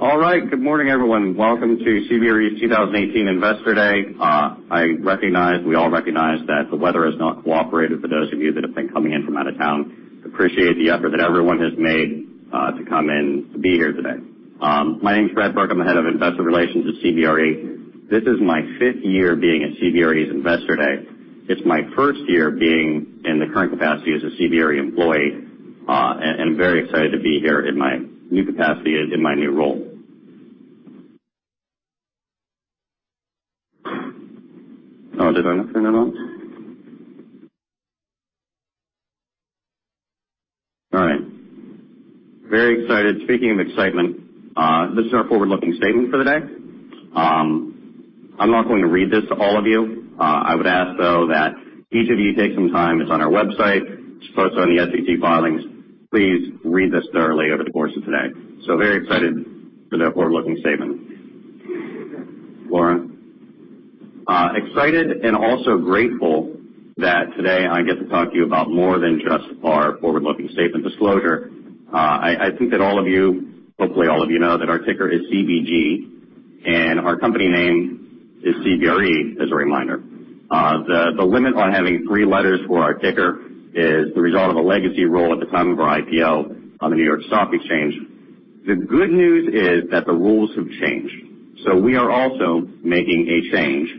All right. Good morning, everyone. Welcome to CBRE's 2018 Investor Day. I recognize, we all recognize that the weather has not cooperated for those of you that have been coming in from out of town. Appreciate the effort that everyone has made to come in to be here today. My name's Brad Burke. I'm the Head of Investor Relations at CBRE. This is my fifth year being at CBRE's Investor Day. It's my first year being in the current capacity as a CBRE employee, and very excited to be here in my new capacity, in my new role. Oh, did I mess that up? All right. Very excited. Speaking of excitement, this is our forward-looking statement for the day. I'm not going to read this to all of you. I would ask, though, that each of you take some time. It's on our website. It's posted on the SEC filings. Please read this thoroughly over the course of today. Very excited for that forward-looking statement. Lauren. Excited and also grateful that today I get to talk to you about more than just our forward-looking statement disclosure. I think that all of you, hopefully all of you know that our ticker is CBG and our company name is CBRE, as a reminder. The limit on having three letters for our ticker is the result of a legacy rule at the time of our IPO on the New York Stock Exchange. The good news is that the rules have changed, so we are also making a change,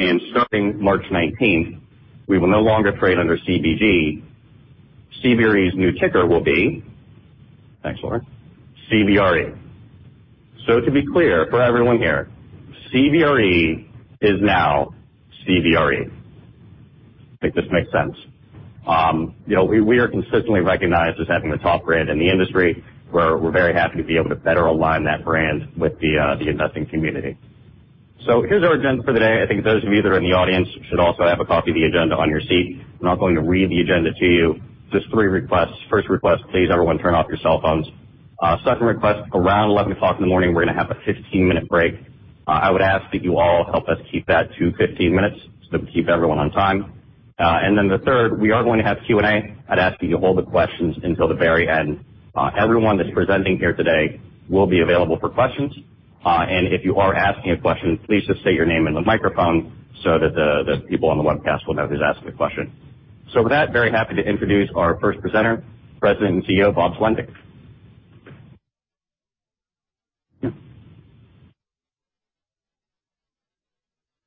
and starting March 19th, we will no longer trade under CBG. CBRE's new ticker will be Thanks, Lauren. CBRE. To be clear, for everyone here, CBRE is now CBRE. I think this makes sense. We are consistently recognized as having the top brand in the industry. We're very happy to be able to better align that brand with the investing community. Here's our agenda for the day. I think those of you that are in the audience should also have a copy of the agenda on your seat. I'm not going to read the agenda to you. Just three requests. First request, please, everyone, turn off your cell phones. Second request, around 11 o'clock in the morning, we're going to have a 15-minute break. I would ask that you all help us keep that to 15 minutes so that we keep everyone on time. The third, we are going to have Q&A. I'd ask that you hold the questions until the very end. Everyone that's presenting here today will be available for questions. If you are asking a question, please just state your name in the microphone so that the people on the webcast will know who's asking the question. With that, very happy to introduce our first presenter, President and CEO, Bob Sulentic.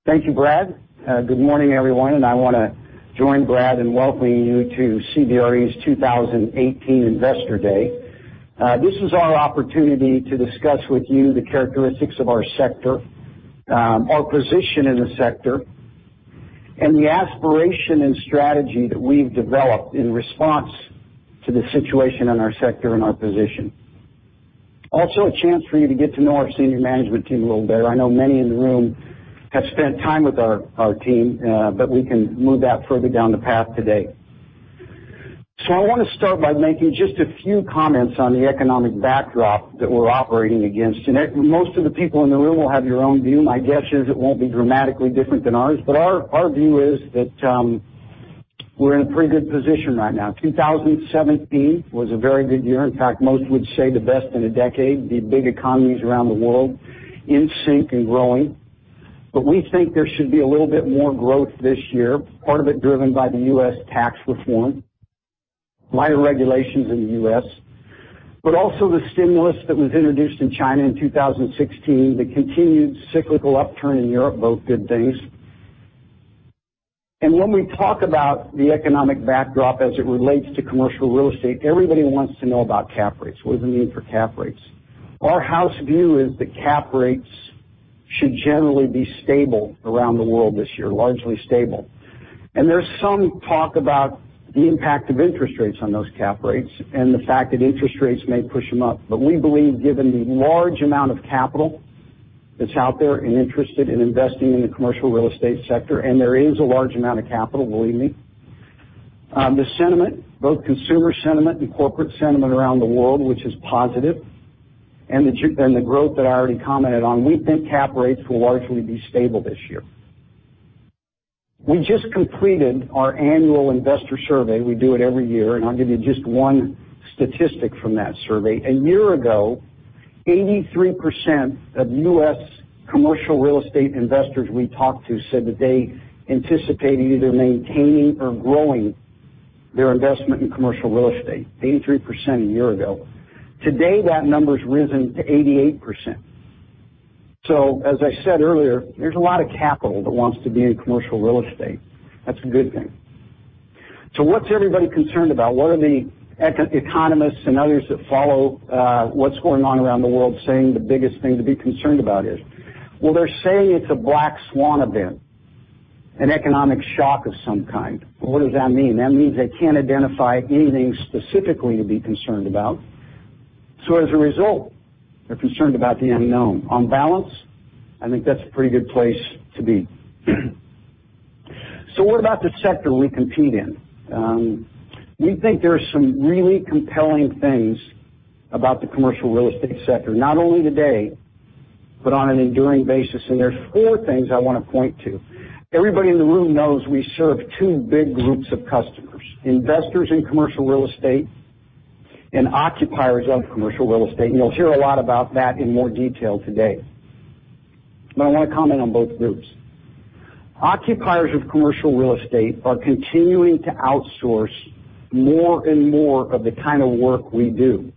Thank you, Brad. Good morning, everyone. I want to join Brad in welcoming you to CBRE's 2018 Investor Day. This is our opportunity to discuss with you the characteristics of our sector, our position in the sector, and the aspiration and strategy that we've developed in response to the situation in our sector and our position. Also, a chance for you to get to know our senior management team a little better. I know many in the room have spent time with our team, but we can move that further down the path today. I want to start by making just a few comments on the economic backdrop that we're operating against. Most of the people in the room will have your own view. My guess is it won't be dramatically different than ours. Our view is that we're in a pretty good position right now. 2017 was a very good year. In fact, most would say the best in a decade. The big economies around the world in sync and growing. We think there should be a little bit more growth this year, part of it driven by the U.S. tax reform, minor regulations in the U.S., but also the stimulus that was introduced in China in 2016, the continued cyclical upturn in Europe, both good things. When we talk about the economic backdrop as it relates to commercial real estate, everybody wants to know about cap rates. What is the need for cap rates? Our house view is that cap rates should generally be stable around the world this year, largely stable. There's some talk about the impact of interest rates on those cap rates and the fact that interest rates may push them up. We believe given the large amount of capital that's out there and interested in investing in the commercial real estate sector, and there is a large amount of capital, believe me. The sentiment, both consumer sentiment and corporate sentiment around the world, which is positive, and the growth that I already commented on, we think cap rates will largely be stable this year. We just completed our annual investor survey. We do it every year, and I'll give you just one statistic from that survey. A year ago, 83% of U.S. commercial real estate investors we talked to said that they anticipated either maintaining or growing their investment in commercial real estate. 83% a year ago. Today, that number's risen to 88%. As I said earlier, there's a lot of capital that wants to be in commercial real estate. That's a good thing. What's everybody concerned about? What are the economists and others that follow what's going on around the world saying the biggest thing to be concerned about is? They're saying it's a black swan event, an economic shock of some kind. What does that mean? That means they can't identify anything specifically to be concerned about. As a result, they're concerned about the unknown. On balance, I think that's a pretty good place to be. What about the sector we compete in? We think there are some really compelling things about the commercial real estate sector, not only today But on an enduring basis, and there's four things I want to point to. Everybody in the room knows we serve two big groups of customers, investors in commercial real estate and occupiers of commercial real estate, and you'll hear a lot about that in more detail today. I want to comment on both groups. Occupiers of commercial real estate are continuing to outsource more and more of the kind of work we do.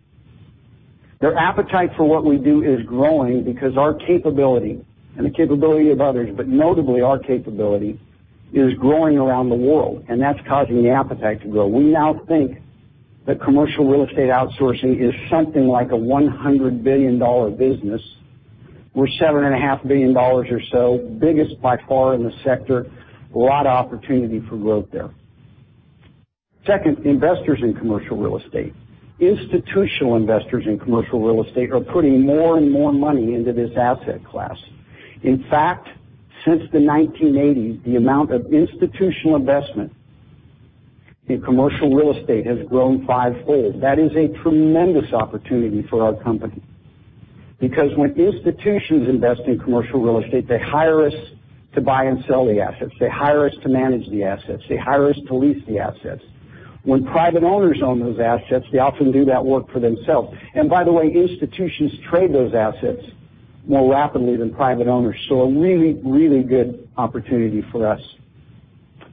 Their appetite for what we do is growing because our capability, and the capability of others, but notably our capability, is growing around the world, and that's causing the appetite to grow. We now think that commercial real estate outsourcing is something like a $100 billion business. We're $7.5 billion or so, biggest by far in the sector. A lot of opportunity for growth there. Second, investors in commercial real estate. Institutional investors in commercial real estate are putting more and more money into this asset class. In fact, since the 1980s, the amount of institutional investment in commercial real estate has grown fivefold. That is a tremendous opportunity for our company, because when institutions invest in commercial real estate, they hire us to buy and sell the assets. They hire us to manage the assets. They hire us to lease the assets. When private owners own those assets, they often do that work for themselves. By the way, institutions trade those assets more rapidly than private owners. A really, really good opportunity for us.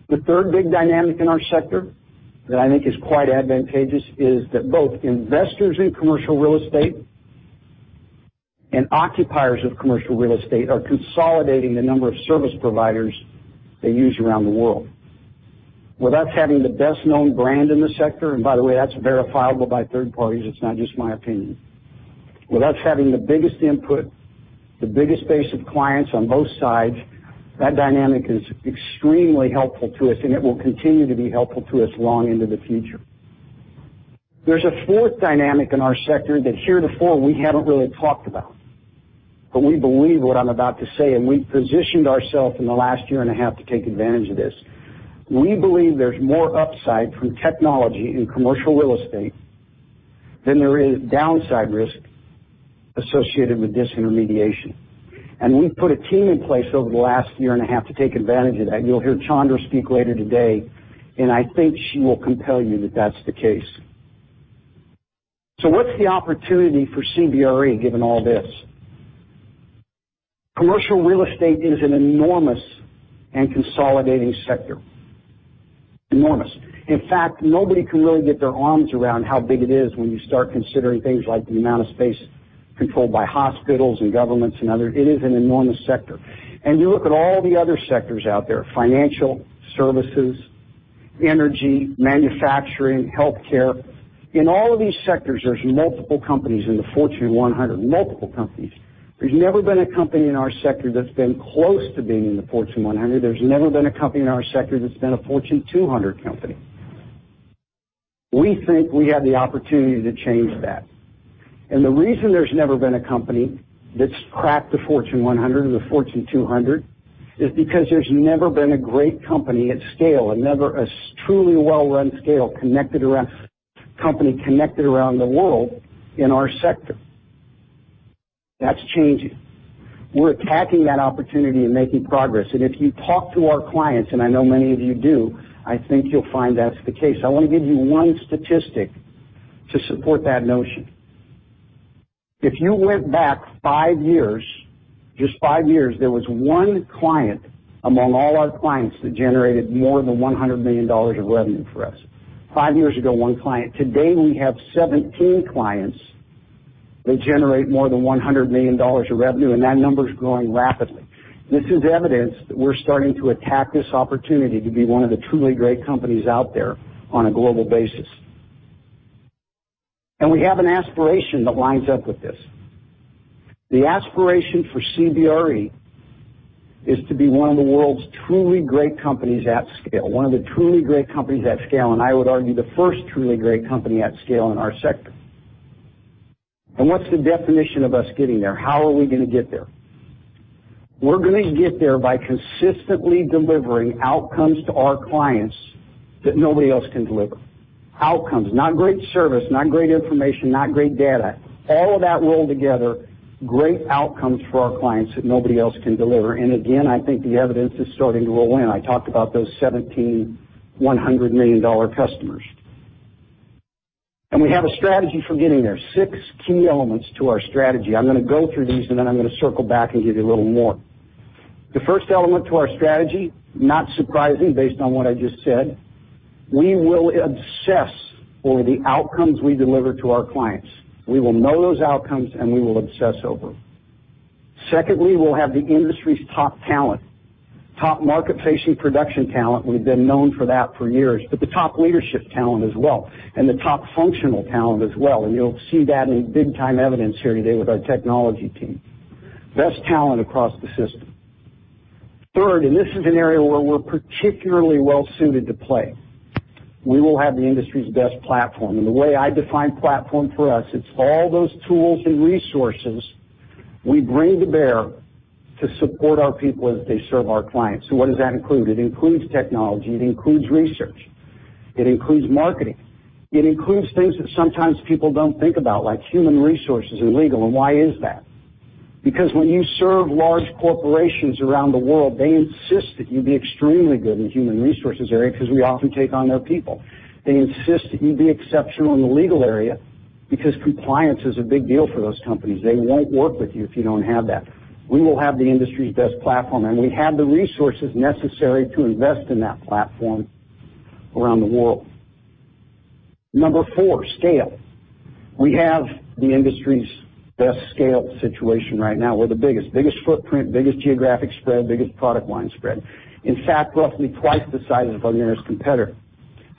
The third big dynamic in our sector that I think is quite advantageous is that both investors in commercial real estate and occupiers of commercial real estate are consolidating the number of service providers they use around the world. With us having the best-known brand in the sector, and by the way, that's verifiable by third parties, it's not just my opinion. With us having the biggest input, the biggest base of clients on both sides, that dynamic is extremely helpful to us, and it will continue to be helpful to us long into the future. There's a fourth dynamic in our sector that heretofore we haven't really talked about, but we believe what I'm about to say, and we've positioned ourself in the last year and a half to take advantage of this. We believe there's more upside from technology in commercial real estate than there is downside risk associated with disintermediation. We've put a team in place over the last year and a half to take advantage of that. You'll hear Chandra speak later today, and I think she will compel you that that's the case. What's the opportunity for CBRE, given all this? Commercial real estate is an enormous and consolidating sector. Enormous. In fact, nobody can really get their arms around how big it is when you start considering things like the amount of space controlled by hospitals and governments and others. It is an enormous sector. You look at all the other sectors out there, financial, services, energy, manufacturing, healthcare. In all of these sectors, there's multiple companies in the Fortune 100, multiple companies. There's never been a company in our sector that's been close to being in the Fortune 100. There's never been a company in our sector that's been a Fortune 200 company. We think we have the opportunity to change that. The reason there's never been a company that's cracked the Fortune 100 or the Fortune 200 is because there's never been a great company at scale, a truly well-run scale, company connected around the world in our sector. That's changing. We're attacking that opportunity and making progress, and if you talk to our clients, and I know many of you do, I think you'll find that's the case. I want to give you one statistic to support that notion. If you went back five years, just five years, there was one client among all our clients that generated more than $100 million of revenue for us. Five years ago, one client. Today, we have 17 clients that generate more than $100 million of revenue, and that number is growing rapidly. This is evidence that we're starting to attack this opportunity to be one of the truly great companies out there on a global basis. We have an aspiration that lines up with this. The aspiration for CBRE is to be one of the world's truly great companies at scale, one of the truly great companies at scale, and I would argue the first truly great company at scale in our sector. What's the definition of us getting there? How are we going to get there? We're going to get there by consistently delivering outcomes to our clients that nobody else can deliver. Outcomes, not great service, not great information, not great data. All of that rolled together, great outcomes for our clients that nobody else can deliver. Again, I think the evidence is starting to roll in. I talked about those 17 $100 million customers. We have a strategy for getting there. Six key elements to our strategy. I'm going to go through these, and then I'm going to circle back and give you a little more. The first element to our strategy, not surprising based on what I just said, we will obsess over the outcomes we deliver to our clients. We will know those outcomes, and we will obsess over them. Secondly, we'll have the industry's top talent, top market-facing production talent. We've been known for that for years, but the top leadership talent as well, and the top functional talent as well, and you'll see that in big-time evidence here today with our technology team. Best talent across the system. Third, and this is an area where we're particularly well-suited to play. We will have the industry's best platform. The way I define platform for us, it's all those tools and resources we bring to bear to support our people as they serve our clients. What does that include? It includes technology. It includes research. It includes marketing. It includes things that sometimes people don't think about, like human resources and legal. Why is that? Because when you serve large corporations around the world, they insist that you be extremely good in the human resources area because we often take on their people. They insist that you be exceptional in the legal area because compliance is a big deal for those companies. They won't work with you if you don't have that. We will have the industry's best platform, and we have the resources necessary to invest in that platform around the world. Number four, scale. We have the industry's best scale situation right now. We're the biggest. Biggest footprint, biggest geographic spread, biggest product line spread. In fact, roughly twice the size of our nearest competitor.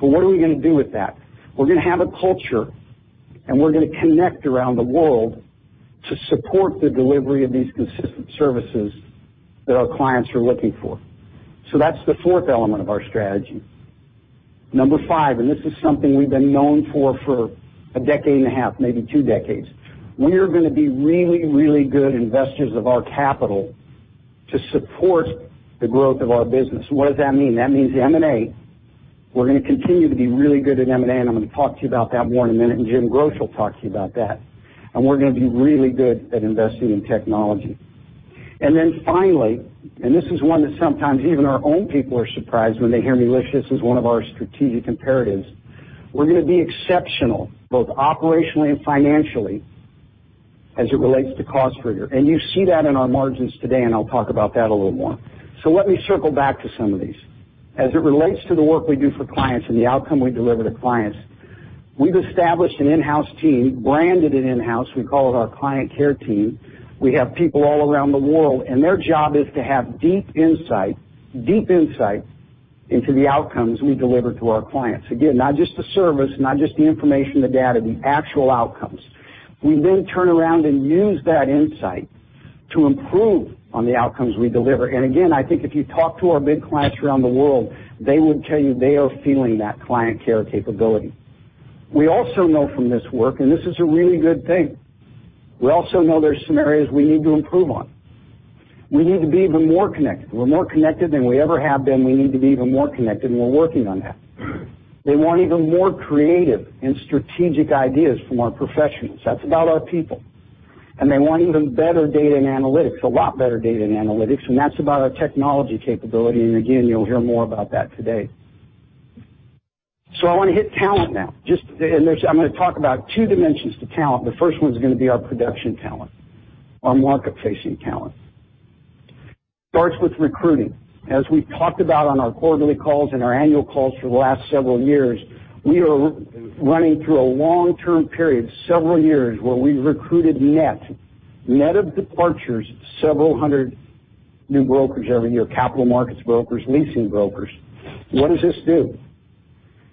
What are we going to do with that? We're going to have a culture, we're going to connect around the world to support the delivery of these consistent services that our clients are looking for. That's the fourth element of our strategy. Number 5, this is something we've been known for for a decade and a half, maybe two decades. We are going to be really, really good investors of our capital to support the growth of our business. What does that mean? That means M&A. We're going to continue to be really good at M&A, I'm going to talk to you about that more in a minute, Jim Groch will talk to you about that. We're going to be really good at investing in technology. Finally, this is one that sometimes even our own people are surprised when they hear me list this as one of our strategic imperatives. We're going to be exceptional, both operationally and financially, as it relates to cost rigor. You see that in our margins today, I'll talk about that a little more. Let me circle back to some of these. As it relates to the work we do for clients and the outcome we deliver to clients, we've established an in-house team, branded it in-house. We call it our client care team. We have people all around the world, and their job is to have deep insight into the outcomes we deliver to our clients. Again, not just the service, not just the information, the data, the actual outcomes. We turn around and use that insight to improve on the outcomes we deliver. Again, I think if you talk to our big clients around the world, they would tell you they are feeling that client care capability. We also know from this work, and this is a really good thing. We also know there's some areas we need to improve on. We need to be even more connected. We're more connected than we ever have been. We need to be even more connected, and we're working on that. They want even more creative and strategic ideas from our professionals. That's about our people. They want even better data and analytics, a lot better data and analytics, and that's about our technology capability. Again, you'll hear more about that today. I want to hit talent now. I'm going to talk about two dimensions to talent. The first one is going to be our production talent, our market-facing talent. Starts with recruiting. As we've talked about on our quarterly calls and our annual calls for the last several years, we are running through a long-term period, several years, where we've recruited net of departures, several hundred new brokers every year, capital markets brokers, leasing brokers. What does this do?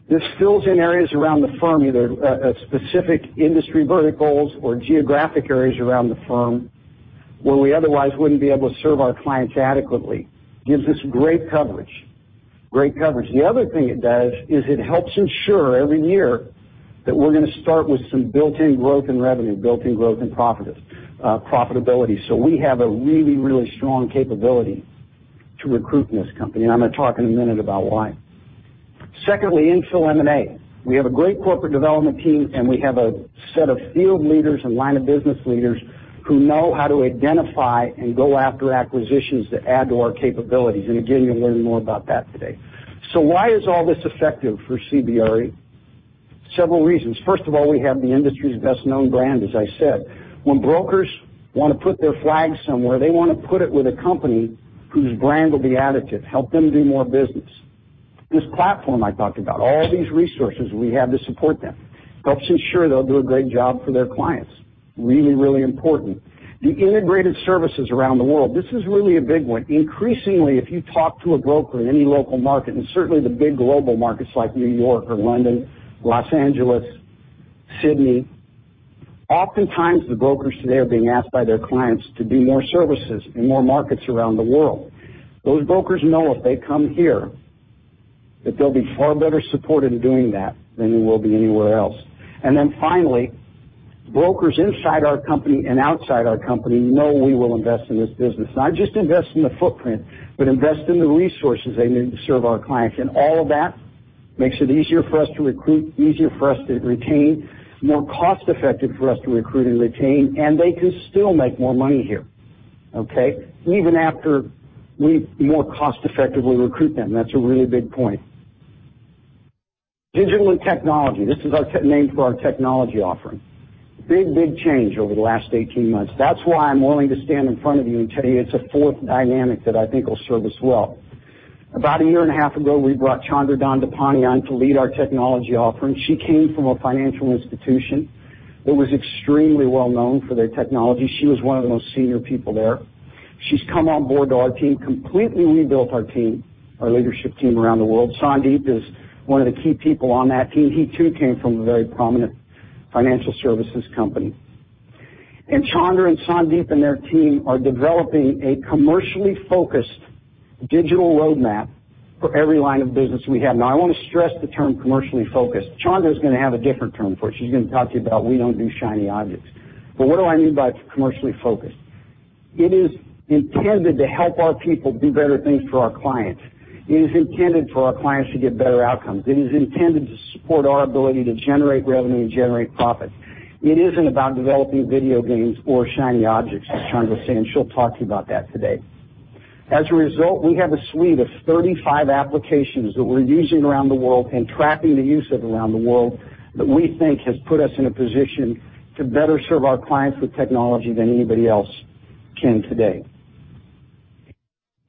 This fills in areas around the firm, either specific industry verticals or geographic areas around the firm, where we otherwise wouldn't be able to serve our clients adequately. Gives us great coverage. The other thing it does is it helps ensure every year that we're going to start with some built-in growth in revenue, built-in growth in profitability. We have a really strong capability to recruit in this company, and I'm going to talk in a minute about why. Secondly, in-fill M&A. We have a great corporate development team, and we have a set of field leaders and line of business leaders who know how to identify and go after acquisitions that add to our capabilities. Again, you'll learn more about that today. Why is all this effective for CBRE? Several reasons. First of all, we have the industry's best-known brand, as I said. When brokers want to put their flag somewhere, they want to put it with a company whose brand will be additive, help them do more business. This platform I talked about, all these resources we have to support them, helps ensure they'll do a great job for their clients. Really important. The integrated services around the world, this is really a big one. Increasingly, if you talk to a broker in any local market, and certainly the big global markets like New York or London, Los Angeles, Sydney. Oftentimes, the brokers today are being asked by their clients to do more services in more markets around the world. Those brokers know if they come here, that they'll be far better supported in doing that than they will be anywhere else. Finally, brokers inside our company and outside our company know we will invest in this business. Not just invest in the footprint, but invest in the resources they need to serve our clients. All of that makes it easier for us to recruit, easier for us to retain, more cost-effective for us to recruit and retain, and they can still make more money here. Even after we more cost-effectively recruit them. That's a really big point. Digital and technology. This is our name for our technology offering. Big change over the last 18 months. That's why I'm willing to stand in front of you and tell you it's a fourth dynamic that I think will serve us well. About a year and a half ago, we brought Chandra Dhandapani on to lead our technology offering. She came from a financial institution that was extremely well-known for their technology. She was one of the most senior people there. She's come on board to our team, completely rebuilt our team, our leadership team around the world. Sandeep is one of the key people on that team. He too came from a very prominent financial services company. Chandra and Sandeep and their team are developing a commercially focused digital roadmap for every line of business we have. Now, I want to stress the term commercially focused. Chandra is going to have a different term for it. She's going to talk to you about we don't do shiny objects. What do I mean by commercially focused? It is intended to help our people do better things for our clients. It is intended for our clients to get better outcomes. It is intended to support our ability to generate revenue and generate profits. It isn't about developing video games or shiny objects, as Chandra will say, and she'll talk to you about that today. As a result, we have a suite of 35 applications that we're using around the world and tracking the use of around the world that we think has put us in a position to better serve our clients with technology than anybody else can today.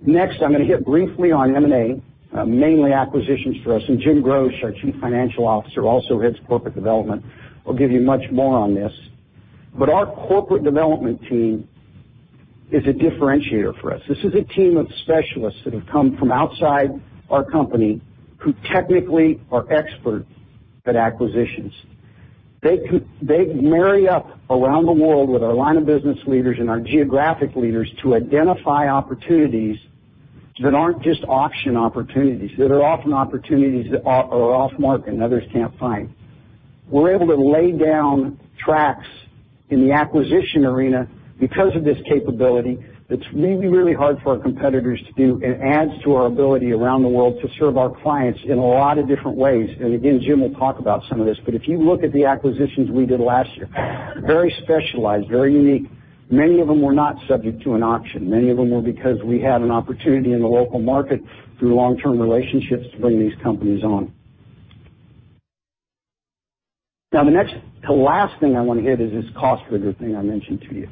Next, I'm going to hit briefly on M&A, mainly acquisitions for us. Jim Groch, our Chief Financial Officer, also heads Corporate Development, will give you much more on this. Our Corporate Development team is a differentiator for us. This is a team of specialists that have come from outside our company who technically are expert at acquisitions. They marry up around the world with our line of business leaders and our geographic leaders to identify opportunities that aren't just auction opportunities, that are often opportunities that are off-market and others can't find. We're able to lay down tracks in the acquisition arena because of this capability that's really hard for our competitors to do and adds to our ability around the world to serve our clients in a lot of different ways. Again, Jim will talk about some of this, but if you look at the acquisitions we did last year, very specialized, very unique. Many of them were not subject to an auction. Many of them were because we had an opportunity in the local market through long-term relationships to bring these companies on. The next to last thing I want to hit is this cost rigor thing I mentioned to you.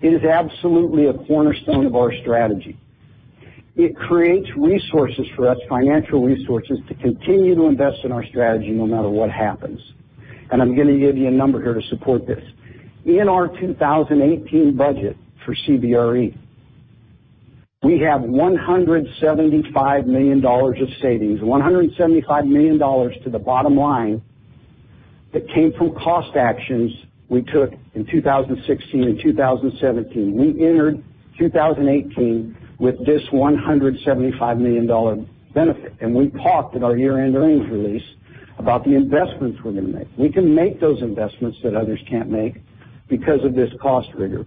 It is absolutely a cornerstone of our strategy. It creates resources for us, financial resources, to continue to invest in our strategy no matter what happens. I'm going to give you a number here to support this. In our 2018 budget for CBRE, we have $175 million of savings, $175 million to the bottom line that came from cost actions we took in 2016 and 2017. We entered 2018 with this $175 million benefit, we talked at our year-end earnings release about the investments we're going to make. We can make those investments that others can't make because of this cost rigor.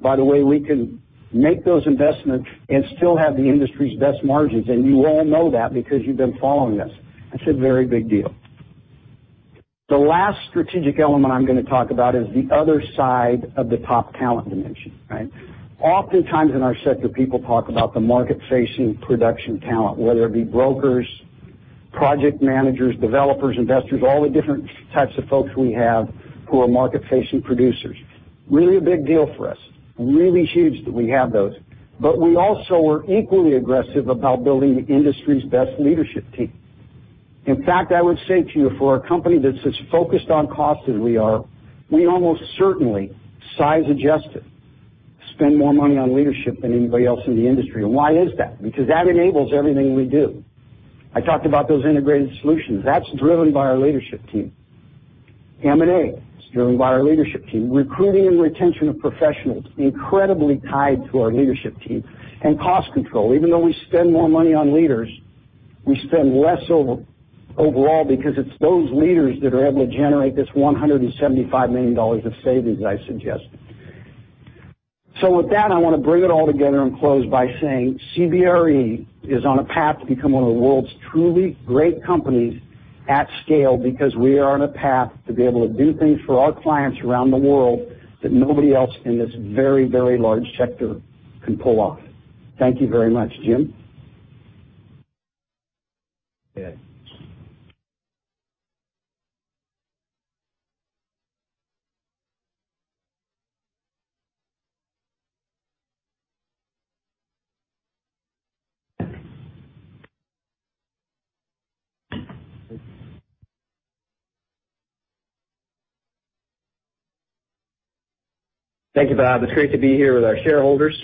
By the way, we can make those investments and still have the industry's best margins, and you all know that because you've been following us. That's a very big deal. The last strategic element I'm going to talk about is the other side of the top talent dimension. Oftentimes in our sector, people talk about the market-facing production talent, whether it be brokers, project managers, developers, investors, all the different types of folks we have who are market-facing producers. Really a big deal for us. Really huge that we have those. We also are equally aggressive about building the industry's best leadership team. In fact, I would say to you, for a company that's as focused on cost as we are, we almost certainly, size adjusted, spend more money on leadership than anybody else in the industry. Why is that? Because that enables everything we do. I talked about those integrated solutions. That's driven by our leadership team. M&A is driven by our leadership team. Recruiting and retention of professionals, incredibly tied to our leadership team. Cost control. Even though we spend more money on leaders, we spend less overall because it's those leaders that are able to generate this $175 million of savings I suggested. With that, I want to bring it all together and close by saying CBRE is on a path to become one of the world's truly great companies at scale because we are on a path to be able to do things for our clients around the world that nobody else in this very large sector can pull off. Thank you very much. Jim? Thank you, Bob. It's great to be here with our shareholders.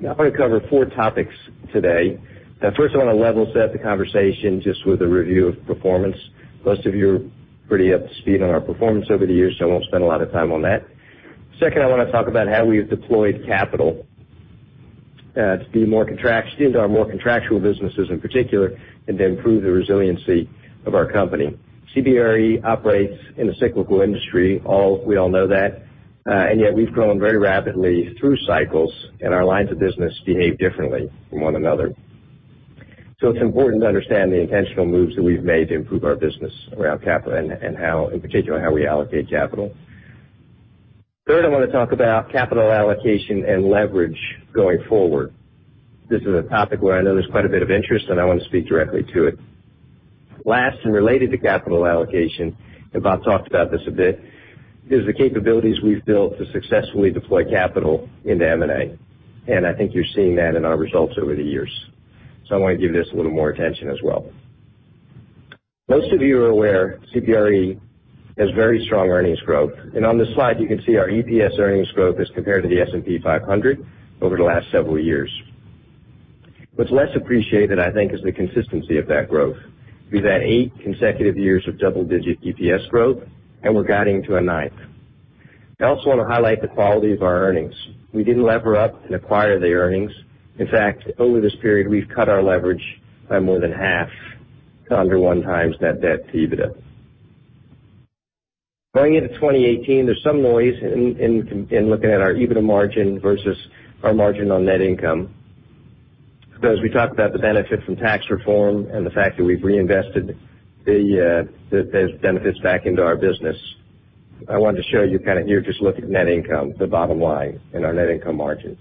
I'm going to cover four topics today. First, I want to level set the conversation just with a review of performance. Most of you are pretty up to speed on our performance over the years, I won't spend a lot of time on that. Second, I want to talk about how we have deployed capital into our more contractual businesses in particular, and to improve the resiliency of our company. CBRE operates in a cyclical industry. We all know that. Yet we've grown very rapidly through cycles, and our lines of business behave differently from one another. It's important to understand the intentional moves that we've made to improve our business around capital and in particular, how we allocate capital. Third, I want to talk about capital allocation and leverage going forward. This is a topic where I know there's quite a bit of interest, and I want to speak directly to it. Last, related to capital allocation, and Bob talked about this a bit, is the capabilities we've built to successfully deploy capital into M&A, and I think you're seeing that in our results over the years. I want to give this a little more attention as well. Most of you are aware CBRE has very strong earnings growth, and on this slide you can see our EPS earnings growth as compared to the S&P 500 over the last several years. What's less appreciated, I think, is the consistency of that growth. We've had eight consecutive years of double-digit EPS growth, and we're guiding to a ninth. I also want to highlight the quality of our earnings. We didn't lever up and acquire the earnings. In fact, over this period, we've cut our leverage by more than half to under one times net debt to EBITDA. Going into 2018, there's some noise in looking at our EBITDA margin versus our margin on net income, because we talked about the benefit from tax reform and the fact that we've reinvested those benefits back into our business. I wanted to show you kind of here, just look at net income, the bottom line in our net income margin.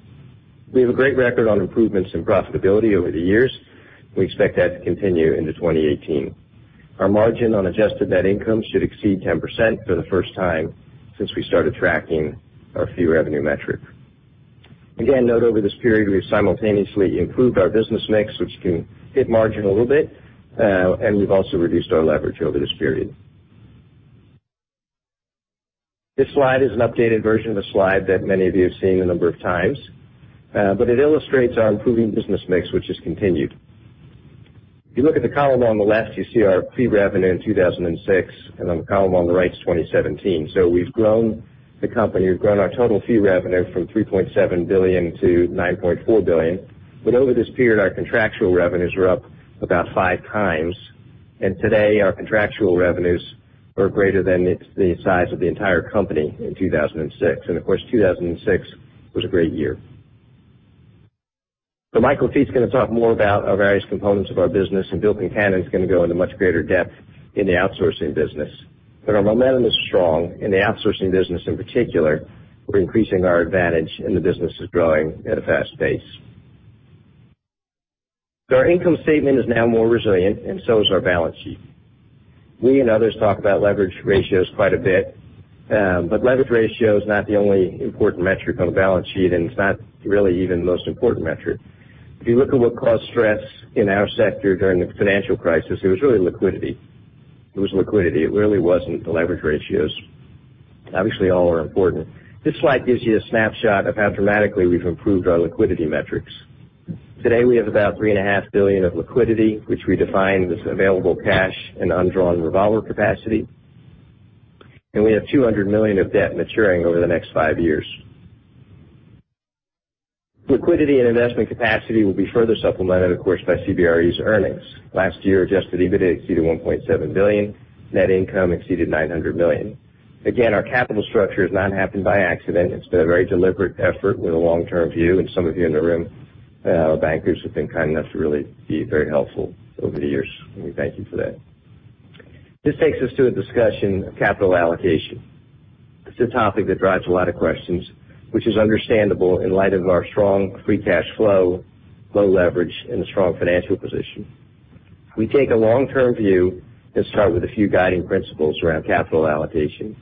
We have a great record on improvements in profitability over the years. We expect that to continue into 2018. Our margin on adjusted net income should exceed 10% for the first time since we started tracking our fee revenue metric. Again, note over this period, we've simultaneously improved our business mix, which can hit margin a little bit, and we've also reduced our leverage over this period. This slide is an updated version of a slide that many of you have seen a number of times, but it illustrates our improving business mix, which has continued. If you look at the column on the left, you see our fee revenue in 2006, and on the column on the right is 2017. We've grown the company. We've grown our total fee revenue from $3.7 billion to $9.4 billion. Over this period, our contractual revenues are up about five times. Today, our contractual revenues are greater than the size of the entire company in 2006. Of course, 2006 was a great year. Mike Lafitte's going to talk more about our various components of our business, and Bill Concannon's going to go into much greater depth in the outsourcing business. Our momentum is strong in the outsourcing business in particular. We're increasing our advantage, and the business is growing at a fast pace. Our income statement is now more resilient, and so is our balance sheet. We and others talk about leverage ratios quite a bit. Leverage ratio is not the only important metric on a balance sheet, and it's not really even the most important metric. If you look at what caused stress in our sector during the financial crisis, it was really liquidity. It was liquidity. It really wasn't the leverage ratios. Obviously, all are important. This slide gives you a snapshot of how dramatically we've improved our liquidity metrics. Today, we have about $3.5 billion of liquidity, which we define as available cash and undrawn revolver capacity. We have $200 million of debt maturing over the next five years. Liquidity and investment capacity will be further supplemented, of course, by CBRE's earnings. Last year, adjusted EBITDA exceeded $1.7 billion. Net income exceeded $900 million. Again, our capital structure has not happened by accident. It's been a very deliberate effort with a long-term view. Some of you in the room, bankers who've been kind enough to really be very helpful over the years. We thank you for that. This takes us to a discussion of capital allocation. It's a topic that drives a lot of questions, which is understandable in light of our strong free cash flow, low leverage, and a strong financial position. We take a long-term view and start with a few guiding principles around capital allocation.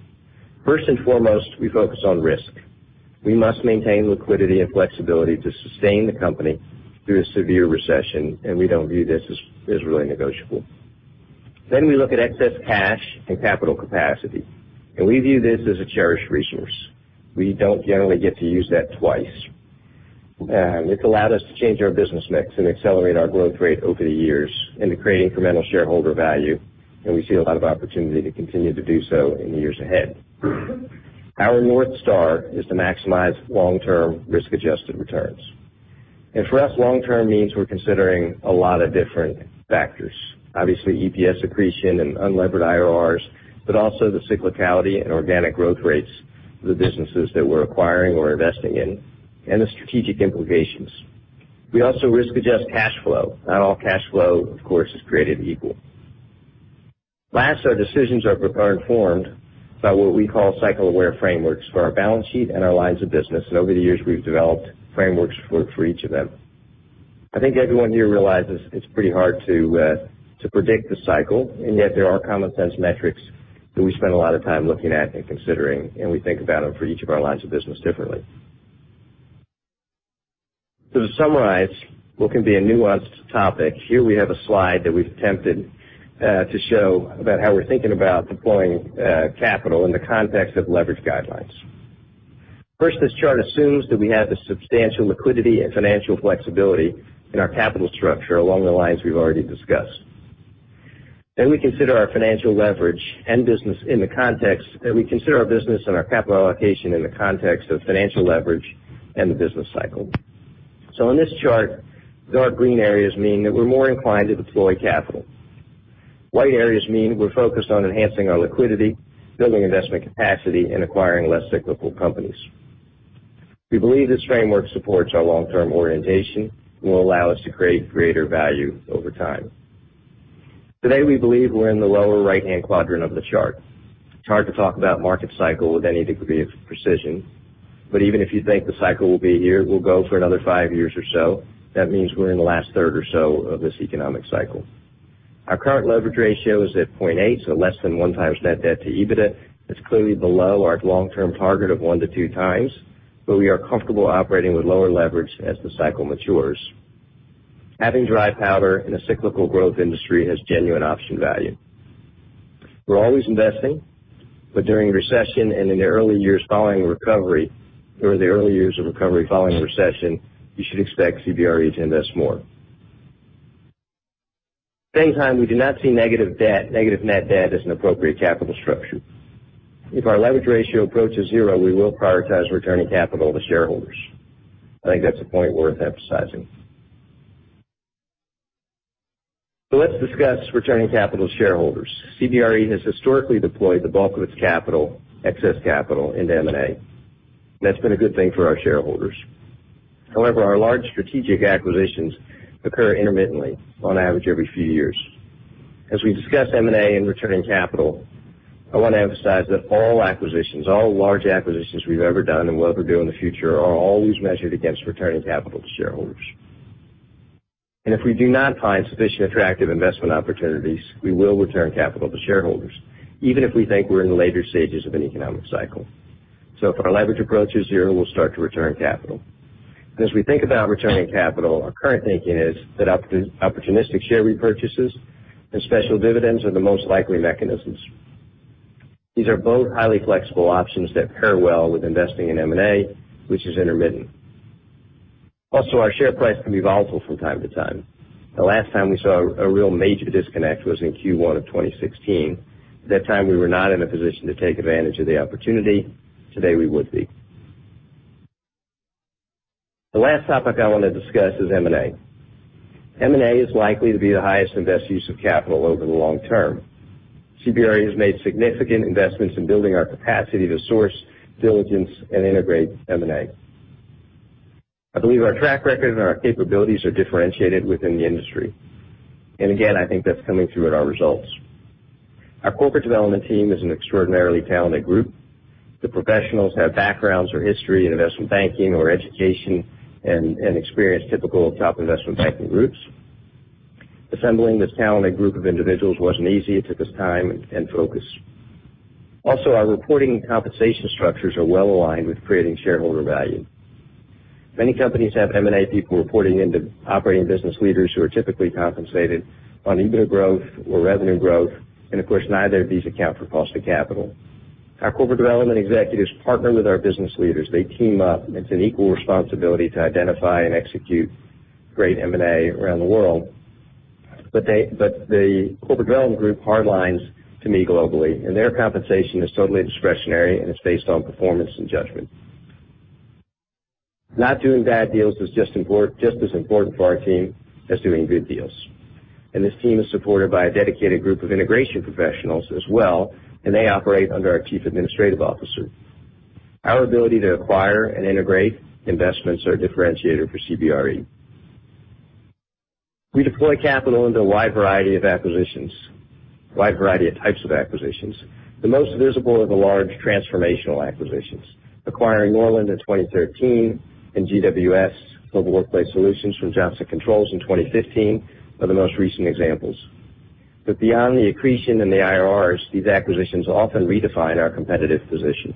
First and foremost, we focus on risk. We must maintain liquidity and flexibility to sustain the company through a severe recession, and we don't view this as really negotiable. We look at excess cash and capital capacity, and we view this as a cherished resource. We don't generally get to use that twice. It's allowed us to change our business mix and accelerate our growth rate over the years and to create incremental shareholder value, and we see a lot of opportunity to continue to do so in the years ahead. Our North Star is to maximize long-term risk-adjusted returns. For us, long term means we're considering a lot of different factors. Obviously, EPS accretion and unlevered IRRs, but also the cyclicality and organic growth rates of the businesses that we're acquiring or investing in, and the strategic implications. We also risk-adjust cash flow. Not all cash flow, of course, is created equal. Our decisions are informed by what we call cycle-aware frameworks for our balance sheet and our lines of business. Over the years, we've developed frameworks for each of them. I think everyone here realizes it's pretty hard to predict the cycle, yet there are common sense metrics that we spend a lot of time looking at and considering. We think about them for each of our lines of business differently. To summarize what can be a nuanced topic, here we have a slide that we've attempted to show about how we're thinking about deploying capital in the context of leverage guidelines. First, this chart assumes that we have the substantial liquidity and financial flexibility in our capital structure along the lines we've already discussed. We consider our business and our capital allocation in the context of financial leverage and the business cycle. In this chart, dark green areas mean that we're more inclined to deploy capital. White areas mean we're focused on enhancing our liquidity, building investment capacity, and acquiring less cyclical companies. We believe this framework supports our long-term orientation and will allow us to create greater value over time. Today, we believe we're in the lower right-hand quadrant of the chart. It's hard to talk about market cycle with any degree of precision, but even if you think the cycle will be 1 year, we'll go for another 5 years or so. That means we're in the last third or so of this economic cycle. Our current leverage ratio is at 0.8, less than 1 times net debt to EBITDA. That's clearly below our long-term target of 1 to 2 times, but we are comfortable operating with lower leverage as the cycle matures. Having dry powder in a cyclical growth industry has genuine option value. We're always investing, but during a recession and in the early years following a recovery or the early years of recovery following a recession, you should expect CBRE to invest more. At the same time, we do not see negative net debt as an appropriate capital structure. If our leverage ratio approaches zero, we will prioritize returning capital to shareholders. I think that's a point worth emphasizing. Let's discuss returning capital to shareholders. CBRE has historically deployed the bulk of its capital, excess capital, into M&A. That's been a good thing for our shareholders. Our large strategic acquisitions occur intermittently, on average every few years. As we discuss M&A and returning capital, I want to emphasize that all acquisitions, all large acquisitions we've ever done and will ever do in the future, are always measured against returning capital to shareholders. If we do not find sufficiently attractive investment opportunities, we will return capital to shareholders, even if we think we're in the later stages of an economic cycle. If our leverage approaches zero, we'll start to return capital. As we think about returning capital, our current thinking is that opportunistic share repurchases and special dividends are the most likely mechanisms. These are both highly flexible options that pair well with investing in M&A, which is intermittent. Our share price can be volatile from time to time. The last time we saw a real major disconnect was in Q1 of 2016. At that time, we were not in a position to take advantage of the opportunity. Today, we would be. The last topic I want to discuss is M&A. M&A is likely to be the highest and best use of capital over the long term. CBRE has made significant investments in building our capacity to source diligence and integrate M&A. I believe our track record and our capabilities are differentiated within the industry. Again, I think that's coming through in our results. Our corporate development team is an extraordinarily talented group. The professionals have backgrounds or history in investment banking or education and experience typical of top investment banking groups. Assembling this talented group of individuals wasn't easy. It took us time and focus. Also, our reporting and compensation structures are well-aligned with creating shareholder value. Many companies have M&A people reporting into operating business leaders who are typically compensated on EBITDA growth or revenue growth. Of course, neither of these account for cost of capital. Our corporate development executives partner with our business leaders. They team up. It's an equal responsibility to identify and execute great M&A around the world. The corporate development group hard lines to me globally, and their compensation is totally discretionary, and it's based on performance and judgment. Not doing bad deals is just as important for our team as doing good deals. This team is supported by a dedicated group of integration professionals as well, and they operate under our Chief Administrative Officer. Our ability to acquire and integrate investments are a differentiator for CBRE. We deploy capital into a wide variety of acquisitions, a wide variety of types of acquisitions. The most visible are the large transformational acquisitions. Acquiring Norland in 2013 and GWS, Global Workplace Solutions, from Johnson Controls in 2015 are the most recent examples. Beyond the accretion and the IRRs, these acquisitions often redefine our competitive position.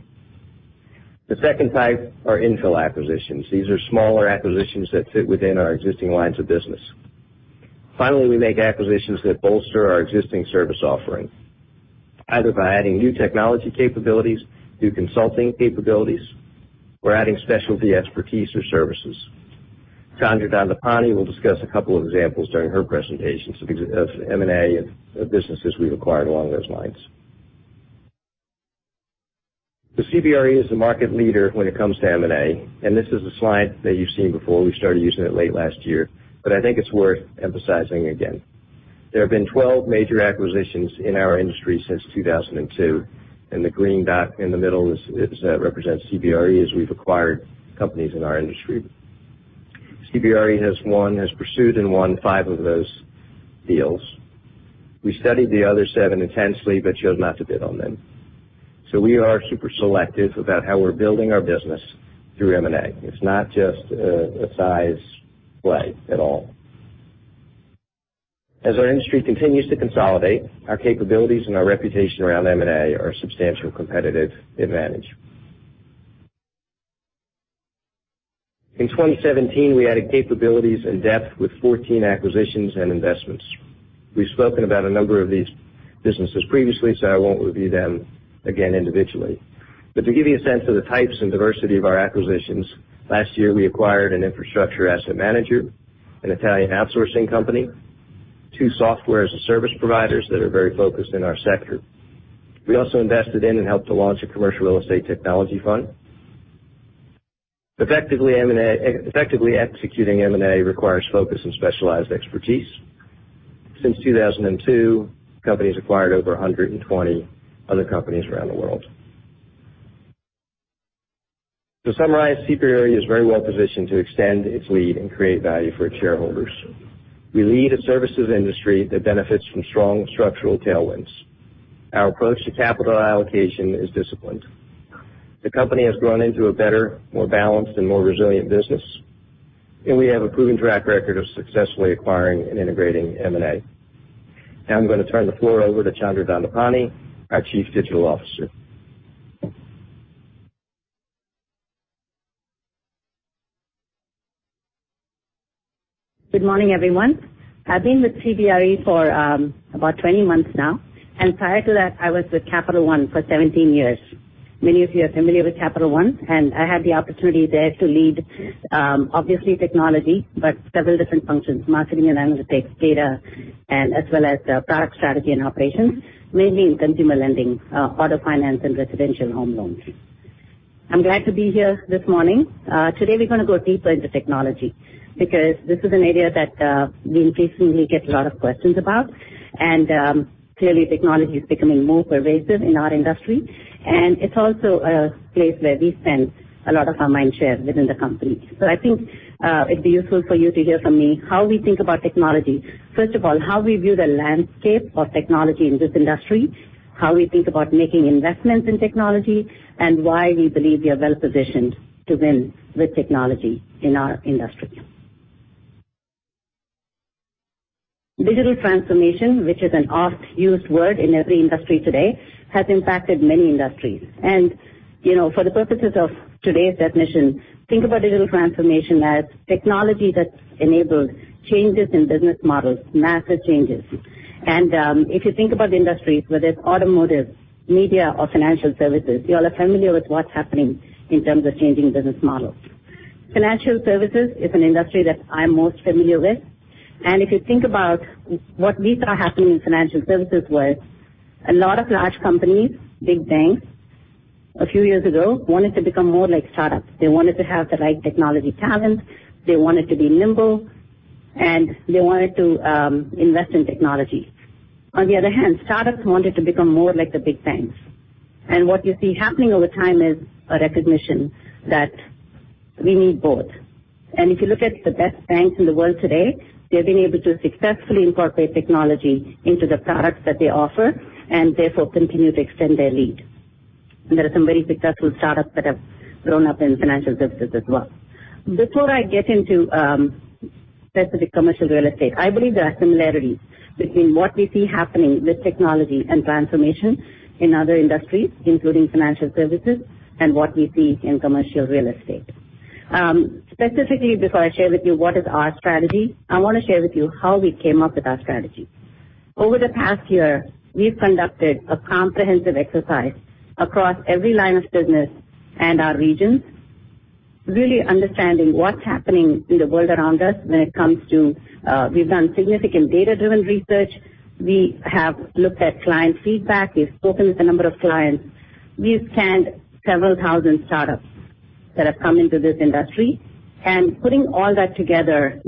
The second type are infill acquisitions. These are smaller acquisitions that fit within our existing lines of business. Finally, we make acquisitions that bolster our existing service offering, either by adding new technology capabilities, new consulting capabilities, or adding specialty expertise or services. Chandra Dhandapani will discuss a couple of examples during her presentation of M&A of businesses we've acquired along those lines. CBRE is the market leader when it comes to M&A, and this is a slide that you've seen before. We started using it late last year, but I think it's worth emphasizing again. There have been 12 major acquisitions in our industry since 2002, the green dot in the middle represents CBRE as we've acquired companies in our industry. CBRE has won, has pursued and won five of those deals. We studied the other seven intensely but chose not to bid on them. We are super selective about how we're building our business through M&A. It's not just a size play at all. As our industry continues to consolidate, our capabilities and our reputation around M&A are a substantial competitive advantage. In 2017, we added capabilities and depth with 14 acquisitions and investments. I won't review them again individually. To give you a sense of the types and diversity of our acquisitions, last year we acquired an infrastructure asset manager, an Italian outsourcing company, two SaaS providers that are very focused in our sector. We also invested in and helped to launch a commercial real estate technology fund. Effectively executing M&A requires focus and specialized expertise. Since 2002, the company's acquired over 120 other companies around the world. To summarize, CBRE is very well positioned to extend its lead and create value for its shareholders. We lead a services industry that benefits from strong structural tailwinds. Our approach to capital allocation is disciplined. The company has grown into a better, more balanced, and more resilient business, and we have a proven track record of successfully acquiring and integrating M&A. I'm going to turn the floor over to Chandra Dhandapani, our Chief Digital Officer. Good morning, everyone. I've been with CBRE for about 20 months now, and prior to that, I was with Capital One for 17 years. Many of you are familiar with Capital One, and I had the opportunity there to lead, obviously technology, but several different functions, marketing and analytics, data, and as well as product strategy and operations, mainly in consumer lending, auto finance, and residential home loans. I'm glad to be here this morning. Today we're going to go deeper into technology because this is an area that we increasingly get a lot of questions about, and clearly technology is becoming more pervasive in our industry, and it's also a place where we spend a lot of our mind share within the company. I think it'd be useful for you to hear from me how we think about technology. First of all, how we view the landscape of technology in this industry, how we think about making investments in technology, and why we believe we are well positioned to win with technology in our industry. Digital transformation, which is an oft-used word in every industry today, has impacted many industries. For the purposes of today's definition, think about digital transformation as technology that enables changes in business models, massive changes. If you think about the industries, whether it's automotive, media, or financial services, you all are familiar with what's happening in terms of changing business models. Financial services is an industry that I'm most familiar with. If you think about what we saw happening in financial services was a lot of large companies, big banks, a few years ago, wanted to become more like startups. They wanted to have the right technology talent, they wanted to be nimble, and they wanted to invest in technology. On the other hand, startups wanted to become more like the big banks. What you see happening over time is a recognition that we need both. If you look at the best banks in the world today, they've been able to successfully incorporate technology into the products that they offer, and therefore continue to extend their lead. There are some very successful startups that have grown up in financial services as well. Before I get into specific commercial real estate, I believe there are similarities between what we see happening with technology and transformation in other industries, including financial services, and what we see in commercial real estate. Specifically, before I share with you what is our strategy, I want to share with you how we came up with our strategy. Over the past year, we've conducted a comprehensive exercise across every line of business and our regions, really understanding what's happening in the world around us when it comes to. We've done significant data-driven research. We have looked at client feedback. We've spoken with a number of clients. We've scanned several thousand startups that have come into this industry. Putting all that together,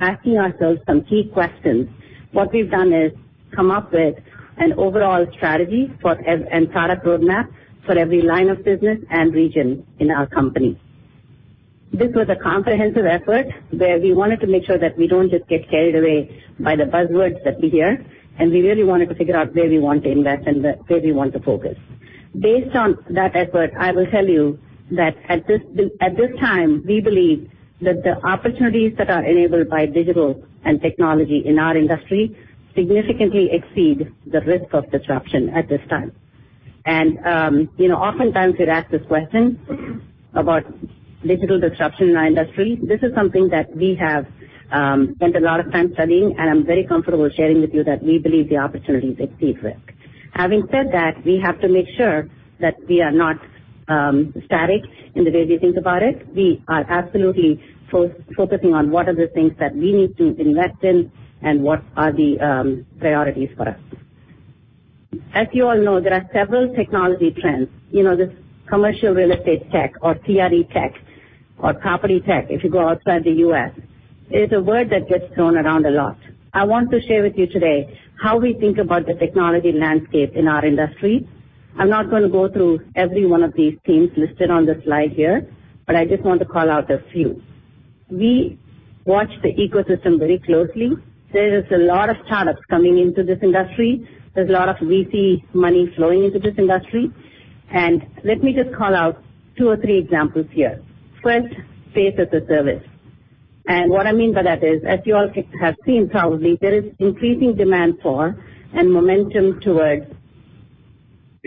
asking ourselves some key questions. What we've done is come up with an overall strategy and product roadmap for every line of business and region in our company. This was a comprehensive effort where we wanted to make sure that we don't just get carried away by the buzzwords that we hear, and we really wanted to figure out where we want to invest and where we want to focus. Based on that effort, I will tell you that at this time, we believe that the opportunities that are enabled by digital and technology in our industry significantly exceed the risk of disruption at this time. Oftentimes we're asked this question about digital disruption in our industry. This is something that we have spent a lot of time studying, and I'm very comfortable sharing with you that we believe the opportunities exceed risk. Having said that, we have to make sure that we are not static in the way we think about it. We are absolutely focusing on what are the things that we need to invest in and what are the priorities for us. As you all know, there are several technology trends. This commercial real estate tech or CRE tech or property tech, if you go outside the U.S., is a word that gets thrown around a lot. I want to share with you today how we think about the technology landscape in our industry. I'm not going to go through every one of these themes listed on the slide here, but I just want to call out a few. We watch the ecosystem very closely. There is a lot of startups coming into this industry. There's a lot of VC money flowing into this industry. Let me just call out two or three examples here. First, space as a service. What I mean by that is, as you all have seen probably, there is increasing demand for and momentum towards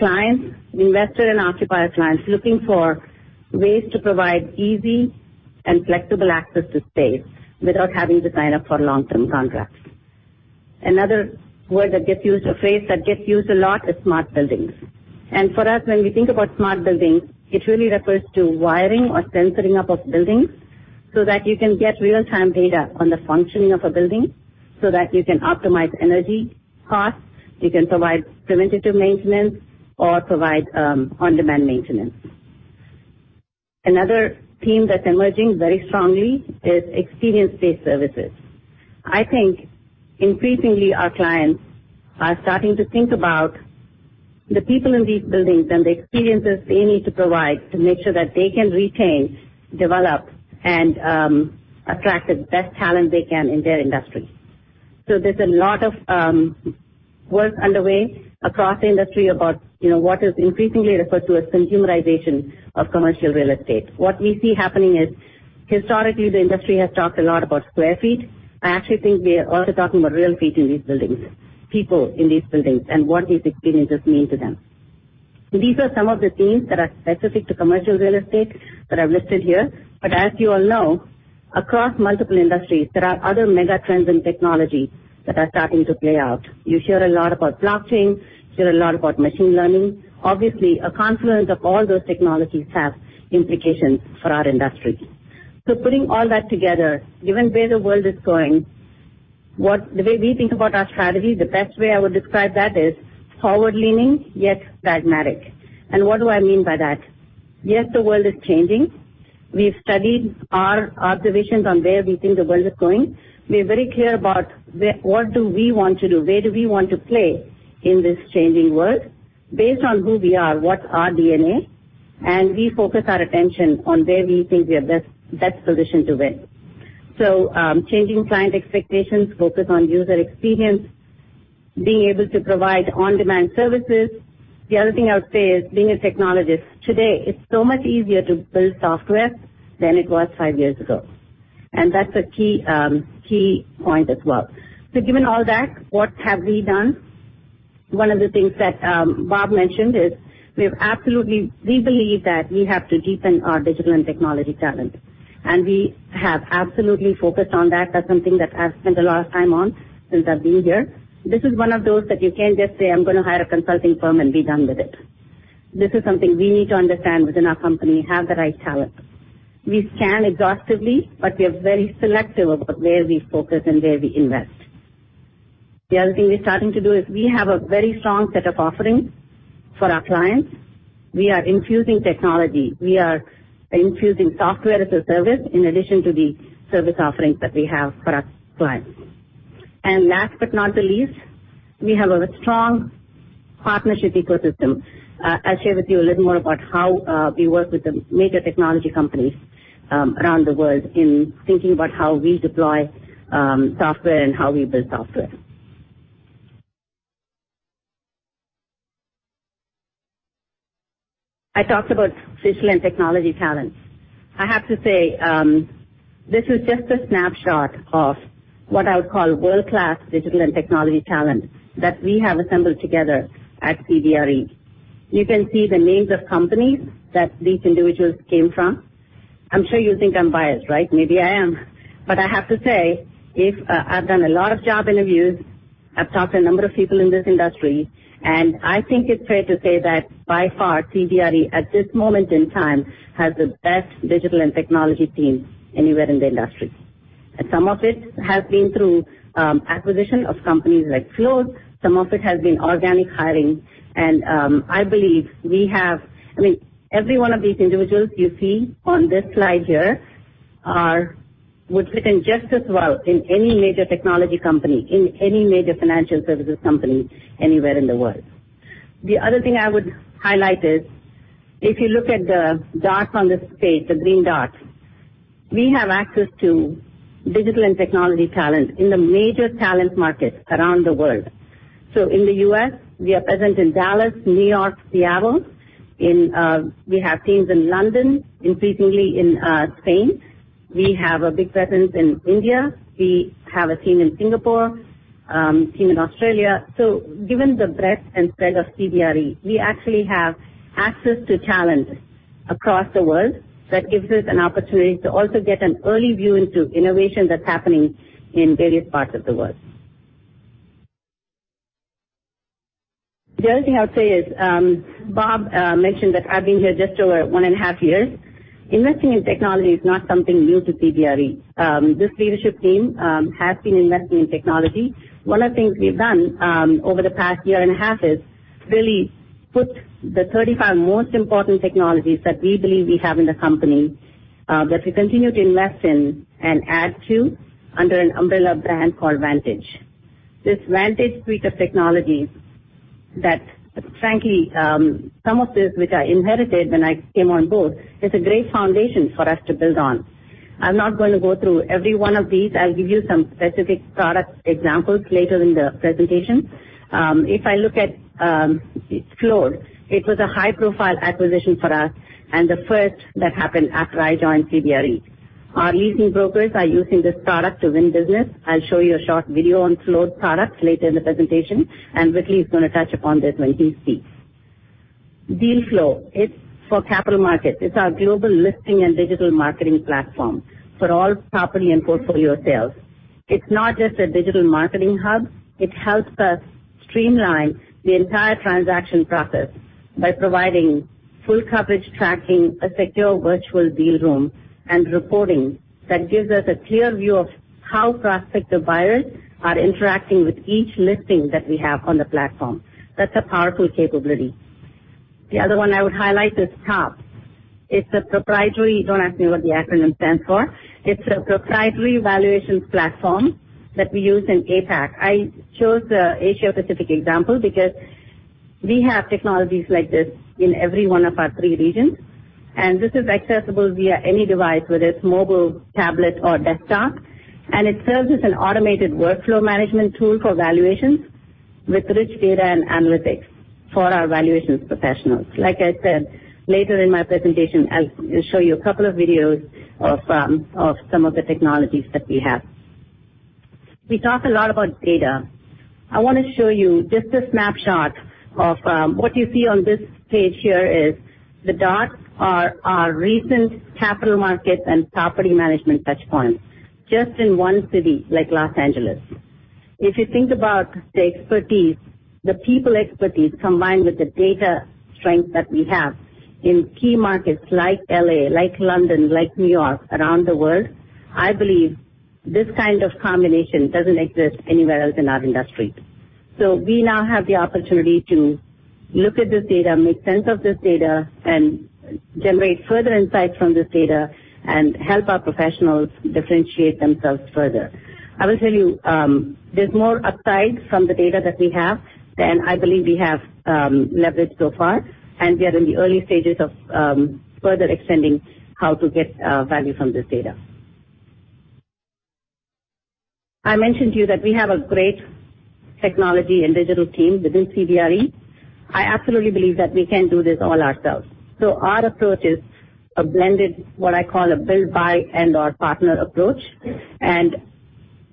clients, investor and occupier clients, looking for ways to provide easy and flexible access to space without having to sign up for long-term contracts. Another word that gets used, or phrase that gets used a lot is smart buildings. For us, when we think about smart buildings, it really refers to wiring or sensoring up of buildings so that you can get real-time data on the functioning of a building so that you can optimize energy costs, you can provide preventative maintenance or provide on-demand maintenance. Another theme that's emerging very strongly is experience-based services. I think increasingly our clients are starting to think about the people in these buildings and the experiences they need to provide to make sure that they can retain, develop, and attract the best talent they can in their industry. There's a lot of work underway across the industry about what is increasingly referred to as consumerization of commercial real estate. What we see happening is historically, the industry has talked a lot about square feet. I actually think we are also talking about real feet in these buildings, people in these buildings, and what these experiences mean to them. These are some of the themes that are specific to commercial real estate that I've listed here. As you all know, across multiple industries, there are other mega trends in technology that are starting to play out. You hear a lot about blockchain, you hear a lot about machine learning. Obviously, a confluence of all those technologies have implications for our industry. Putting all that together, given where the world is going The way we think about our strategy, the best way I would describe that is forward-leaning yet pragmatic. What do I mean by that? Yes, the world is changing. We've studied our observations on where we think the world is going. We're very clear about what do we want to do, where do we want to play in this changing world based on who we are, what's our DNA, and we focus our attention on where we think we are best positioned to win. Changing client expectations, focus on user experience, being able to provide on-demand services. The other thing I would say is, being a technologist today, it's so much easier to build software than it was five years ago. That's a key point as well. Given all that, what have we done? One of the things that Bob mentioned is we believe that we have to deepen our digital and technology talent, and we have absolutely focused on that. That's something that I've spent a lot of time on since I've been here. This is one of those that you can't just say, "I'm going to hire a consulting firm and be done with it." This is something we need to understand within our company, have the right talent. We scan exhaustively, but we are very selective about where we focus and where we invest. The other thing we're starting to do is we have a very strong set of offerings for our clients. We are infusing technology. We are infusing software as a service in addition to the service offerings that we have for our clients. Last but not the least, we have a strong partnership ecosystem. I'll share with you a little more about how we work with the major technology companies around the world in thinking about how we deploy software and how we build software. I talked about digital and technology talent. I have to say, this is just a snapshot of what I would call world-class digital and technology talent that we have assembled together at CBRE. You can see the names of companies that these individuals came from. I'm sure you think I'm biased, right? Maybe I am. I have to say, I've done a lot of job interviews, I've talked to a number of people in this industry, and I think it's fair to say that by far, CBRE, at this moment in time, has the best digital and technology team anywhere in the industry. Some of it has been through acquisition of companies like Floored. Some of it has been organic hiring. Every one of these individuals you see on this slide here would fit in just as well in any major technology company, in any major financial services company anywhere in the world. The other thing I would highlight is if you look at the dots on this page, the green dots, we have access to digital and technology talent in the major talent markets around the world. In the U.S., we are present in Dallas, New York, Seattle. We have teams in London, increasingly in Spain. We have a big presence in India. We have a team in Singapore, team in Australia. Given the breadth and spread of CBRE, we actually have access to talent across the world. That gives us an opportunity to also get an early view into innovation that's happening in various parts of the world. The other thing I would say is Bob mentioned that I've been here just over one and a half years. Investing in technology is not something new to CBRE. This leadership team has been investing in technology. One of the things we've done over the past year and a half is really put the 35 most important technologies that we believe we have in the company that we continue to invest in and add to under an umbrella brand called Vantage. This Vantage suite of technologies that, frankly, some of this, which I inherited when I came on board, is a great foundation for us to build on. I'm not going to go through every one of these. I'll give you some specific product examples later in the presentation. If I look at Floored, it was a high-profile acquisition for us and the first that happened after I joined CBRE. Our leasing brokers are using this product to win business. I'll show you a short video on Floored products later in the presentation, and Whitley is going to touch upon this when he speaks. Deal Flow, it's for capital markets. It's our global listing and digital marketing platform for all property and portfolio sales. It's not just a digital marketing hub. It helps us streamline the entire transaction process by providing full coverage tracking, a secure virtual deal room, and reporting that gives us a clear view of how prospective buyers are interacting with each listing that we have on the platform. That's a powerful capability. The other one I would highlight is TOP. Don't ask me what the acronym stands for. It's a proprietary valuations platform that we use in APAC. I chose the Asia-Pacific example because we have technologies like this in every one of our three regions, and this is accessible via any device, whether it's mobile, tablet, or desktop. It serves as an automated workflow management tool for valuations with rich data and analytics for our valuations professionals. Like I said, later in my presentation, I'll show you a couple of videos of some of the technologies that we have. We talk a lot about data. I want to show you just a snapshot of what you see on this page here is the dots are our recent Capital Markets and property management touchpoints just in one city like L.A. If you think about the expertise, the people expertise combined with the data strength that we have in key markets like L.A., like London, like New York, around the world, I believe this kind of combination doesn't exist anywhere else in our industry. We now have the opportunity to look at this data, make sense of this data, and generate further insights from this data and help our professionals differentiate themselves further. I will tell you, there's more upside from the data that we have than I believe we have leveraged so far, and we are in the early stages of further extending how to get value from this data. I mentioned to you that we have a great technology and digital team within CBRE. I absolutely believe that we can do this all ourselves. Our approach is a blended, what I call a build, buy, and/or partner approach.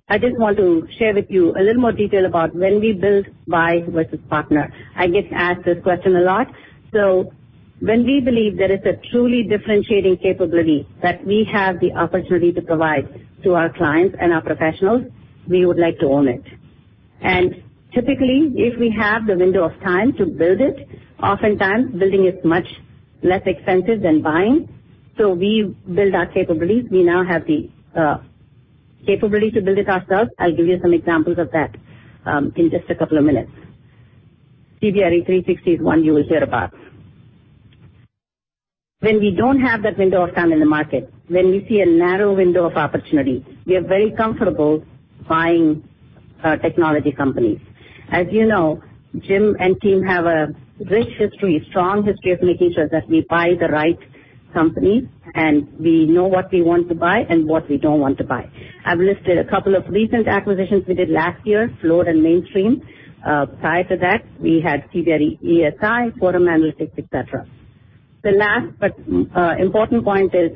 I just want to share with you a little more detail about when we build, buy versus partner. I get asked this question a lot. When we believe there is a truly differentiating capability that we have the opportunity to provide to our clients and our professionals, we would like to own it. typically, if we have the window of time to build it, oftentimes building is much less expensive than buying. We build our capabilities. We now have the capability to build it ourselves. I'll give you some examples of that in just a couple of minutes. CBRE 360 is one you will hear about. When we don't have that window of time in the market, when we see a narrow window of opportunity, we are very comfortable buying technology companies. As you know, Jim and team have a rich history, strong history of making sure that we buy the right company, and we know what we want to buy and what we don't want to buy. I've listed a couple of recent acquisitions we did last year, Floored and Mainstream. Prior to that, we had CBRE | ESI, Quorum Analytics, et cetera. The last but important point is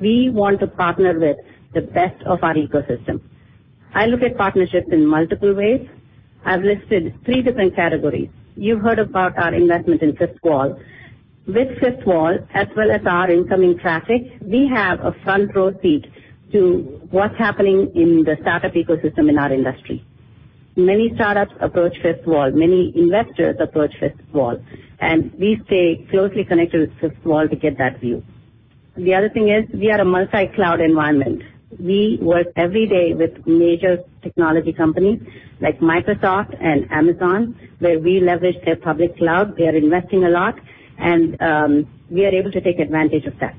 we want to partner with the best of our ecosystem. I look at partnerships in multiple ways. I've listed three different categories. You've heard about our investment in Fifth Wall. With Fifth Wall as well as our incoming traffic, we have a front-row seat to what's happening in the startup ecosystem in our industry. Many startups approach Fifth Wall. Many investors approach Fifth Wall, and we stay closely connected with Fifth Wall to get that view. The other thing is we are a multi-cloud environment. We work every day with major technology companies like Microsoft and Amazon, where we leverage their public cloud. They are investing a lot, and we are able to take advantage of that.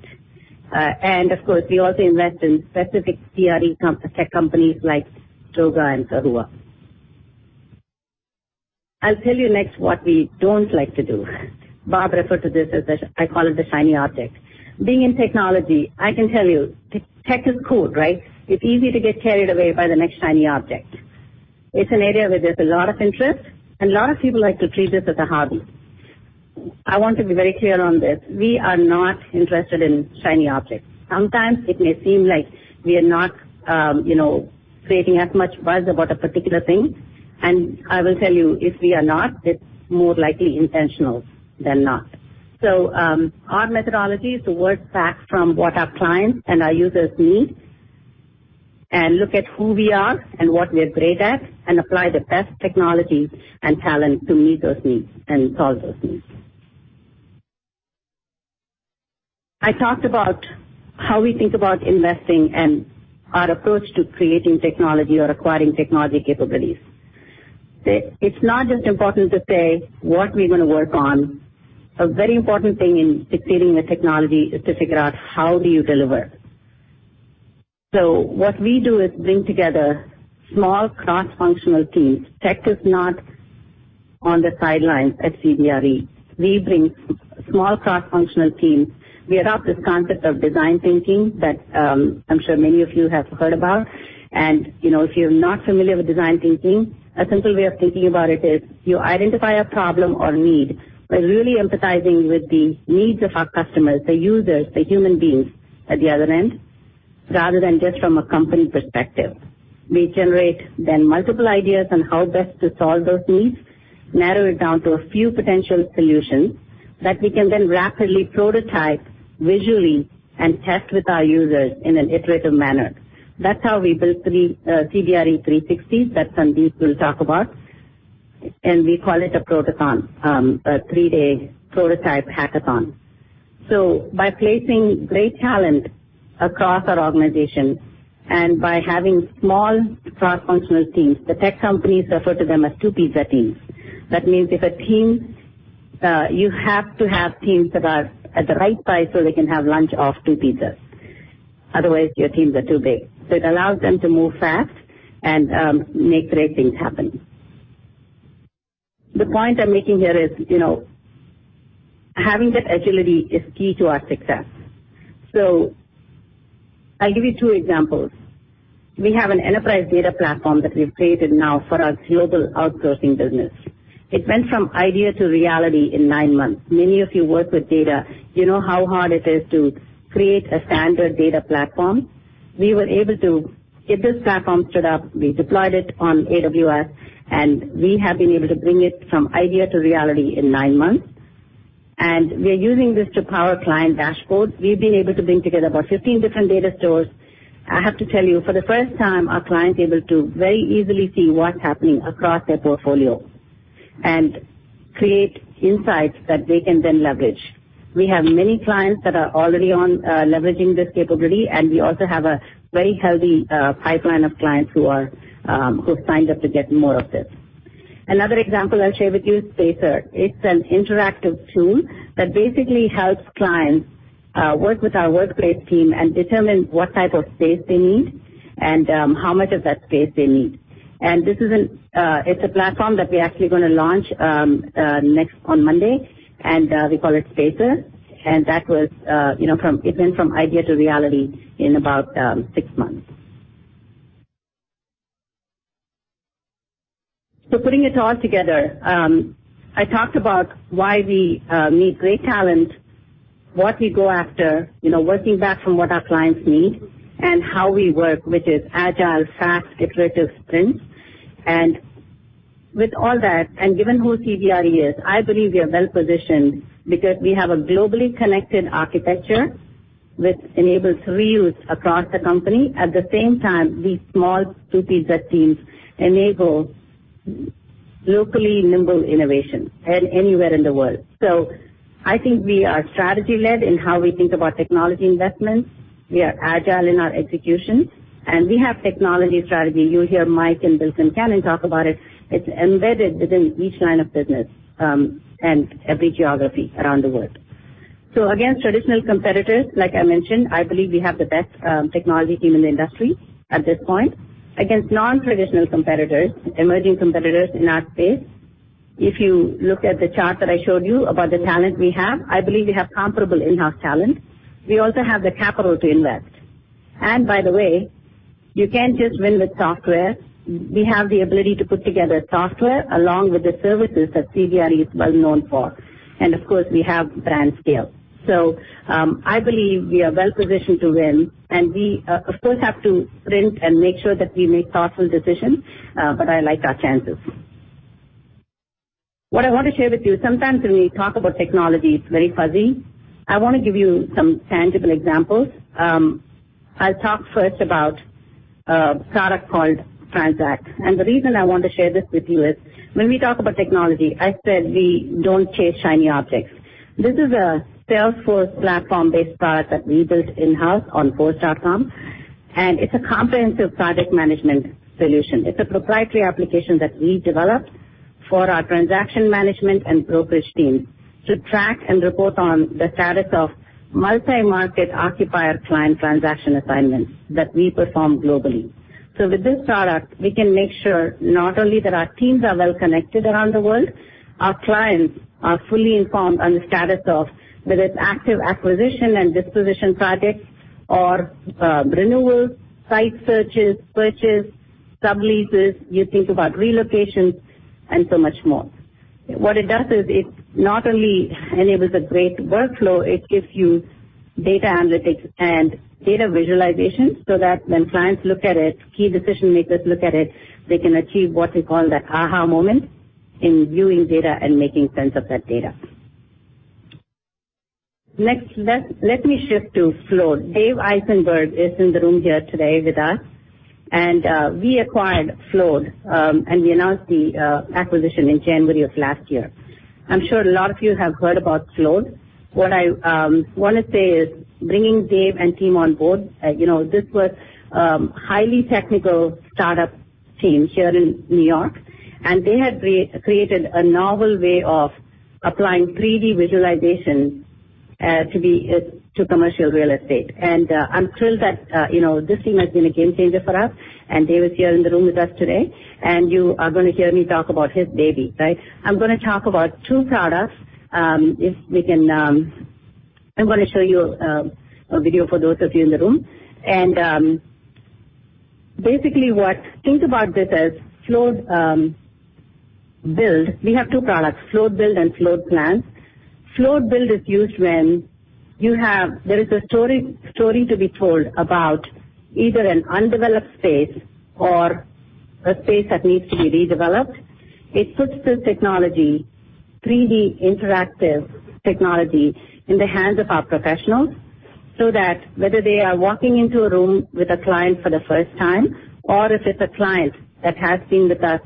Of course, we also invest in specific CRE tech companies like Stowga and Kahua. I'll tell you next what we don't like to do. Bob referred to this as the I call it the shiny object. Being in technology, I can tell you tech is cool, right? It's easy to get carried away by the next shiny object. It's an area where there's a lot of interest, and a lot of people like to treat it as a hobby. I want to be very clear on this. We are not interested in shiny objects. Sometimes it may seem like we are not creating as much buzz about a particular thing. I will tell you, if we are not, it's more likely intentional than not. Our methodology is to work back from what our clients and our users need and look at who we are and what we're great at and apply the best technologies and talent to meet those needs and solve those needs. I talked about how we think about investing and our approach to creating technology or acquiring technology capabilities. It's not just important to say what we're going to work on. A very important thing in creating a technology is to figure out how do you deliver. What we do is bring together small cross-functional teams. Tech is not on the sidelines at CBRE. We bring small cross-functional teams. We adopt this concept of design thinking that I'm sure many of you have heard about. If you're not familiar with design thinking, a simple way of thinking about it is you identify a problem or need by really empathizing with the needs of our customers, the users, the human beings at the other end, rather than just from a company perspective. We generate then multiple ideas on how best to solve those needs, narrow it down to a few potential solutions that we can then rapidly prototype visually and test with our users in an iterative manner. That's how we built CBRE 360 that Sandeep will talk about, and we call it a Protothon, a three-day prototype hackathon. By placing great talent across our organization and by having small cross-functional teams, the tech companies refer to them as two-pizza teams. That means you have to have teams that are at the right size so they can have lunch off two pizzas. Otherwise, your teams are too big. It allows them to move fast and make great things happen. The point I'm making here is having that agility is key to our success. I'll give you two examples. We have an enterprise data platform that we've created now for our global outsourcing business. It went from idea to reality in nine months. Many of you work with data. You know how hard it is to create a standard data platform. We were able to get this platform stood up. We deployed it on AWS, we have been able to bring it from idea to reality in nine months. We are using this to power client dashboards. We've been able to bring together about 15 different data stores. I have to tell you, for the first time, our clients are able to very easily see what's happening across their portfolio and create insights that they can then leverage. We have many clients that are already on leveraging this capability, and we also have a very healthy pipeline of clients who have signed up to get more of this. Another example I'll share with you is Spacer. It's an interactive tool that basically helps clients work with our workplace team and determine what type of space they need and how much of that space they need. It's a platform that we're actually going to launch next on Monday, and we call it Spacer. It went from idea to reality in about six months. Putting it all together. I talked about why we need great talent, what we go after, working back from what our clients need, and how we work, which is agile, fast, iterative sprints. With all that, and given who CBRE is, I believe we are well-positioned because we have a globally connected architecture, which enables reuse across the company. At the same time, these small two-pizza teams enable locally nimble innovation anywhere in the world. I think we are strategy-led in how we think about technology investments. We are agile in our execution, and we have technology strategy. You'll hear Mike and Bill Concannon talk about it. It's embedded within each line of business and every geography around the world. Against traditional competitors, like I mentioned, I believe we have the best technology team in the industry at this point. Against non-traditional competitors, emerging competitors in our space, if you look at the chart that I showed you about the talent we have, I believe we have comparable in-house talent. We also have the capital to invest. By the way, you can't just win with software. We have the ability to put together software along with the services that CBRE is well known for. Of course, we have brand scale. I believe we are well-positioned to win, and we, of course, have to sprint and make sure that we make thoughtful decisions, but I like our chances. What I want to share with you is sometimes when we talk about technology, it's very fuzzy. I want to give you some tangible examples. I'll talk first about a product called TransAct. The reason I want to share this with you is when we talk about technology, I said we don't chase shiny objects. This is a Salesforce platform-based product that we built in-house on Force.com, and it's a comprehensive project management solution. It's a proprietary application that we developed for our transaction management and brokerage team to track and report on the status of multi-market occupier client transaction assignments that we perform globally. With this product, we can make sure not only that our teams are well connected around the world, our clients are fully informed on the status of whether it's active acquisition and disposition projects or renewals, site searches, purchase, subleases. You think about relocations and so much more. What it does is it not only enables a great workflow, it gives you data analytics and data visualization so that when clients look at it, key decision-makers look at it, they can achieve what we call the aha moment in viewing data and making sense of that data. Next, let me shift to Floored. Dave Eisenberg is in the room here today with us. We acquired Floored, and we announced the acquisition in January of last year. I'm sure a lot of you have heard about Floored. What I want to say is bringing Dave and team on board, this was a highly technical startup team here in New York, and they had created a novel way of applying 3D visualization to commercial real estate. I'm thrilled that this team has been a game changer for us, and Dave is here in the room with us today, and you are going to hear me talk about his baby. I'm going to talk about two products. I'm going to show you a video for those of you in the room. Basically, think about this as Floored Build. We have two products, Floored Build and Floored Plans. Floored Build is used when there is a story to be told about either an undeveloped space or a space that needs to be redeveloped. It puts this technology, 3D interactive technology, in the hands of our professionals so that whether they are walking into a room with a client for the first time or if it's a client that has been with us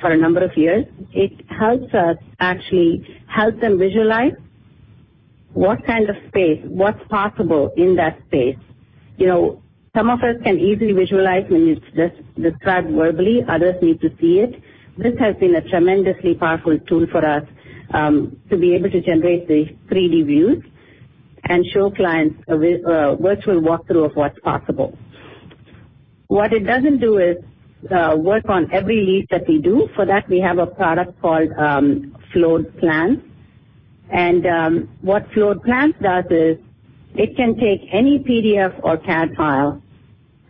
for a number of years, it helps us actually help them visualize what kind of space, what's possible in that space. Some of us can easily visualize when it's described verbally. Others need to see it. This has been a tremendously powerful tool for us to be able to generate the 3D views and show clients a virtual walkthrough of what's possible. What it doesn't do is work on every lead that we do. For that, we have a product called Floored Plans. What Floored Plans does is it can take any PDF or CAD file,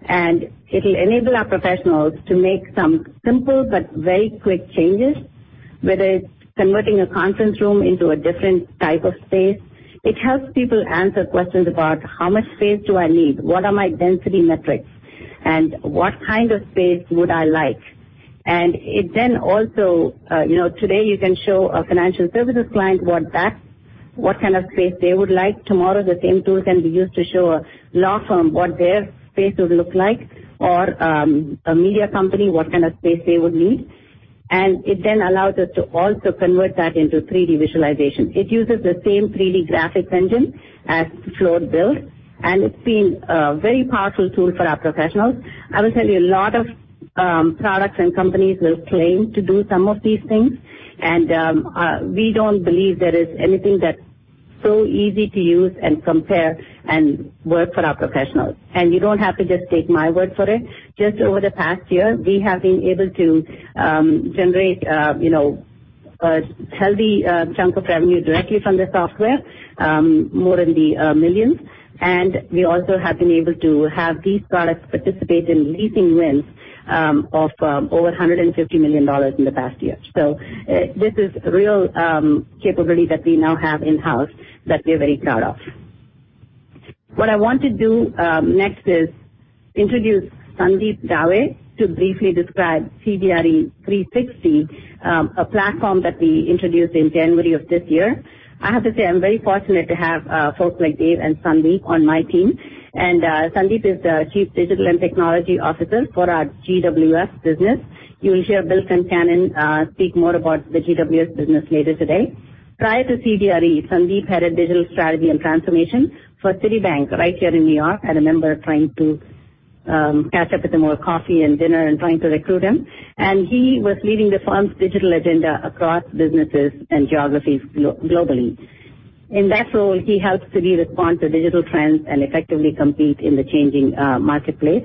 and it'll enable our professionals to make some simple but very quick changes, whether it's converting a conference room into a different type of space. It helps people answer questions about how much space do I need? What are my density metrics? What kind of space would I like? Today, you can show a financial services client what kind of space they would like. Tomorrow, the same tool can be used to show a law firm what their space would look like, or a media company, what kind of space they would need. It then allows us to also convert that into 3D visualization. It uses the same 3D graphics engine as Floored Build, and it's been a very powerful tool for our professionals. I will tell you, a lot of products and companies will claim to do some of these things, and we don't believe there is anything that's so easy to use and compare and work for our professionals. You don't have to just take my word for it. Just over the past year, we have been able to generate a healthy chunk of revenue directly from the software, more in the millions. We also have been able to have these products participate in leasing wins of over $150 million in the past year. This is a real capability that we now have in-house that we're very proud of. What I want to do next is introduce Sandeep Davé to briefly describe CBRE 360, a platform that we introduced in January of this year. I have to say, I'm very fortunate to have folks like Dave and Sandeep on my team. Sandeep is the Chief Digital and Technology Officer for our GWS business. You will hear Bill Concannon speak more about the GWS business later today. Prior to CBRE, Sandeep headed Digital Strategy and Transformation for Citibank right here in N.Y. I remember trying to catch up with him over coffee and dinner and trying to recruit him. He was leading the firm's digital agenda across businesses and geographies globally. In that role, he helps Citi respond to digital trends and effectively compete in the changing marketplace.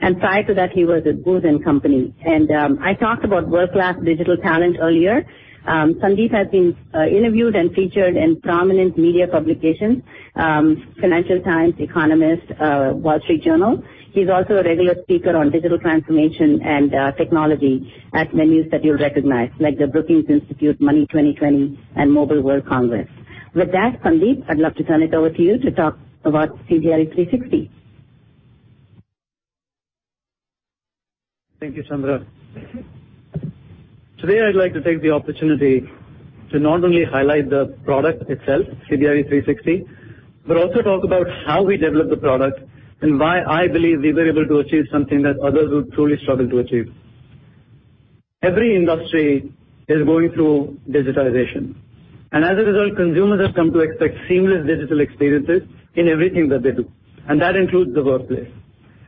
Prior to that, he was at Booz & Company. I talked about world-class digital talent earlier. Sandeep has been interviewed and featured in prominent media publications, "Financial Times," "The Economist," "Wall Street Journal." He's also a regular speaker on digital transformation and technology at venues that you'll recognize, like the Brookings Institution, Money20/20, and Mobile World Congress. With that, Sandeep, I'd love to turn it over to you to talk about CBRE 360. Thank you, Chandra. Today, I'd like to take the opportunity to not only highlight the product itself, CBRE 360, but also talk about how we developed the product and why I believe we were able to achieve something that others would truly struggle to achieve. Every industry is going through digitization. As a result, consumers have come to expect seamless digital experiences in everything that they do, and that includes the workplace.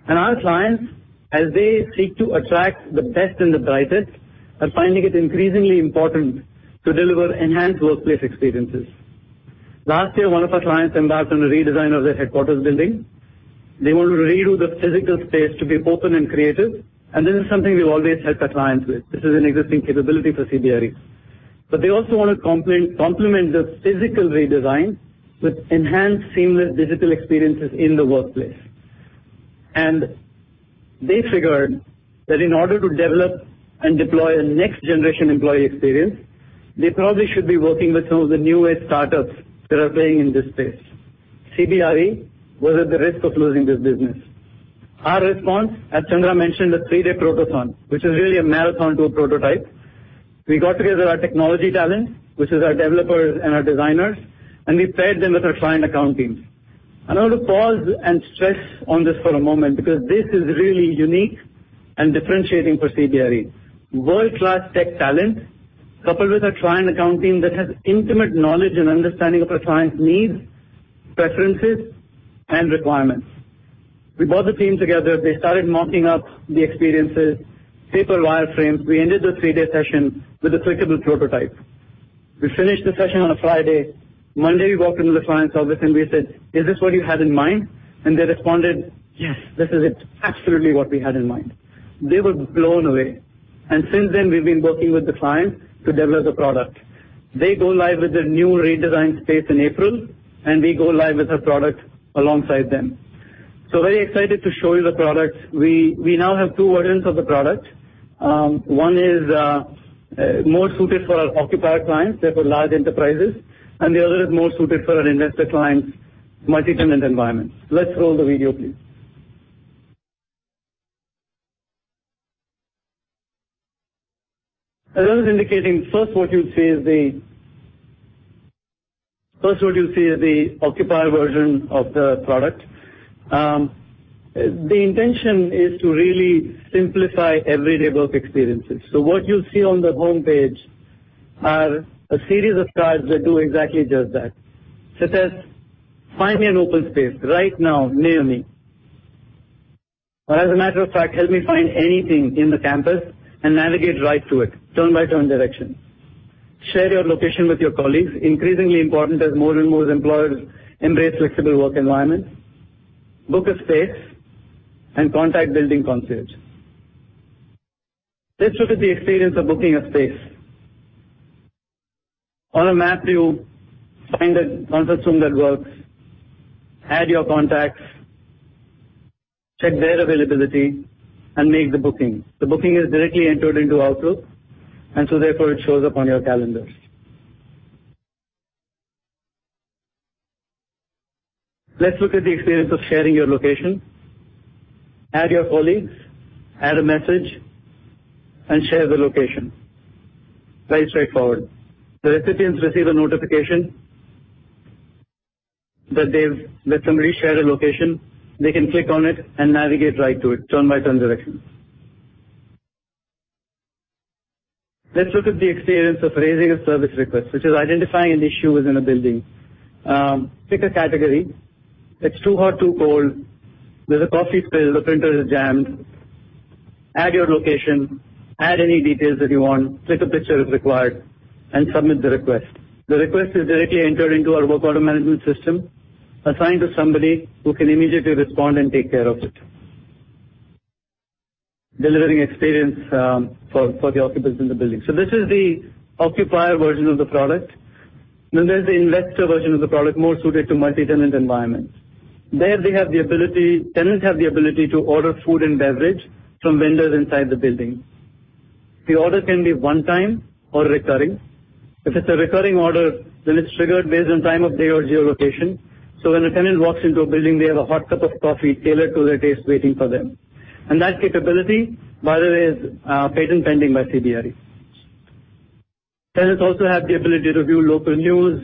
Our clients, as they seek to attract the best and the brightest, are finding it increasingly important to deliver enhanced workplace experiences. Last year, one of our clients embarked on a redesign of their headquarters building. They wanted to redo the physical space to be open and creative, and this is something we always help our clients with. This is an existing capability for CBRE. They also want to complement the physical redesign with enhanced, seamless digital experiences in the workplace. They figured that in order to develop and deploy a next-generation employee experience, they probably should be working with some of the newest startups that are playing in this space. CBRE was at the risk of losing this business. Our response, as Chandra mentioned, a three-day Protothon, which is really a marathon to a prototype. We got together our technology talent, which is our developers and our designers, and we paired them with our client account teams. I want to pause and stress on this for a moment because this is really unique and differentiating for CBRE. World-class tech talent, coupled with a client account team that has intimate knowledge and understanding of our client's needs, preferences, and requirements. We brought the team together. They started mocking up the experiences, paper wireframe. We ended the three-day session with a clickable prototype. We finished the session on a Friday. Monday, we walked into the client's office, we said, "Is this what you had in mind?" They responded, "Yes, this is it. Absolutely what we had in mind." They were blown away. Since then, we've been working with the client to develop the product. They go live with their new redesigned space in April, we go live with our product alongside them. Very excited to show you the product. We now have two versions of the product. One is more suited for our occupier clients, therefore large enterprises, the other is more suited for our investor clients, multi-tenant environments. Let's roll the video, please. As I was indicating, first what you'll see is the occupier version of the product. The intention is to really simplify everyday work experiences. What you'll see on the homepage are a series of cards that do exactly just that. Such as find me an open space right now near me. As a matter of fact, help me find anything in the campus and navigate right to it, turn-by-turn directions. Share your location with your colleagues. Increasingly important as more and more employers embrace flexible work environments. Book a space and contact building concierge. This shows the experience of booking a space. On a map view, find a conference room that works, add your contacts, check their availability, make the booking. The booking is directly entered into Outlook, therefore, it shows up on your calendars. Let's look at the experience of sharing your location. Add your colleagues, add a message, share the location. Very straightforward. The recipients receive a notification that somebody shared a location. They can click on it, navigate right to it, turn-by-turn directions. Let's look at the experience of raising a service request, which is identifying an issue within a building. Pick a category. It's too hot, too cold. There's a coffee spill. The printer is jammed. Add your location, add any details that you want, take a picture if required, submit the request. The request is directly entered into our work order management system, assigned to somebody who can immediately respond and take care of it. Delivering experience for the occupants in the building. This is the occupier version of the product. There's the investor version of the product, more suited to multi-tenant environments. There, tenants have the ability to order food and beverage from vendors inside the building. The order can be one time or recurring. If it's a recurring order, it's triggered based on time of day or geolocation. When a tenant walks into a building, they have a hot cup of coffee tailored to their taste waiting for them. That capability, by the way, is patent pending by CBRE. Tenants also have the ability to view local news,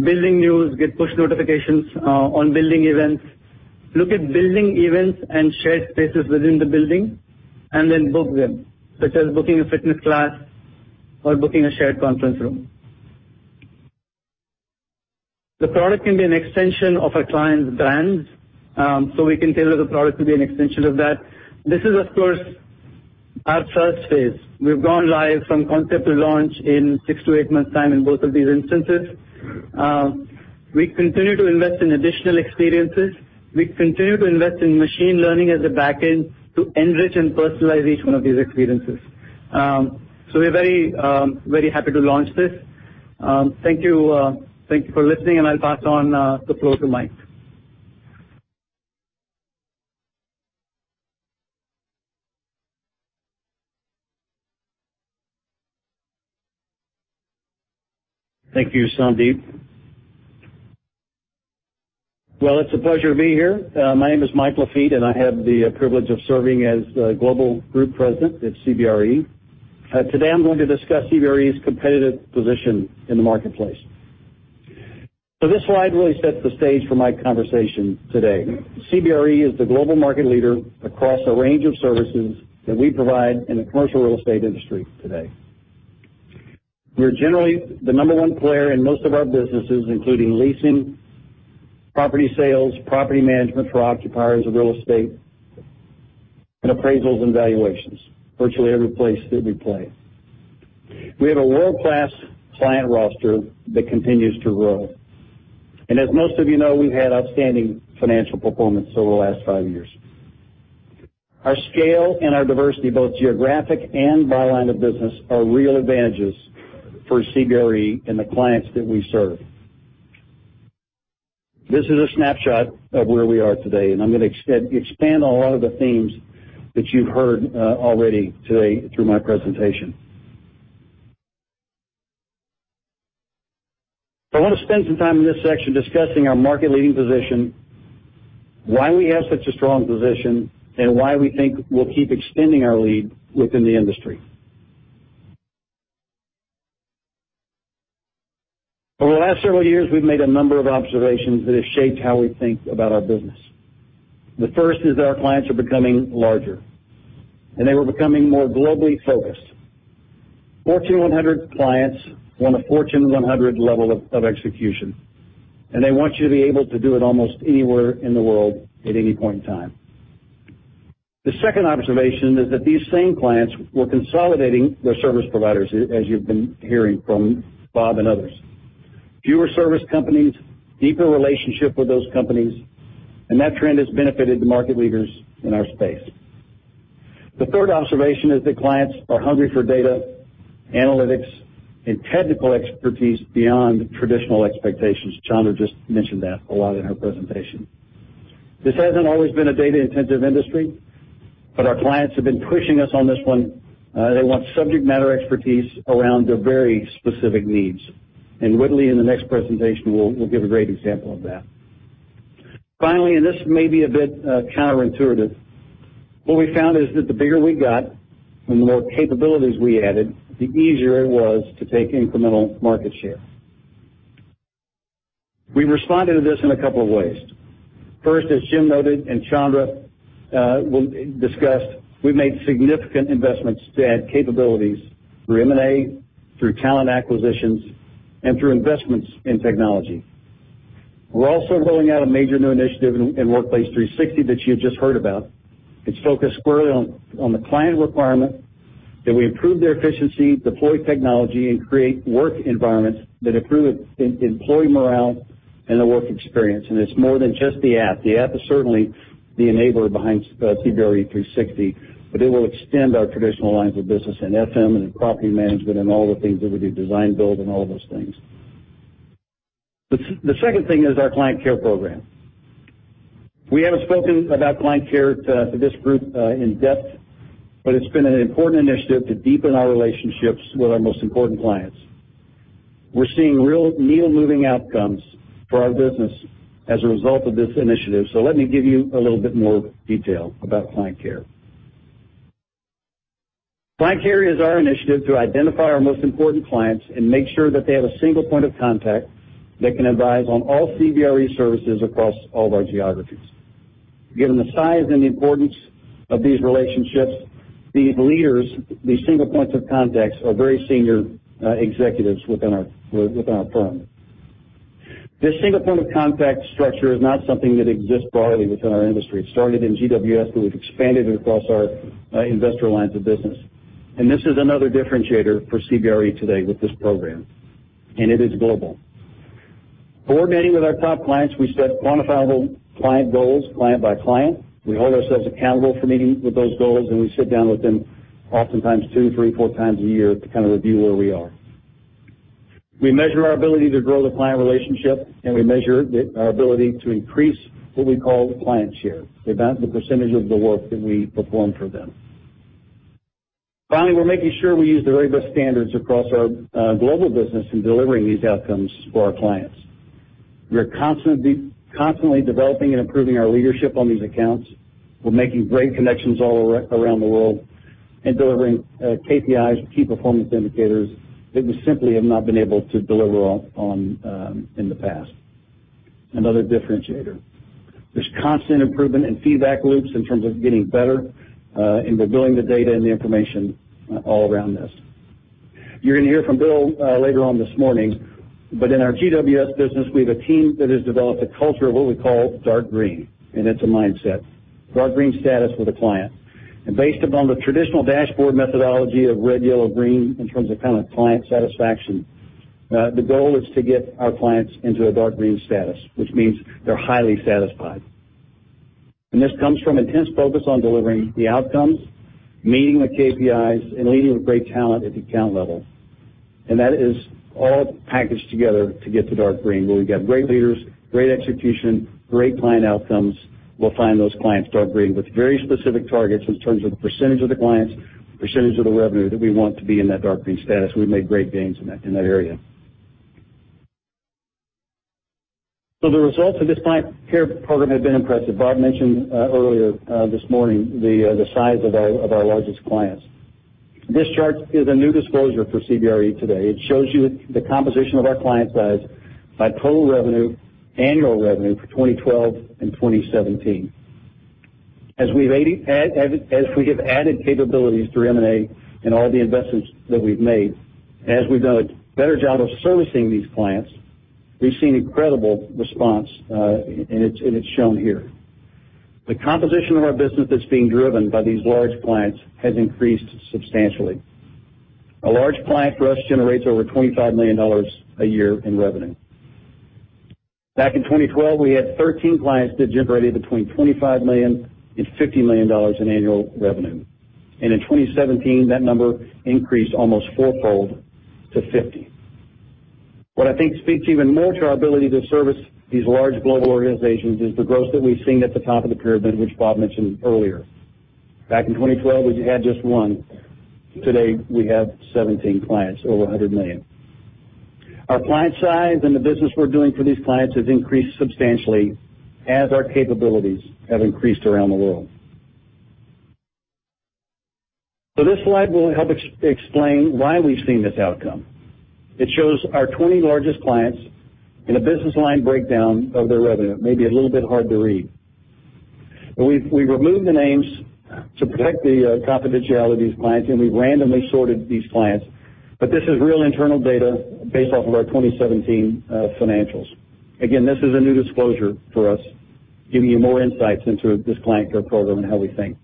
building news, get push notifications on building events, look at building events and shared spaces within the building, book them, such as booking a fitness class or booking a shared conference room. The product can be an extension of our clients' brands, we can tailor the product to be an extension of that. This is, of course, our first phase. We've gone live from concept to launch in six to eight months' time in both of these instances. We continue to invest in additional experiences. We continue to invest in machine learning as a back end to enrich and personalize each one of these experiences. We're very happy to launch this. Thank you for listening, and I'll pass on the floor to Mike. Thank you, Sandeep. Well, it's a pleasure to be here. My name is Mike Lafitte, and I have the privilege of serving as Global Group President at CBRE. Today, I'm going to discuss CBRE's competitive position in the marketplace. This slide really sets the stage for my conversation today. CBRE is the global market leader across a range of services that we provide in the commercial real estate industry today. We're generally the number one player in most of our businesses, including leasing, property sales, property management for occupiers of real estate, and appraisals and valuations. Virtually every place that we play. We have a world-class client roster that continues to grow. As most of you know, we've had outstanding financial performance over the last five years. Our scale and our diversity, both geographic and by line of business, are real advantages for CBRE and the clients that we serve. This is a snapshot of where we are today, and I'm going to expand on a lot of the themes that you've heard already today through my presentation. I want to spend some time in this section discussing our market leading position, why we have such a strong position, and why we think we'll keep extending our lead within the industry. Over the last several years, we've made a number of observations that have shaped how we think about our business. The first is that our clients are becoming larger, and they were becoming more globally focused. Fortune 100 clients want a Fortune 100 level of execution, and they want you to be able to do it almost anywhere in the world at any point in time. The second observation is that these same clients were consolidating their service providers, as you've been hearing from Bob and others. Fewer service companies, deeper relationship with those companies, and that trend has benefited the market leaders in our space. The third observation is that clients are hungry for data, analytics, and technical expertise beyond traditional expectations. Chandra just mentioned that a lot in her presentation. This hasn't always been a data-intensive industry, but our clients have been pushing us on this one. They want subject matter expertise around their very specific needs. Whitley, in the next presentation, will give a great example of that. Finally, this may be a bit counterintuitive, what we found is that the bigger we got and the more capabilities we added, the easier it was to take incremental market share. We responded to this in a couple of ways. First, as Jim noted and Chandra discussed, we made significant investments to add capabilities through M&A, through talent acquisitions, and through investments in technology. We're also rolling out a major new initiative in Workplace 360 that you just heard about. It's focused squarely on the client requirement, that we improve their efficiency, deploy technology, and create work environments that improve employee morale and the work experience. It's more than just the app. The app is certainly the enabler behind CBRE 360, but it will extend our traditional lines of business in FM and in property management and all the things that we do, design build, and all those things. The second thing is our client care program. We haven't spoken about client care to this group in depth, but it's been an important initiative to deepen our relationships with our most important clients. We're seeing real needle-moving outcomes for our business as a result of this initiative, so let me give you a little bit more detail about client care. Client care is our initiative to identify our most important clients and make sure that they have a single point of contact that can advise on all CBRE services across all of our geographies. Given the size and the importance of these relationships, these leaders, these single points of contacts, are very senior executives within our firm. This single point of contact structure is not something that exists broadly within our industry. It started in GWS, but we've expanded it across our investor lines of business. This is another differentiator for CBRE today with this program, and it is global. Coordinating with our top clients, we set quantifiable client goals, client by client. We hold ourselves accountable for meeting with those goals, and we sit down with them oftentimes two, three, four times a year to review where we are. We measure our ability to grow the client relationship, and we measure our ability to increase what we call client share, the percentage of the work that we perform for them. Finally, we're making sure we use the very best standards across our global business in delivering these outcomes for our clients. We are constantly developing and improving our leadership on these accounts. We're making great connections all around the world and delivering KPIs, key performance indicators, that we simply have not been able to deliver on in the past. Another differentiator. There's constant improvement in feedback loops in terms of getting better and we're building the data and the information all around this. You're going to hear from Bill later on this morning, but in our GWS business, we have a team that has developed a culture of what we call dark green, and it's a mindset. Dark green status with a client. Based upon the traditional dashboard methodology of red, yellow, green in terms of client satisfaction, the goal is to get our clients into a dark green status, which means they're highly satisfied. This comes from intense focus on delivering the outcomes, meeting the KPIs, and leading with great talent at the account level. That is all packaged together to get to dark green, where we've got great leaders, great execution, great client outcomes. We'll find those clients dark green with very specific targets in terms of the percentage of the clients, percentage of the revenue that we want to be in that dark green status. We've made great gains in that area. The results of this client care program have been impressive. Bob mentioned earlier this morning the size of our largest clients. This chart is a new disclosure for CBRE today. It shows you the composition of our client size by total revenue, annual revenue for 2012 and 2017. As we have added capabilities through M&A and all the investments that we've made, as we've done a better job of servicing these clients, we've seen incredible response, and it's shown here. The composition of our business that's being driven by these large clients has increased substantially. A large client for us generates over $25 million a year in revenue. Back in 2012, we had 13 clients that generated between $25 million and $50 million in annual revenue. In 2017, that number increased almost fourfold to 50. What I think speaks even more to our ability to service these large global organizations is the growth that we've seen at the top of the pyramid, which Bob mentioned earlier. Back in 2012, we had just one. Today, we have 17 clients over $100 million. Our client size and the business we're doing for these clients has increased substantially as our capabilities have increased around the world. This slide will help explain why we've seen this outcome. It shows our 20 largest clients and a business line breakdown of their revenue. Maybe a little bit hard to read. We've removed the names to protect the confidentiality of these clients, and we've randomly sorted these clients. This is real internal data based off of our 2017 financials. Again, this is a new disclosure for us, giving you more insights into this client care program and how we think.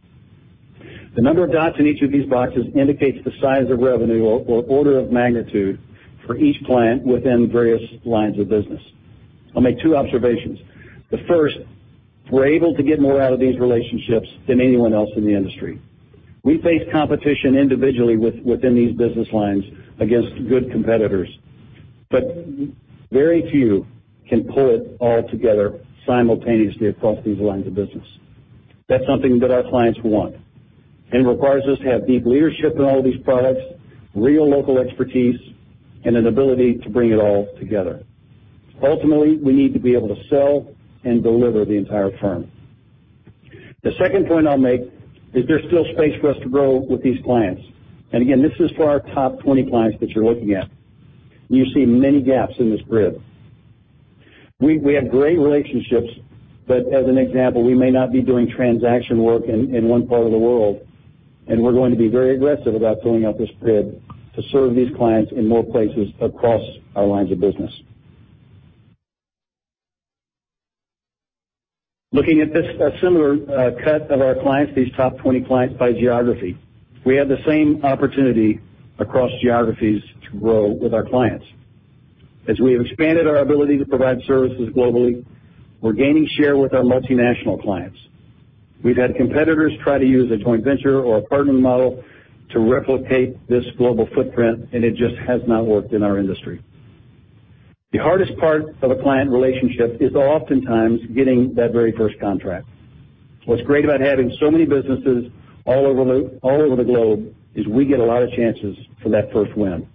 The number of dots in each of these boxes indicates the size of revenue or order of magnitude for each client within various lines of business. I'll make two observations. The first, we're able to get more out of these relationships than anyone else in the industry. We face competition individually within these business lines against good competitors, but very few can pull it all together simultaneously across these lines of business. That's something that our clients want, and it requires us to have deep leadership in all of these products, real local expertise, and an ability to bring it all together. Ultimately, we need to be able to sell and deliver the entire firm. The second point I'll make is there's still space for us to grow with these clients. Again, this is for our top 20 clients that you're looking at. You see many gaps in this grid. We have great relationships, but as an example, we may not be doing transaction work in one part of the world, and we're going to be very aggressive about filling out this grid to serve these clients in more places across our lines of business. Looking at this similar cut of our clients, these top 20 clients by geography. We have the same opportunity across geographies to grow with our clients. As we have expanded our ability to provide services globally, we're gaining share with our multinational clients. We've had competitors try to use a joint venture or a partner model to replicate this global footprint, and it just has not worked in our industry. The hardest part of a client relationship is oftentimes getting that very first contract. What's great about having so many businesses all over the globe is we get a lot of chances for that first win.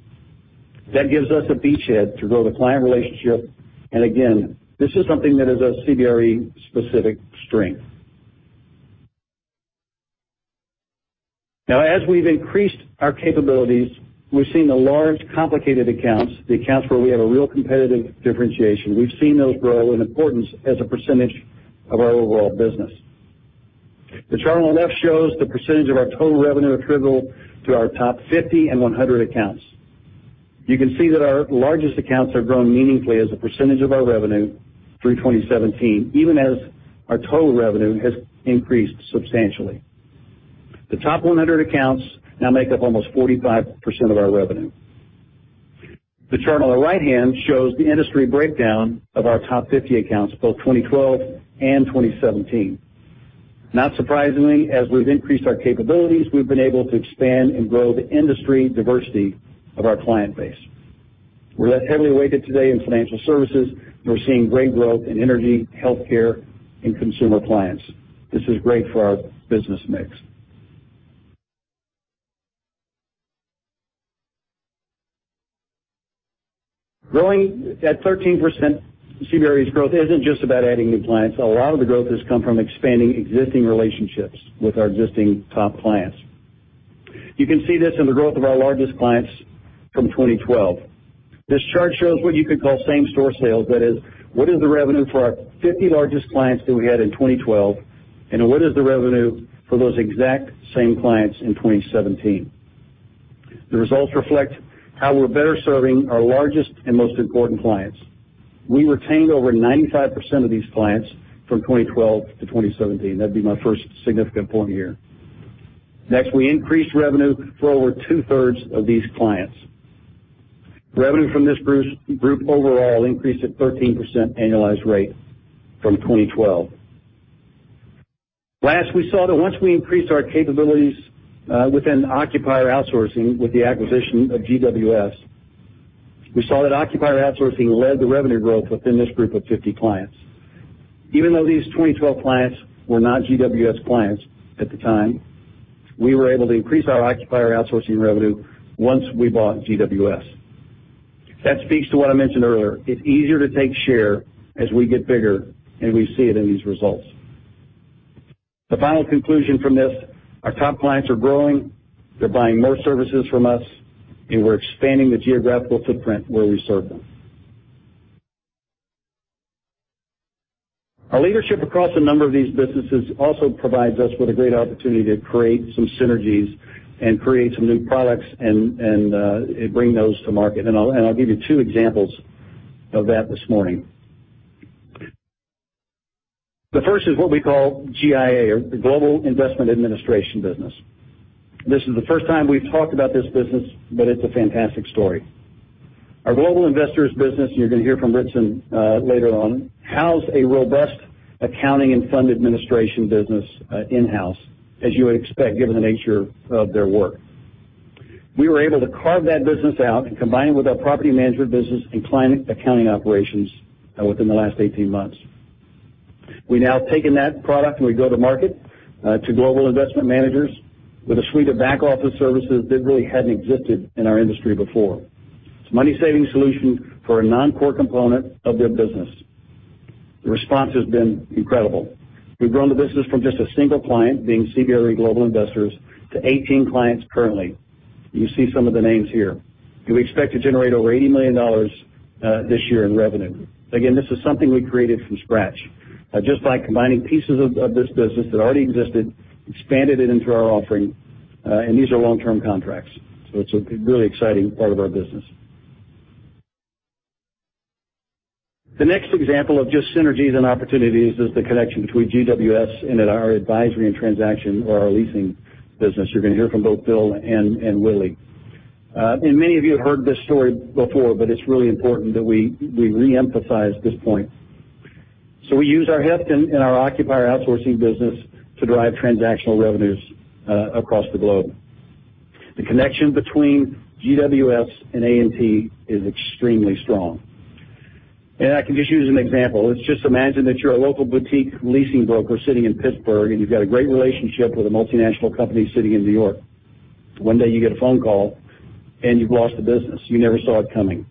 That gives us a beachhead to grow the client relationship, and again, this is something that is a CBRE-specific strength. As we've increased our capabilities, we've seen the large, complicated accounts, the accounts where we have a real competitive differentiation. We've seen those grow in importance as a percentage of our overall business. The chart on the left shows the percentage of our total revenue attributable to our top 50 and 100 accounts. You can see that our largest accounts have grown meaningfully as a percentage of our revenue through 2017, even as our total revenue has increased substantially. The top 100 accounts now make up almost 45% of our revenue. The chart on the right-hand shows the industry breakdown of our top 50 accounts, both 2012 and 2017. Not surprisingly, as we've increased our capabilities, we've been able to expand and grow the industry diversity of our client base. We're less heavily weighted today in financial services, and we're seeing great growth in energy, healthcare, and consumer clients. This is great for our business mix. Growing at 13%, CBRE's growth isn't just about adding new clients. A lot of the growth has come from expanding existing relationships with our existing top clients. You can see this in the growth of our largest clients from 2012. This chart shows what you could call same store sales, that is, what is the revenue for our 50 largest clients that we had in 2012, and what is the revenue for those exact same clients in 2017. The results reflect how we're better serving our largest and most important clients. We retained over 95% of these clients from 2012 to 2017. That'd be my first significant point here. We increased revenue for over two-thirds of these clients. Revenue from this group overall increased at 13% annualized rate from 2012. We saw that once we increased our capabilities within occupier outsourcing with the acquisition of GWS, we saw that occupier outsourcing led the revenue growth within this group of 50 clients. Even though these 2012 clients were not GWS clients at the time, we were able to increase our occupier outsourcing revenue once we bought GWS. That speaks to what I mentioned earlier. It's easier to take share as we get bigger, and we see it in these results. The final conclusion from this, our top clients are growing, they're buying more services from us, and we're expanding the geographical footprint where we serve them. Our leadership across a number of these businesses also provides us with a great opportunity to create some synergies and create some new products and bring those to market. I'll give you two examples of that this morning. The first is what we call GIA or the Global Investment Administration business. This is the first time we've talked about this business, but it's a fantastic story. Our Global Investors business, you're going to hear from Ritson later on, house a robust accounting and fund administration business in-house, as you would expect, given the nature of their work. We were able to carve that business out and combine it with our property management business and client accounting operations within the last 18 months. We've now taken that product and we go to market to global investment managers with a suite of back office services that really hadn't existed in our industry before. It's a money-saving solution for a non-core component of their business. The response has been incredible. We've grown the business from just a single client, being CBRE Global Investors, to 18 clients currently. You see some of the names here. We expect to generate over $80 million this year in revenue. Again, this is something we created from scratch. Just by combining pieces of this business that already existed, expanded it into our offering. These are long-term contracts, so it's a really exciting part of our business. The next example of just synergies and opportunities is the connection between GWS and our Advisory & Transaction or our leasing business. You're going to hear from both Bill and Whitley. Many of you have heard this story before, but it's really important that we re-emphasize this point. We use our heft in our occupier outsourcing business to drive transactional revenues across the globe. The connection between GWS and A&T is extremely strong. I can just use an example. Let's just imagine that you're a local boutique leasing broker sitting in Pittsburgh, and you've got a great relationship with a multinational company sitting in New York. One day you get a phone call and you've lost the business. You never saw it coming.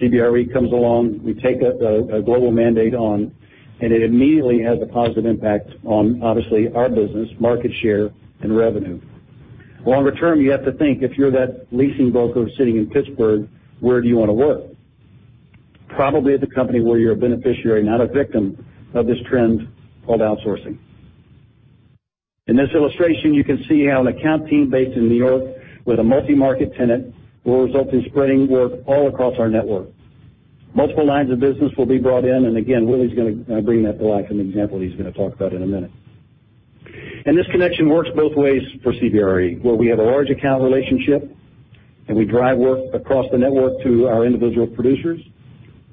CBRE comes along, we take a global mandate on, and it immediately has a positive impact on, obviously, our business, market share, and revenue. Longer term, you have to think, if you're that leasing broker sitting in Pittsburgh, where do you want to work? Probably at the company where you're a beneficiary, not a victim of this trend called outsourcing. In this illustration, you can see how an account team based in New York with a multi-market tenant will result in spreading work all across our network. Multiple lines of business will be brought in, and again, Whitley's going to bring that to life, an example he's going to talk about in a minute. This connection works both ways for CBRE, where we have a large account relationship and we drive work across the network to our individual producers.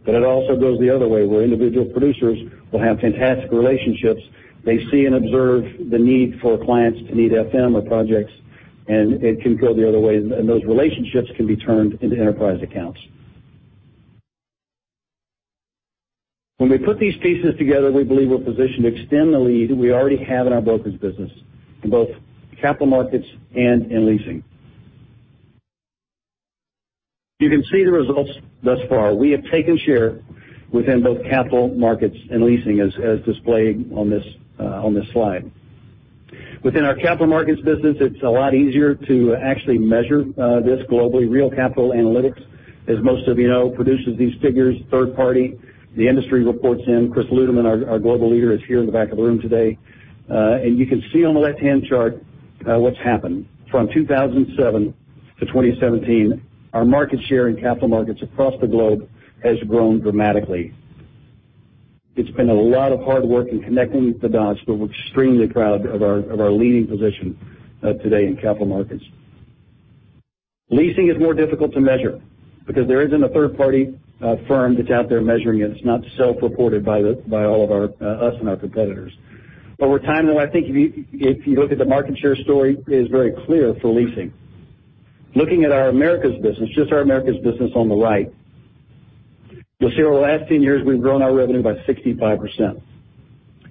It also goes the other way, where individual producers will have fantastic relationships. They see and observe the need for clients to need FM or projects And it can go the other way, and those relationships can be turned into enterprise accounts. When we put these pieces together, we believe we're positioned to extend the lead we already have in our brokerage business in both capital markets and in leasing. You can see the results thus far. We have taken share within both capital markets and leasing, as displayed on this slide. Within our capital markets business, it's a lot easier to actually measure this globally. Real Capital Analytics, as most of you know, produces these figures third party. The industry reports in. Chris Ludeman, our global leader, is here in the back of the room today. You can see on the left-hand chart what's happened. From 2007 to 2017, our market share in capital markets across the globe has grown dramatically. It's been a lot of hard work in connecting the dots, but we're extremely proud of our leading position today in capital markets. Leasing is more difficult to measure because there isn't a third-party firm that's out there measuring it. It's not self-reported by all of us and our competitors. Over time, though, I think if you look at the market share story, it is very clear for leasing. Looking at our Americas business, just our Americas business on the right, you'll see over the last 10 years we've grown our revenue by 65%.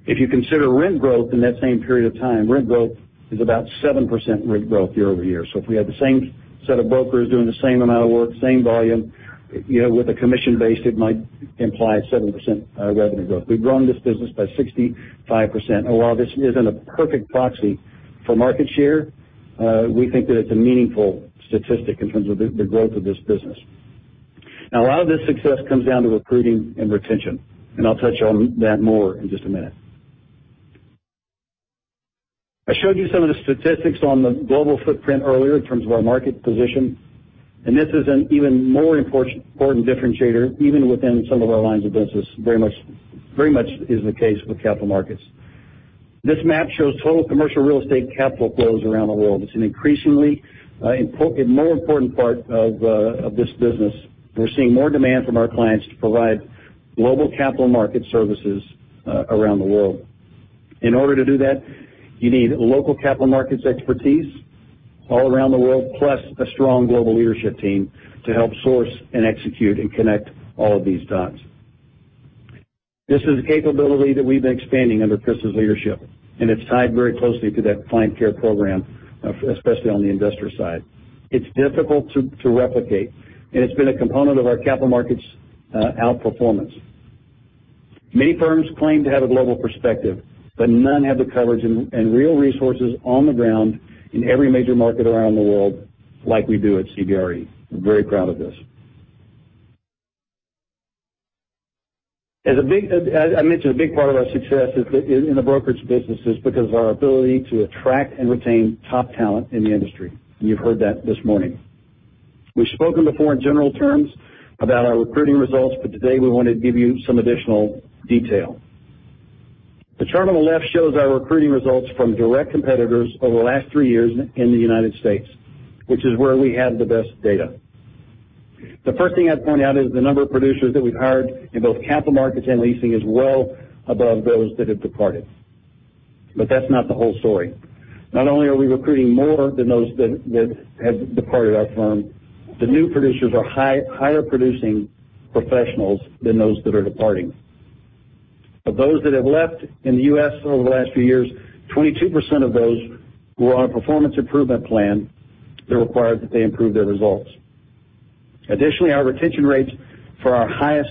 If you consider rent growth in that same period of time, rent growth is about 7% rent growth year-over-year. If we had the same set of brokers doing the same amount of work, same volume, with a commission base, it might imply 7% revenue growth. We've grown this business by 65%. While this isn't a perfect proxy for market share, we think that it's a meaningful statistic in terms of the growth of this business. A lot of this success comes down to recruiting and retention, and I'll touch on that more in just a minute. I showed you some of the statistics on the global footprint earlier in terms of our market position, this is an even more important differentiator, even within some of our lines of business, very much is the case with capital markets. This map shows total commercial real estate capital flows around the world. It's an increasingly more important part of this business. We're seeing more demand from our clients to provide global capital market services around the world. In order to do that, you need local capital markets expertise all around the world, plus a strong global leadership team to help source and execute and connect all of these dots. This is a capability that we've been expanding under Chris' leadership, it's tied very closely to that client care program, especially on the investor side. It's difficult to replicate, it's been a component of our capital markets outperformance. Many firms claim to have a global perspective, none have the coverage and real resources on the ground in every major market around the world like we do at CBRE. We're very proud of this. I mentioned a big part of our success in the brokerage business is because of our ability to attract and retain top talent in the industry, you've heard that this morning. We've spoken before in general terms about our recruiting results, today we want to give you some additional detail. The chart on the left shows our recruiting results from direct competitors over the last three years in the U.S., which is where we have the best data. The first thing I'd point out is the number of producers that we've hired in both Capital Markets and Leasing is well above those that have departed. That's not the whole story. Not only are we recruiting more than those that have departed our firm, the new producers are higher-producing professionals than those that are departing. Of those that have left in the U.S. over the last few years, 22% of those were on a performance improvement plan that required that they improve their results. Additionally, our retention rates for our highest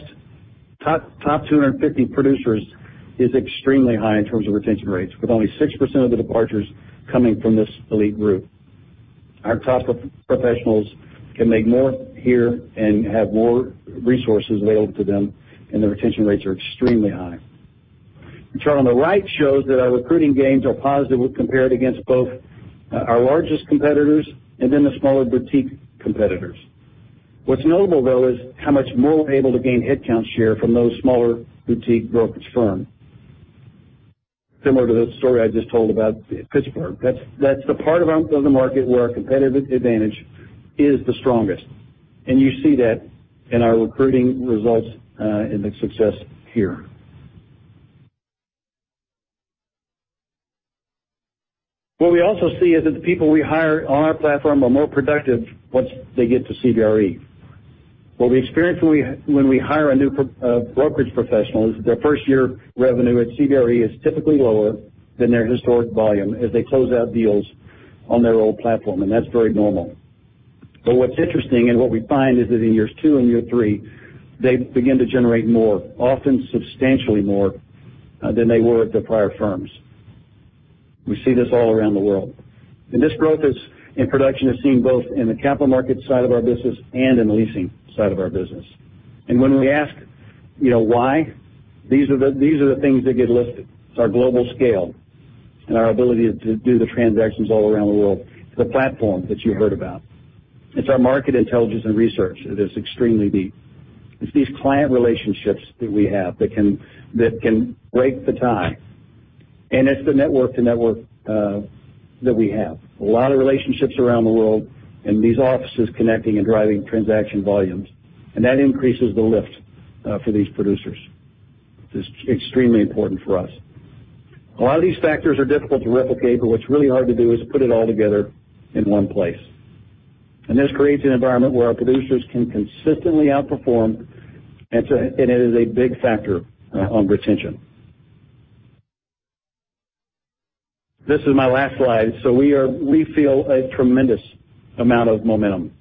top 250 producers is extremely high in terms of retention rates, with only 6% of the departures coming from this elite group. Our top professionals can make more here and have more resources available to them. The retention rates are extremely high. The chart on the right shows that our recruiting gains are positive when compared against both our largest competitors and the smaller boutique competitors. What's notable, though, is how much more we're able to gain headcount share from those smaller boutique brokerage firms. Similar to the story I just told about Pittsburgh. That's the part of the market where our competitive advantage is the strongest. You see that in our recruiting results and the success here. What we also see is that the people we hire on our platform are more productive once they get to CBRE. What we experience when we hire a new brokerage professional is their first-year revenue at CBRE is typically lower than their historic volume as they close out deals on their old platform. That's very normal. What's interesting and what we find is that in years two and year three, they begin to generate more, often substantially more than they were at their prior firms. We see this all around the world. This growth in production is seen both in the Capital Markets side of our business and in the Leasing side of our business. When we ask why, these are the things that get listed. It's our global scale and our ability to do the transactions all around the world. It's the platform that you heard about. It's our market intelligence and research that is extremely deep. It's these client relationships that we have that can break the tie. It's the network to network that we have, a lot of relationships around the world, and these offices connecting and driving transaction volumes, and that increases the lift for these producers. It's extremely important for us. A lot of these factors are difficult to replicate, but what's really hard to do is put it all together in one place. This creates an environment where our producers can consistently outperform, and it is a big factor on retention. This is my last slide. We feel a tremendous amount of momentum.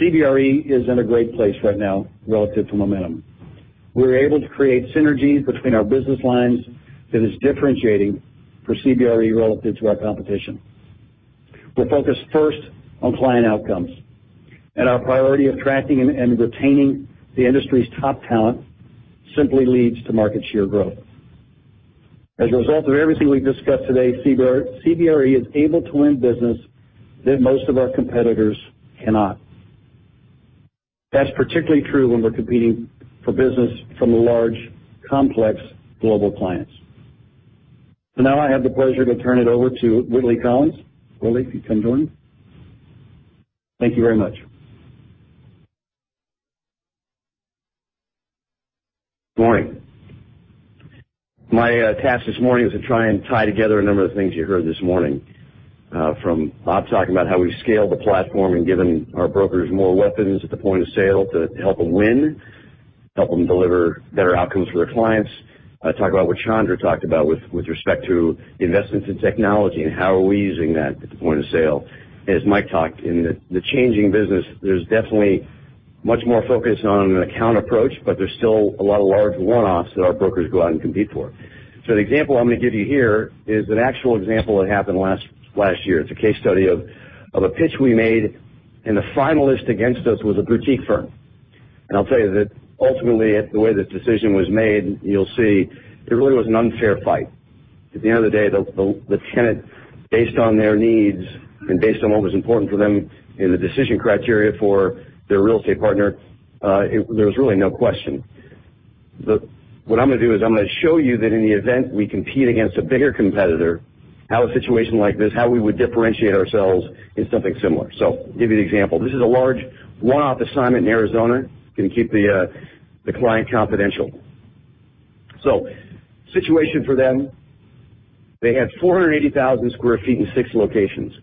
CBRE is in a great place right now relative to momentum. We're able to create synergies between our business lines that is differentiating for CBRE relative to our competition. We're focused first on client outcomes, our priority of tracking and retaining the industry's top talent simply leads to market share growth. As a result of everything we've discussed today, CBRE is able to win business that most of our competitors cannot. That's particularly true when we're competing for business from the large, complex global clients. Now I have the pleasure to turn it over to Whitley Collins. Whitley, if you'd come join me. Thank you very much. Good morning. My task this morning is to try and tie together a number of things you heard this morning, from Bob talking about how we've scaled the platform and given our brokers more weapons at the point of sale to help them win, help them deliver better outcomes for their clients. Talk about what Chandra talked about with respect to investments in technology and how are we using that at the point of sale. As Mike talked, in the changing business, there's definitely much more focus on an account approach, but there's still a lot of large one-offs that our brokers go out and compete for. The example I'm going to give you here is an actual example that happened last year. It's a case study of a pitch we made, the finalist against us was a boutique firm. I'll tell you that ultimately, the way this decision was made, you'll see it really was an unfair fight. At the end of the day, the tenant, based on their needs and based on what was important for them in the decision criteria for their real estate partner, there was really no question. What I'm going to do is I'm going to show you that in the event we compete against a bigger competitor, how a situation like this, how we would differentiate ourselves in something similar. Give you the example. This is a large one-off assignment in Arizona. Going to keep the client confidential. Situation for them, they had 480,000 square feet in six locations.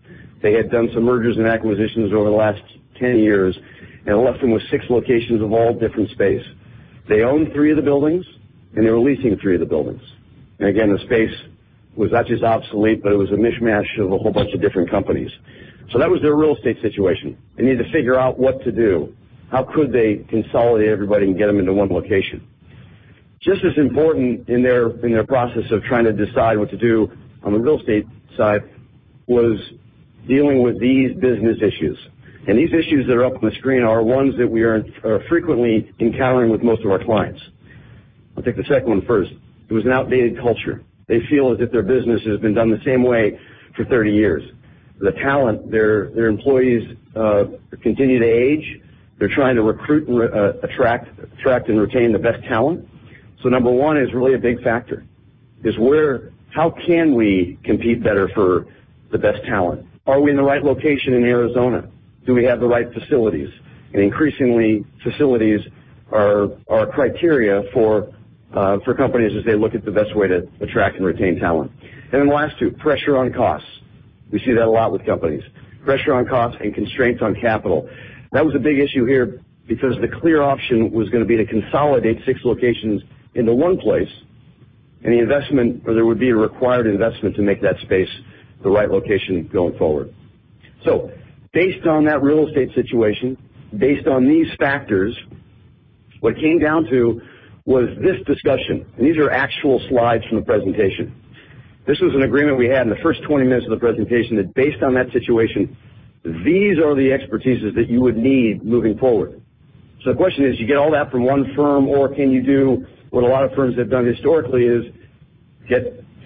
They had done some mergers and acquisitions over the last 10 years and left them with six locations of all different space. They owned three of the buildings, they were leasing three of the buildings. Again, the space was not just obsolete, but it was a mishmash of a whole bunch of different companies. That was their real estate situation. They needed to figure what to do. How could they consolidate everybody and get them into one location? Just as important in their process of trying to decide what to do on the real estate side was dealing with these business issues. These issues that are up on the screen are ones that we are frequently encountering with most of our clients. I'll take the second one first. It was an outdated culture. They feel as if their business has been done the same way for 30 years. The talent, their employees, continue to age. They're trying to recruit, attract, and retain the best talent. number 1 is really a big factor, is how can we compete better for the best talent? Are we in the right location in Arizona? Do we have the right facilities? Increasingly, facilities are a criteria for companies as they look at the best way to attract and retain talent. Then the last 2, pressure on costs. We see that a lot with companies. Pressure on costs and constraints on capital. That was a big issue here because the clear option was going to be to consolidate 6 locations into one place, and there would be a required investment to make that space the right location going forward. Based on that real estate situation, based on these factors, what it came down to was this discussion. These are actual slides from the presentation. This was an agreement we had in the first 20 minutes of the presentation that based on that situation, these are the expertises that you would need moving forward. The question is, you get all that from one firm or can you do what a lot of firms have done historically is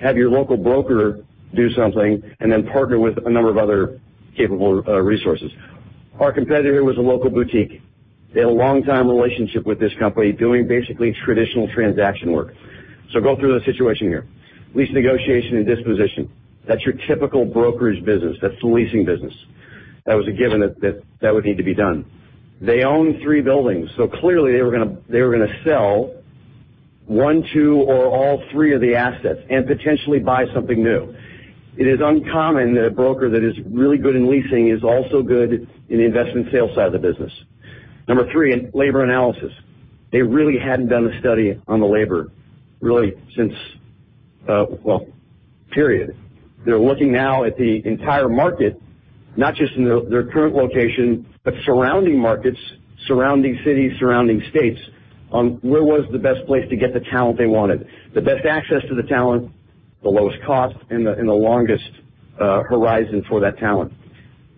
have your local broker do something and then partner with a number of other capable resources. Our competitor here was a local boutique. They had a long-time relationship with this company, doing basically traditional transaction work. Go through the situation here. Lease negotiation and disposition. That's your typical brokerage business. That's the leasing business. That was a given that that would need to be done. They own 3 buildings. Clearly they were going to sell one, two, or all three of the assets and potentially buy something new. It is uncommon that a broker that is really good in leasing is also good in the investment sales side of the business. Number 3, labor analysis. They really hadn't done a study on the labor really since, well, period. They're looking now at the entire market, not just in their current location, but surrounding markets, surrounding cities, surrounding states on where was the best place to get the talent they wanted, the best access to the talent, the lowest cost, and the longest horizon for that talent.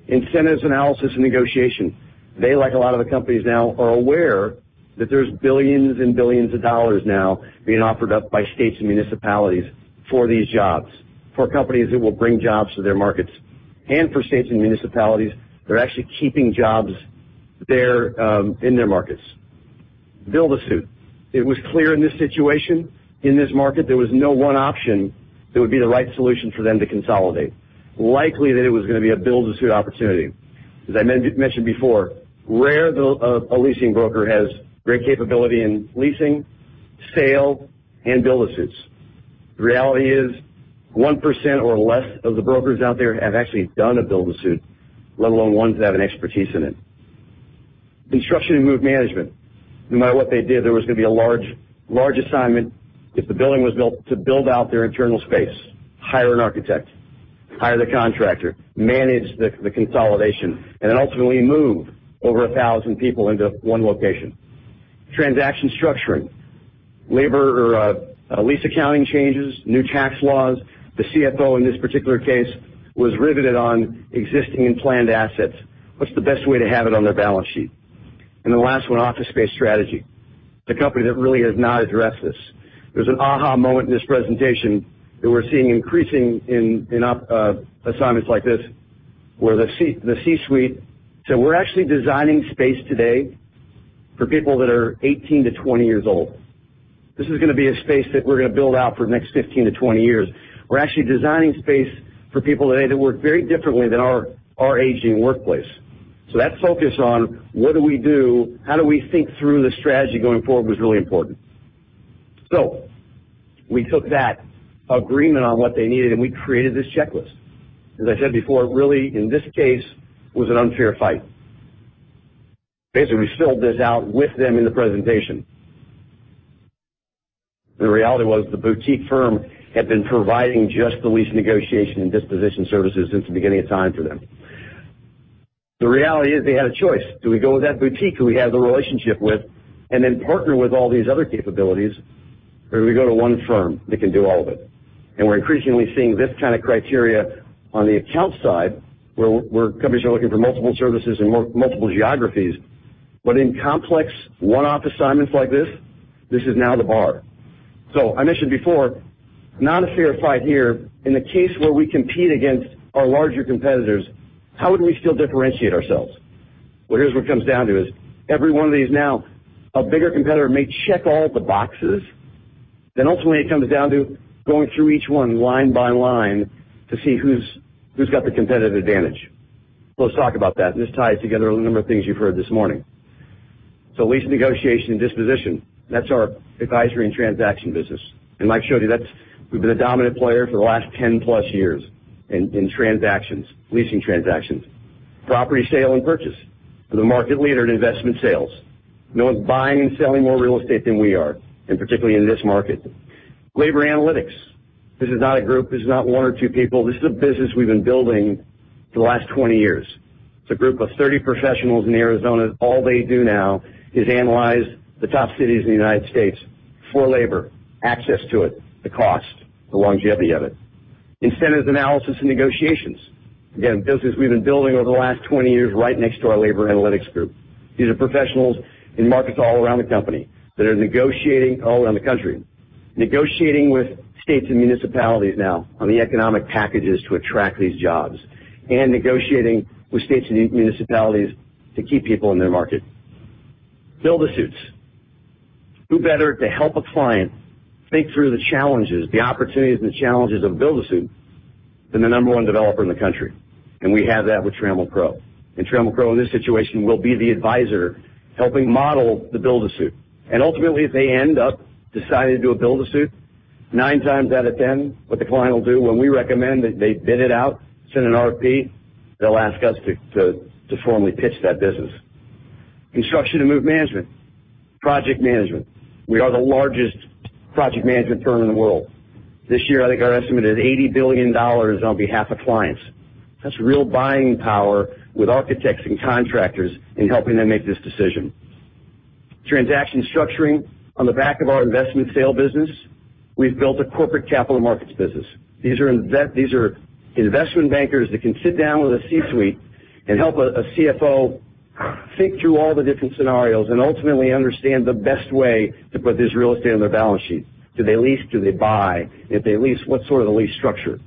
Incentives analysis and negotiation. They, like a lot of the companies now, are aware that there's billions and billions of dollars now being offered up by states and municipalities for these jobs, for companies that will bring jobs to their markets. For states and municipalities, they're actually keeping jobs there in their markets. Build-to-suit. It was clear in this situation, in this market, there was no one option that would be the right solution for them to consolidate. Likely that it was going to be a build-to-suit opportunity. As I mentioned before, rare a leasing broker has great capability in leasing, sale, and build-to-suits. The reality is 1% or less of the brokers out there have actually done a build-to-suit, let alone ones that have an expertise in it. Construction and move management. No matter what they did, there was going to be a large assignment if the building was built to build out their internal space, hire an architect, hire the contractor, manage the consolidation, and then ultimately move over 1,000 people into one location. Transaction structuring. Lease accounting changes, new tax laws. The CFO in this particular case was riveted on existing and planned assets. What's the best way to have it on their balance sheet? The last one, office space strategy. It's a company that really has not addressed this. There's an aha moment in this presentation that we're seeing increasing in assignments like this, where the C-suite said, "We're actually designing space today for people that are 18 to 20 years old. This is going to be a space that we're going to build out for the next 15 to 20 years. We're actually designing space for people today that work very differently than our aging workplace." That focus on what do we do, how do we think through the strategy going forward was really important. We took that agreement on what they needed, and we created this checklist. As I said before, really, in this case, was an unfair fight. Basically, we filled this out with them in the presentation. The reality was the boutique firm had been providing just the lease negotiation and disposition services since the beginning of time for them. The reality is they had a choice. Do we go with that boutique who we have the relationship with and then partner with all these other capabilities? Or do we go to one firm that can do all of it? We're increasingly seeing this kind of criteria on the account side, where companies are looking for multiple services and multiple geographies. In complex one-off assignments like this is now the bar. I mentioned before, not a fair fight here. In the case where we compete against our larger competitors, how would we still differentiate ourselves? Here's what it comes down to is every one of these now, a bigger competitor may check all the boxes. Ultimately it comes down to going through each one line by line to see who's got the competitive advantage. Let's talk about that, this ties together a number of things you've heard this morning. Lease negotiation and disposition, that's our Advisory & Transaction business. Mike showed you, we've been a dominant player for the last 10 plus years in leasing transactions. Property sale and purchase. We're the market leader in investment sales. No one's buying and selling more real estate than we are, and particularly in this market. Labor analytics. This is not a group. This is not one or two people. This is a business we've been building for the last 20 years. It's a group of 30 professionals in Arizona. All they do now is analyze the top cities in the U.S. for labor, access to it, the cost, the longevity of it. Incentives analysis and negotiations. Business we've been building over the last 20 years right next to our labor analytics group. These are professionals in markets all around the country that are negotiating with states and municipalities now on the economic packages to attract these jobs and negotiating with states and municipalities to keep people in their market. Build-to-suits. Who better to help a client think through the opportunities and the challenges of build-to-suit than the number 1 developer in the country? We have that with Trammell Crow. Trammell Crow, in this situation, will be the advisor helping model the build-to-suit. Ultimately, if they end up deciding to do a build-to-suit, nine times out of 10, what the client will do when we recommend that they bid it out, send an RFP, they'll ask us to formally pitch that business. Construction and move management, project management. We are the largest project management firm in the world. This year, I think our estimate is $80 billion on behalf of clients. That's real buying power with architects and contractors in helping them make this decision. Transaction structuring. On the back of our investment sale business, we've built a corporate capital markets business. These are investment bankers that can sit down with a C-suite and help a CFO think through all the different scenarios and ultimately understand the best way to put this real estate on their balance sheet. Do they lease? Do they buy? If they lease, what sort of lease structure?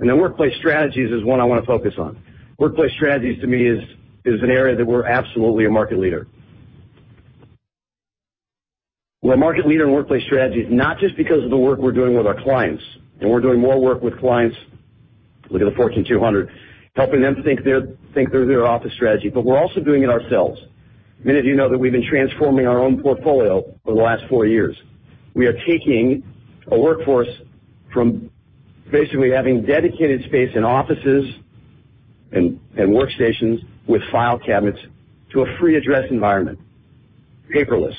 Workplace strategies is one I want to focus on. Workplace strategies, to me, is an area that we're absolutely a market leader. We're a market leader in workplace strategies, not just because of the work we're doing with our clients, and we're doing more work with clients, look at the Fortune 200, helping them think through their office strategy, but we're also doing it ourselves. Many of you know that we've been transforming our own portfolio over the last four years. We are taking a workforce from basically having dedicated space in offices and workstations with file cabinets to a free address environment, paperless.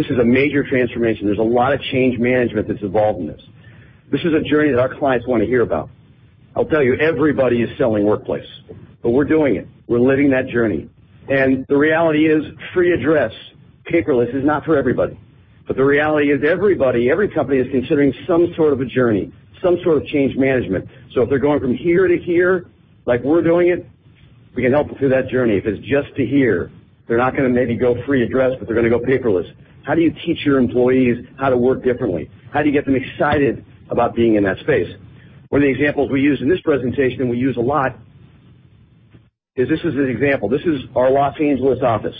This is a major transformation. There's a lot of change management that's involved in this. This is a journey that our clients want to hear about. I'll tell you, everybody is selling workplace, but we're doing it. We're living that journey. The reality is, free address, paperless is not for everybody. The reality is everybody, every company is considering some sort of a journey, some sort of change management. If they're going from here to here, like we're doing it, we can help them through that journey. If it's just to here, they're not going to maybe go free address, but they're going to go paperless. How do you teach your employees how to work differently? How do you get them excited about being in that space? One of the examples we use in this presentation, and we use a lot, is this is an example. This is our Los Angeles office.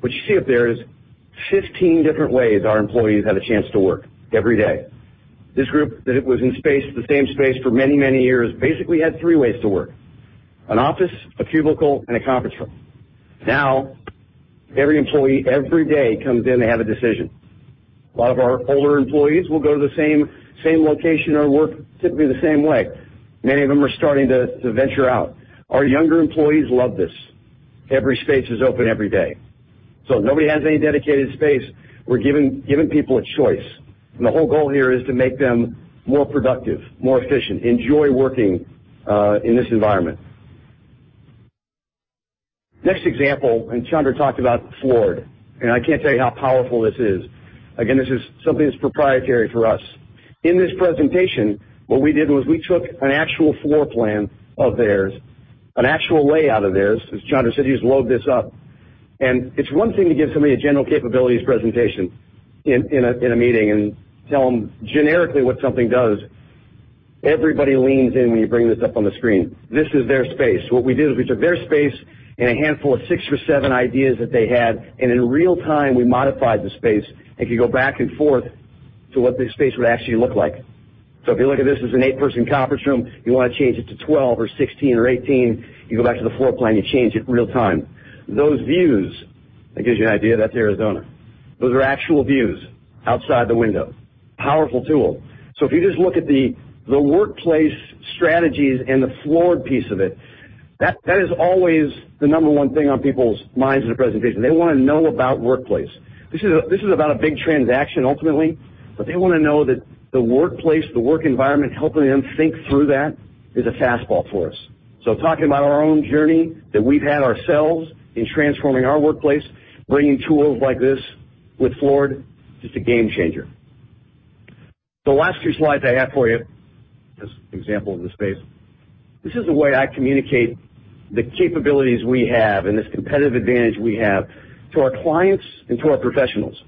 What you see up there is 15 different ways our employees have a chance to work every day. This group that was in the same space for many, many years basically had three ways to work: an office, a cubicle, and a conference room. Every employee, every day comes in, they have a decision. A lot of our older employees will go to the same location or work typically the same way. Many of them are starting to venture out. Our younger employees love this. Every space is open every day. Nobody has any dedicated space. We're giving people a choice, and the whole goal here is to make them more productive, more efficient, enjoy working in this environment. Next example, Chandra talked about Floored, and I can't tell you how powerful this is. Again, this is something that's proprietary for us. In this presentation, what we did was we took an actual floor plan of theirs, an actual layout of theirs, as Chandra said, he's loaded this up. It's one thing to give somebody a general capabilities presentation in a meeting and tell them generically what something does. Everybody leans in when you bring this up on the screen. This is their space. What we did is we took their space and a handful of six or seven ideas that they had, and in real-time, we modified the space. It could go back and forth to what the space would actually look like. If you look at this as an eight-person conference room, you want to change it to 12 or 16 or 18, you go back to the floor plan, you change it real-time. Those views, that gives you an idea, that's Arizona. Those are actual views outside the window. Powerful tool. If you just look at the workplace strategies and the Floored piece of it, that is always the number one thing on people's minds in a presentation. They want to know about workplace. This is about a big transaction ultimately, but they want to know that the workplace, the work environment, helping them think through that is a fastball for us. Talking about our own journey that we've had ourselves in transforming our workplace, bringing tools like this with Floored, just a game changer. The last few slides I have for you, as an example in the space. This is the way I communicate the capabilities we have and this competitive advantage we have to our clients and to our professionals.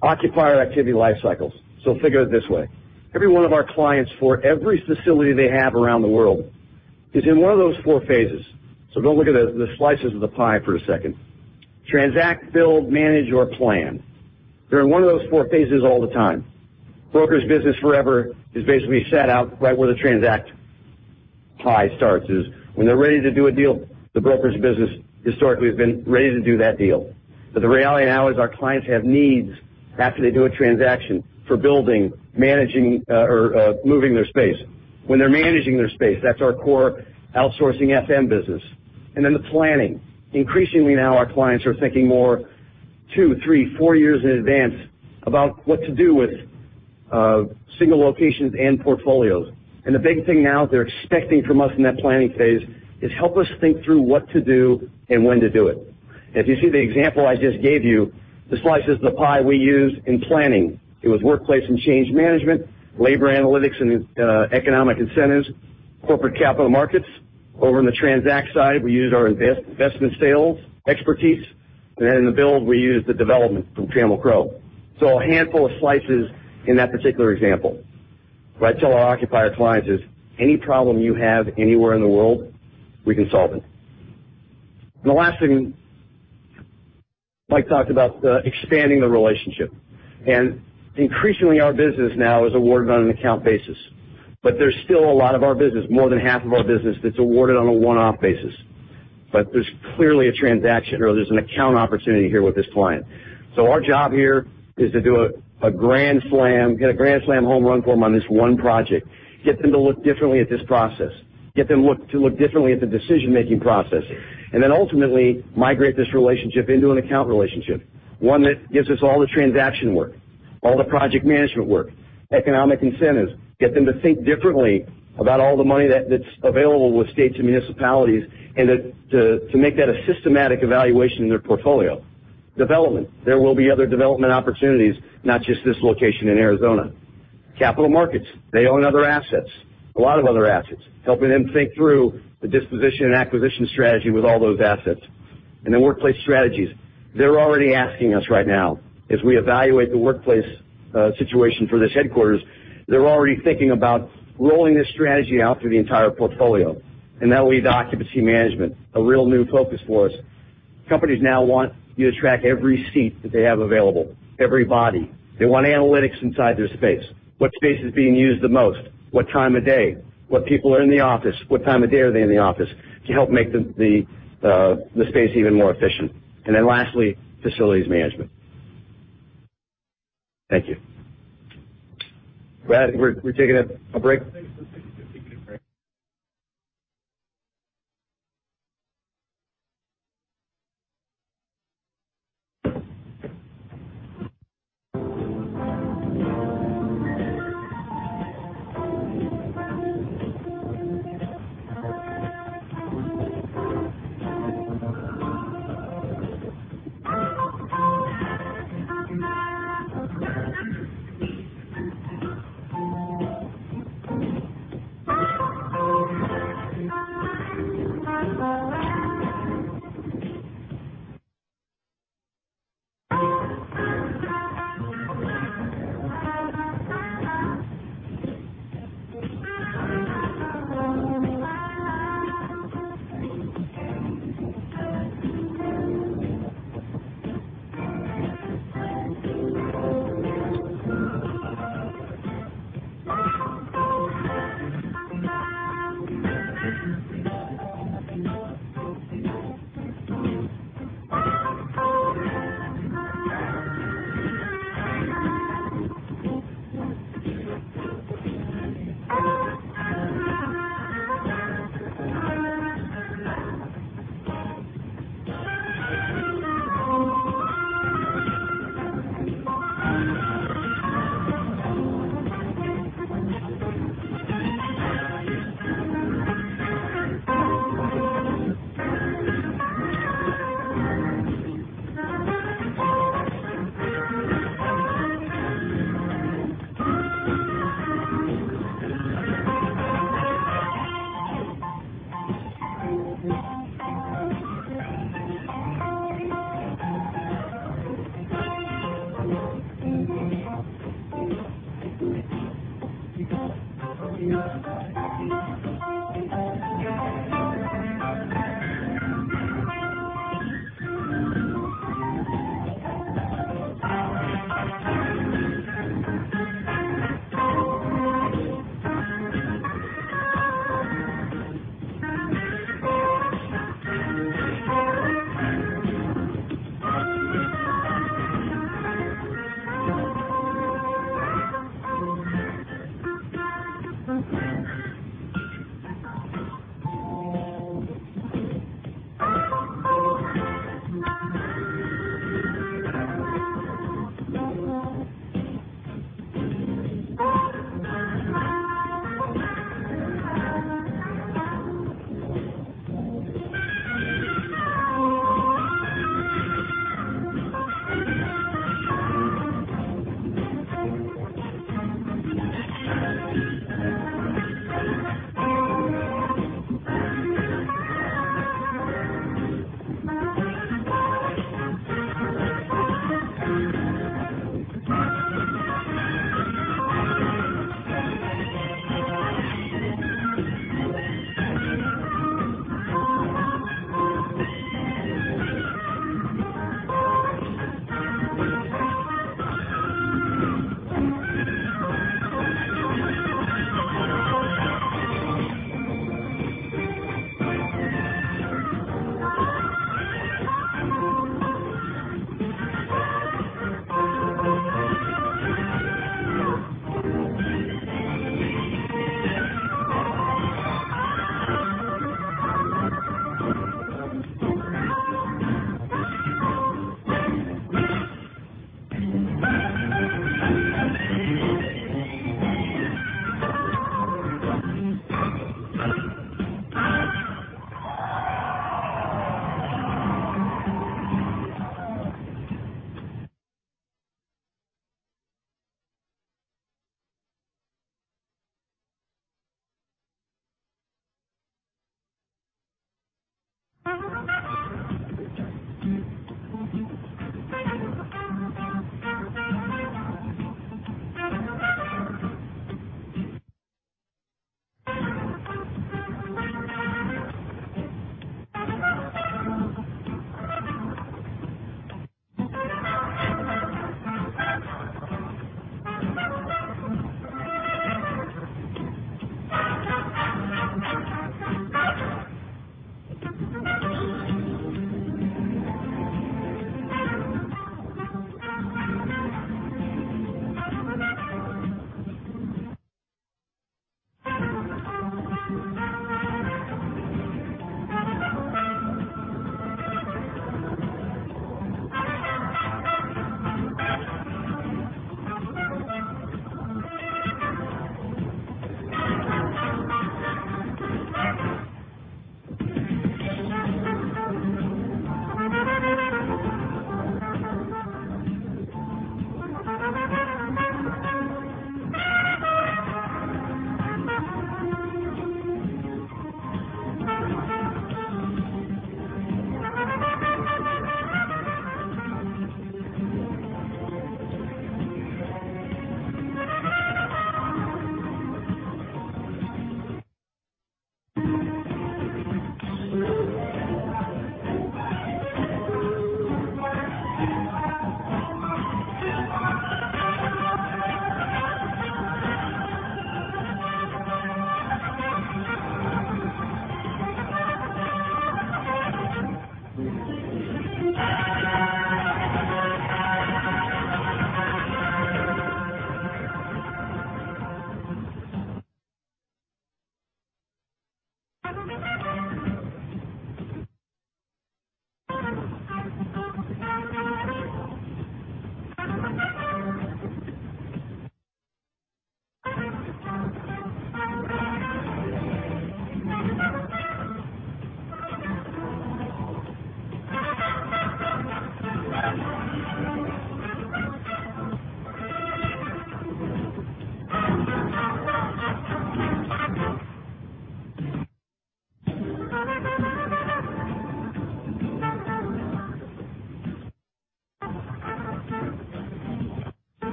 Occupier activity life cycles. Think of it this way. Every one of our clients for every facility they have around the world is in one of those four phases. Go look at the slices of the pie for a second. Transact, build, manage, or plan. They're in one of those four phases all the time. Brokers business forever is basically set out right where the transact pie starts is when they're ready to do a deal, the brokers business historically has been ready to do that deal. The reality now is our clients have needs after they do a transaction for building, managing, or moving their space. When they're managing their space, that's our core outsourcing FM business. The planning. Increasingly now, our clients are thinking more two, three, four years in advance about what to do with single locations and portfolios. The big thing now they're expecting from us in that planning phase is help us think through what to do and when to do it. If you see the example I just gave you, the slices of the pie we used in planning. It was workplace and change management, labor analytics and economic incentives, corporate capital markets. Over in the transact side, we used our investment sales expertise. Then in the build, we used the development from Trammell Crow. A handful of slices in that particular example. What I tell our occupier clients is, any problem you have anywhere in the world, we can solve it. The last thing Mike talked about, expanding the relationship. Increasingly, our business now is awarded on an account basis. There's still a lot of our business, more than half of our business, that's awarded on a one-off basis. There's clearly a transaction or there's an account opportunity here with this client. Our job here is to do a grand slam, hit a grand slam home run for them on this one project. Get them to look differently at this process, get them to look differently at the decision-making process, and then ultimately migrate this relationship into an account relationship. One that gives us all the transaction work, all the project management work, economic incentives, get them to think differently about all the money that's available with states and municipalities, and to make that a systematic evaluation in their portfolio. Development. There will be other development opportunities, not just this location in Arizona. Capital markets. They own other assets, a lot of other assets. Helping them think through the disposition and acquisition strategy with all those assets. Workplace strategies. They're already asking us right now as we evaluate the workplace situation for this headquarters. They're already thinking about rolling this strategy out through the entire portfolio. That leads to occupancy management, a real new focus for us. Companies now want you to track every seat that they have available, every body. They want analytics inside their space. What space is being used the most? What time of day? What people are in the office? What time of day are they in the office? To help make the space even more efficient. Lastly, facilities management. Thank you. Brad, we're taking a break?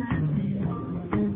Thanks. Let's take a break.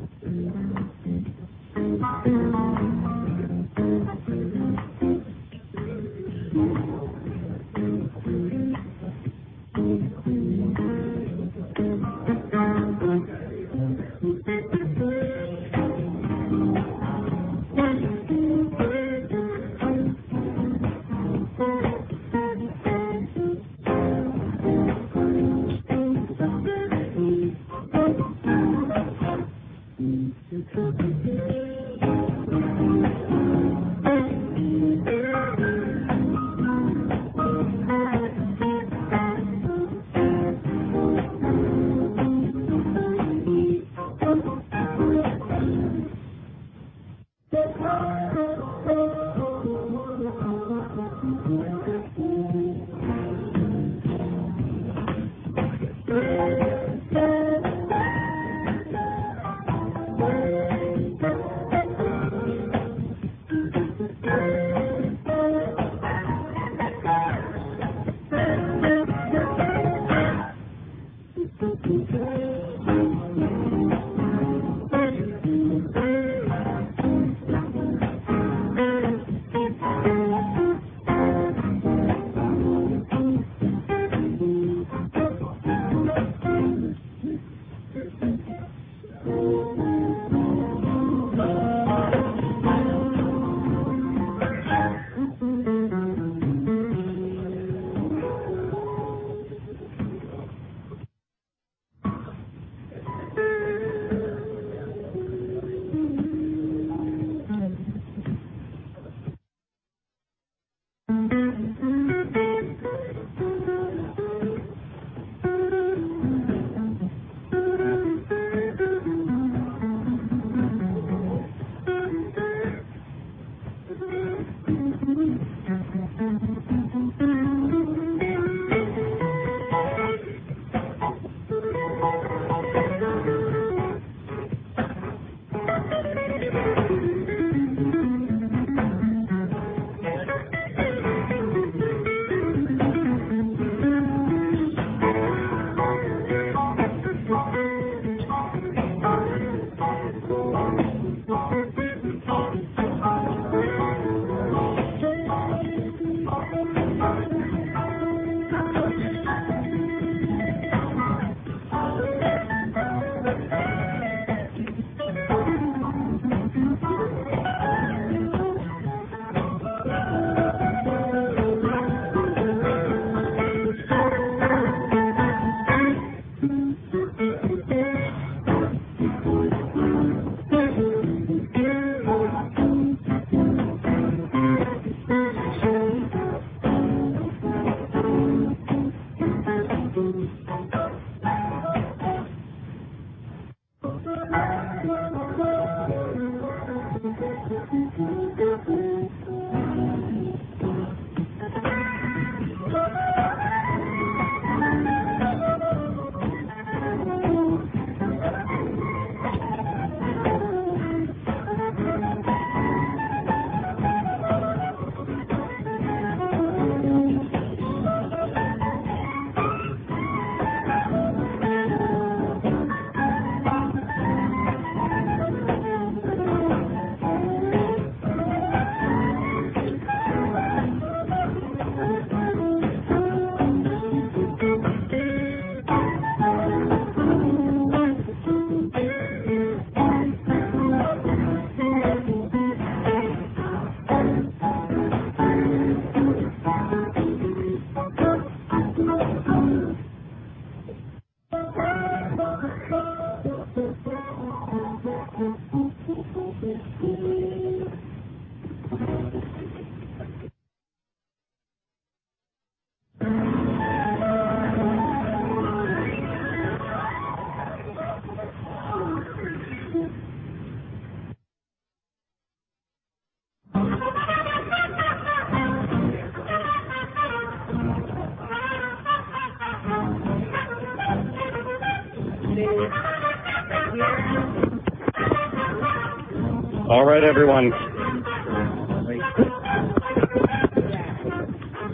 All right, everyone.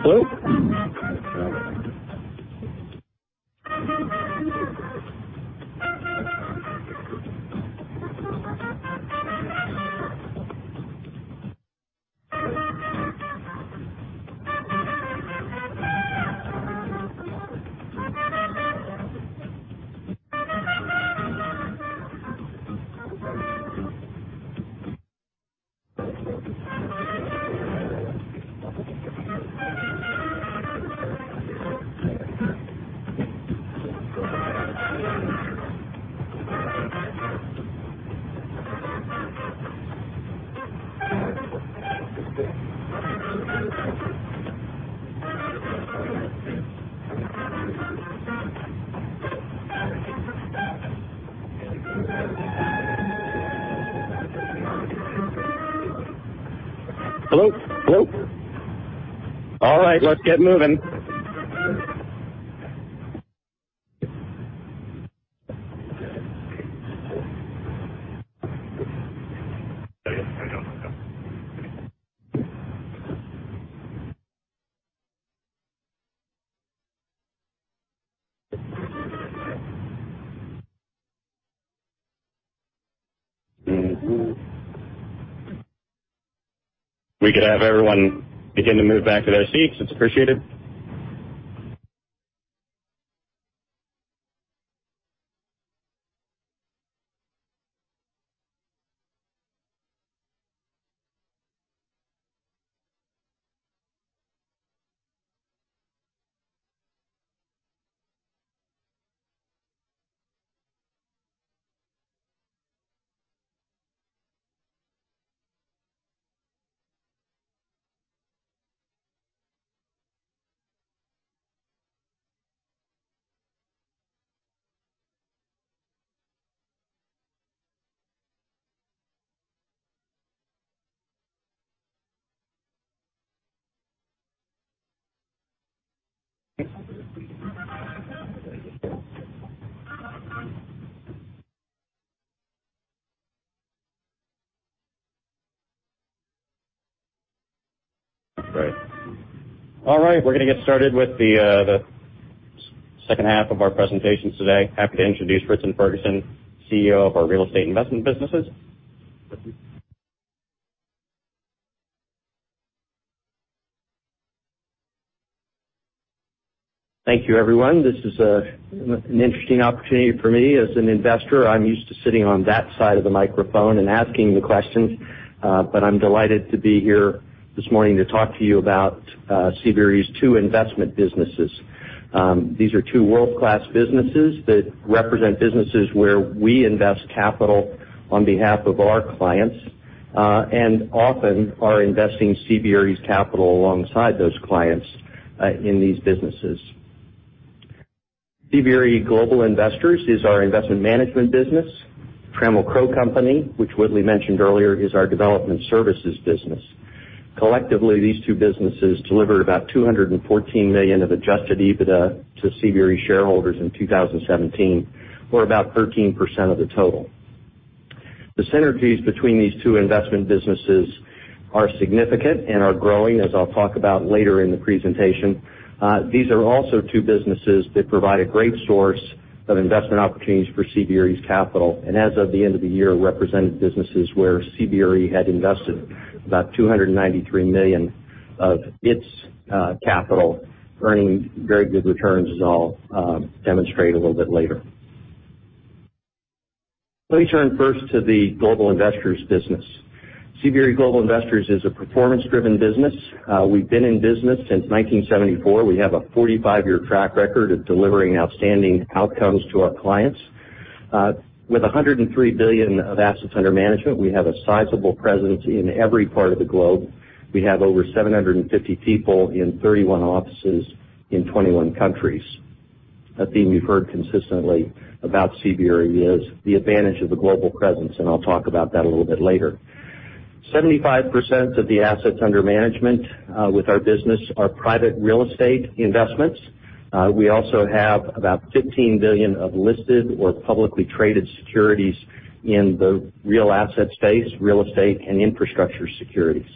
Hello? Hello? Hello? All right, let's get moving. If we could have everyone begin to move back to their seats, it's appreciated. All right. We're going to get started with the second half of our presentations today. Happy to introduce Ritson Ferguson, CEO of our Real Estate Investment Businesses. Thank you. Thank you, everyone. This is an interesting opportunity for me as an investor. I'm used to sitting on that side of the microphone and asking the questions. I'm delighted to be here this morning to talk to you about CBRE's two investment businesses. These are two world-class businesses that represent businesses where we invest capital on behalf of our clients, and often are investing CBRE's capital alongside those clients in these businesses. CBRE Global Investors is our investment management business. Trammell Crow Company, which Whitley mentioned earlier, is our development services business. Collectively, these two businesses delivered about $214 million of adjusted EBITDA to CBRE shareholders in 2017, or about 13% of the total. The synergies between these two investment businesses are significant and are growing, as I'll talk about later in the presentation. These are also two businesses that provide a great source of investment opportunities for CBRE's capital, and as of the end of the year, represented businesses where CBRE had invested about $293 million of its capital, earning very good returns, as I'll demonstrate a little bit later. Let me turn first to the Global Investors business. CBRE Global Investors is a performance-driven business. We've been in business since 1974. We have a 45-year track record of delivering outstanding outcomes to our clients. With $103 billion of assets under management, we have a sizable presence in every part of the globe. We have over 750 people in 31 offices in 21 countries. A theme you've heard consistently about CBRE is the advantage of the global presence, and I'll talk about that a little bit later. 75% of the assets under management with our business are private real estate investments. We also have about $15 billion of listed or publicly traded securities in the real asset space, real estate, and infrastructure securities.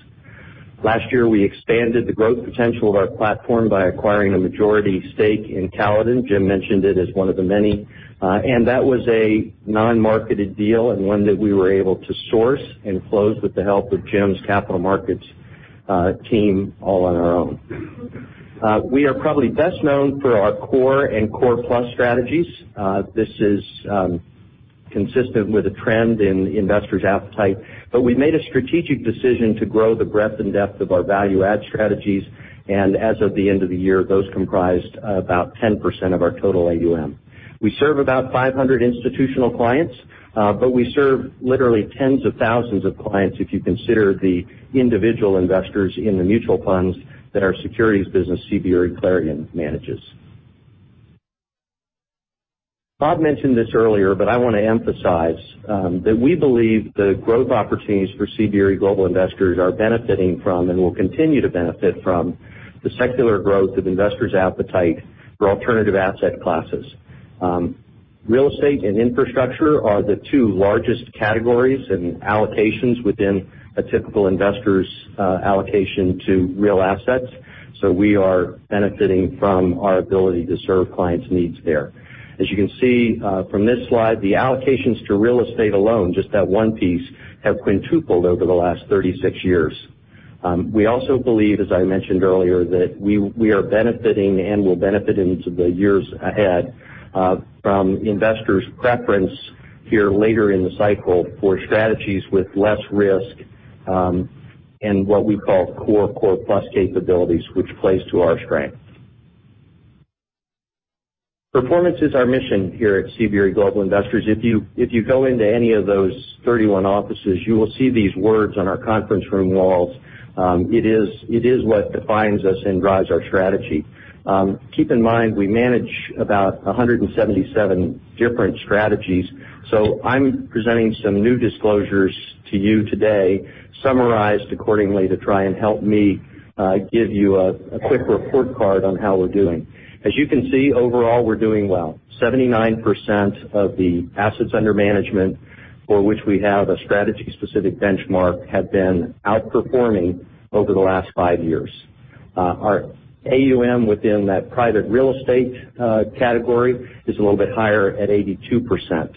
Last year, we expanded the growth potential of our platform by acquiring a majority stake in Caledon. Jim mentioned it as one of the many. That was a non-marketed deal and one that we were able to source and close with the help of Jim's capital markets team all on our own. We are probably best known for our core and core plus strategies. This is consistent with the trend in investors' appetite. We made a strategic decision to grow the breadth and depth of our value add strategies, and as of the end of the year, those comprised about 10% of our total AUM. We serve about 500 institutional clients, we serve literally tens of thousands of clients if you consider the individual investors in the mutual funds that our securities business, CBRE Clarion, manages. Bob mentioned this earlier, I want to emphasize that we believe the growth opportunities for CBRE Global Investors are benefiting from, and will continue to benefit from, the secular growth of investors' appetite for alternative asset classes. Real estate and infrastructure are the two largest categories and allocations within a typical investor's allocation to real assets. We are benefiting from our ability to serve clients' needs there. As you can see from this slide, the allocations to real estate alone, just that one piece, have quintupled over the last 36 years. We also believe, as I mentioned earlier, that we are benefiting, and will benefit into the years ahead, from investors' preference here later in the cycle for strategies with less risk in what we call core plus capabilities, which plays to our strength. Performance is our mission here at CBRE Global Investors. If you go into any of those 31 offices, you will see these words on our conference room walls. It is what defines us and drives our strategy. Keep in mind, we manage about 177 different strategies. I'm presenting some new disclosures to you today, summarized accordingly to try and help me give you a quick report card on how we're doing. As you can see, overall, we're doing well. 79% of the assets under management for which we have a strategy-specific benchmark have been outperforming over the last 5 years. Our AUM within that private real estate category is a little bit higher at 82%.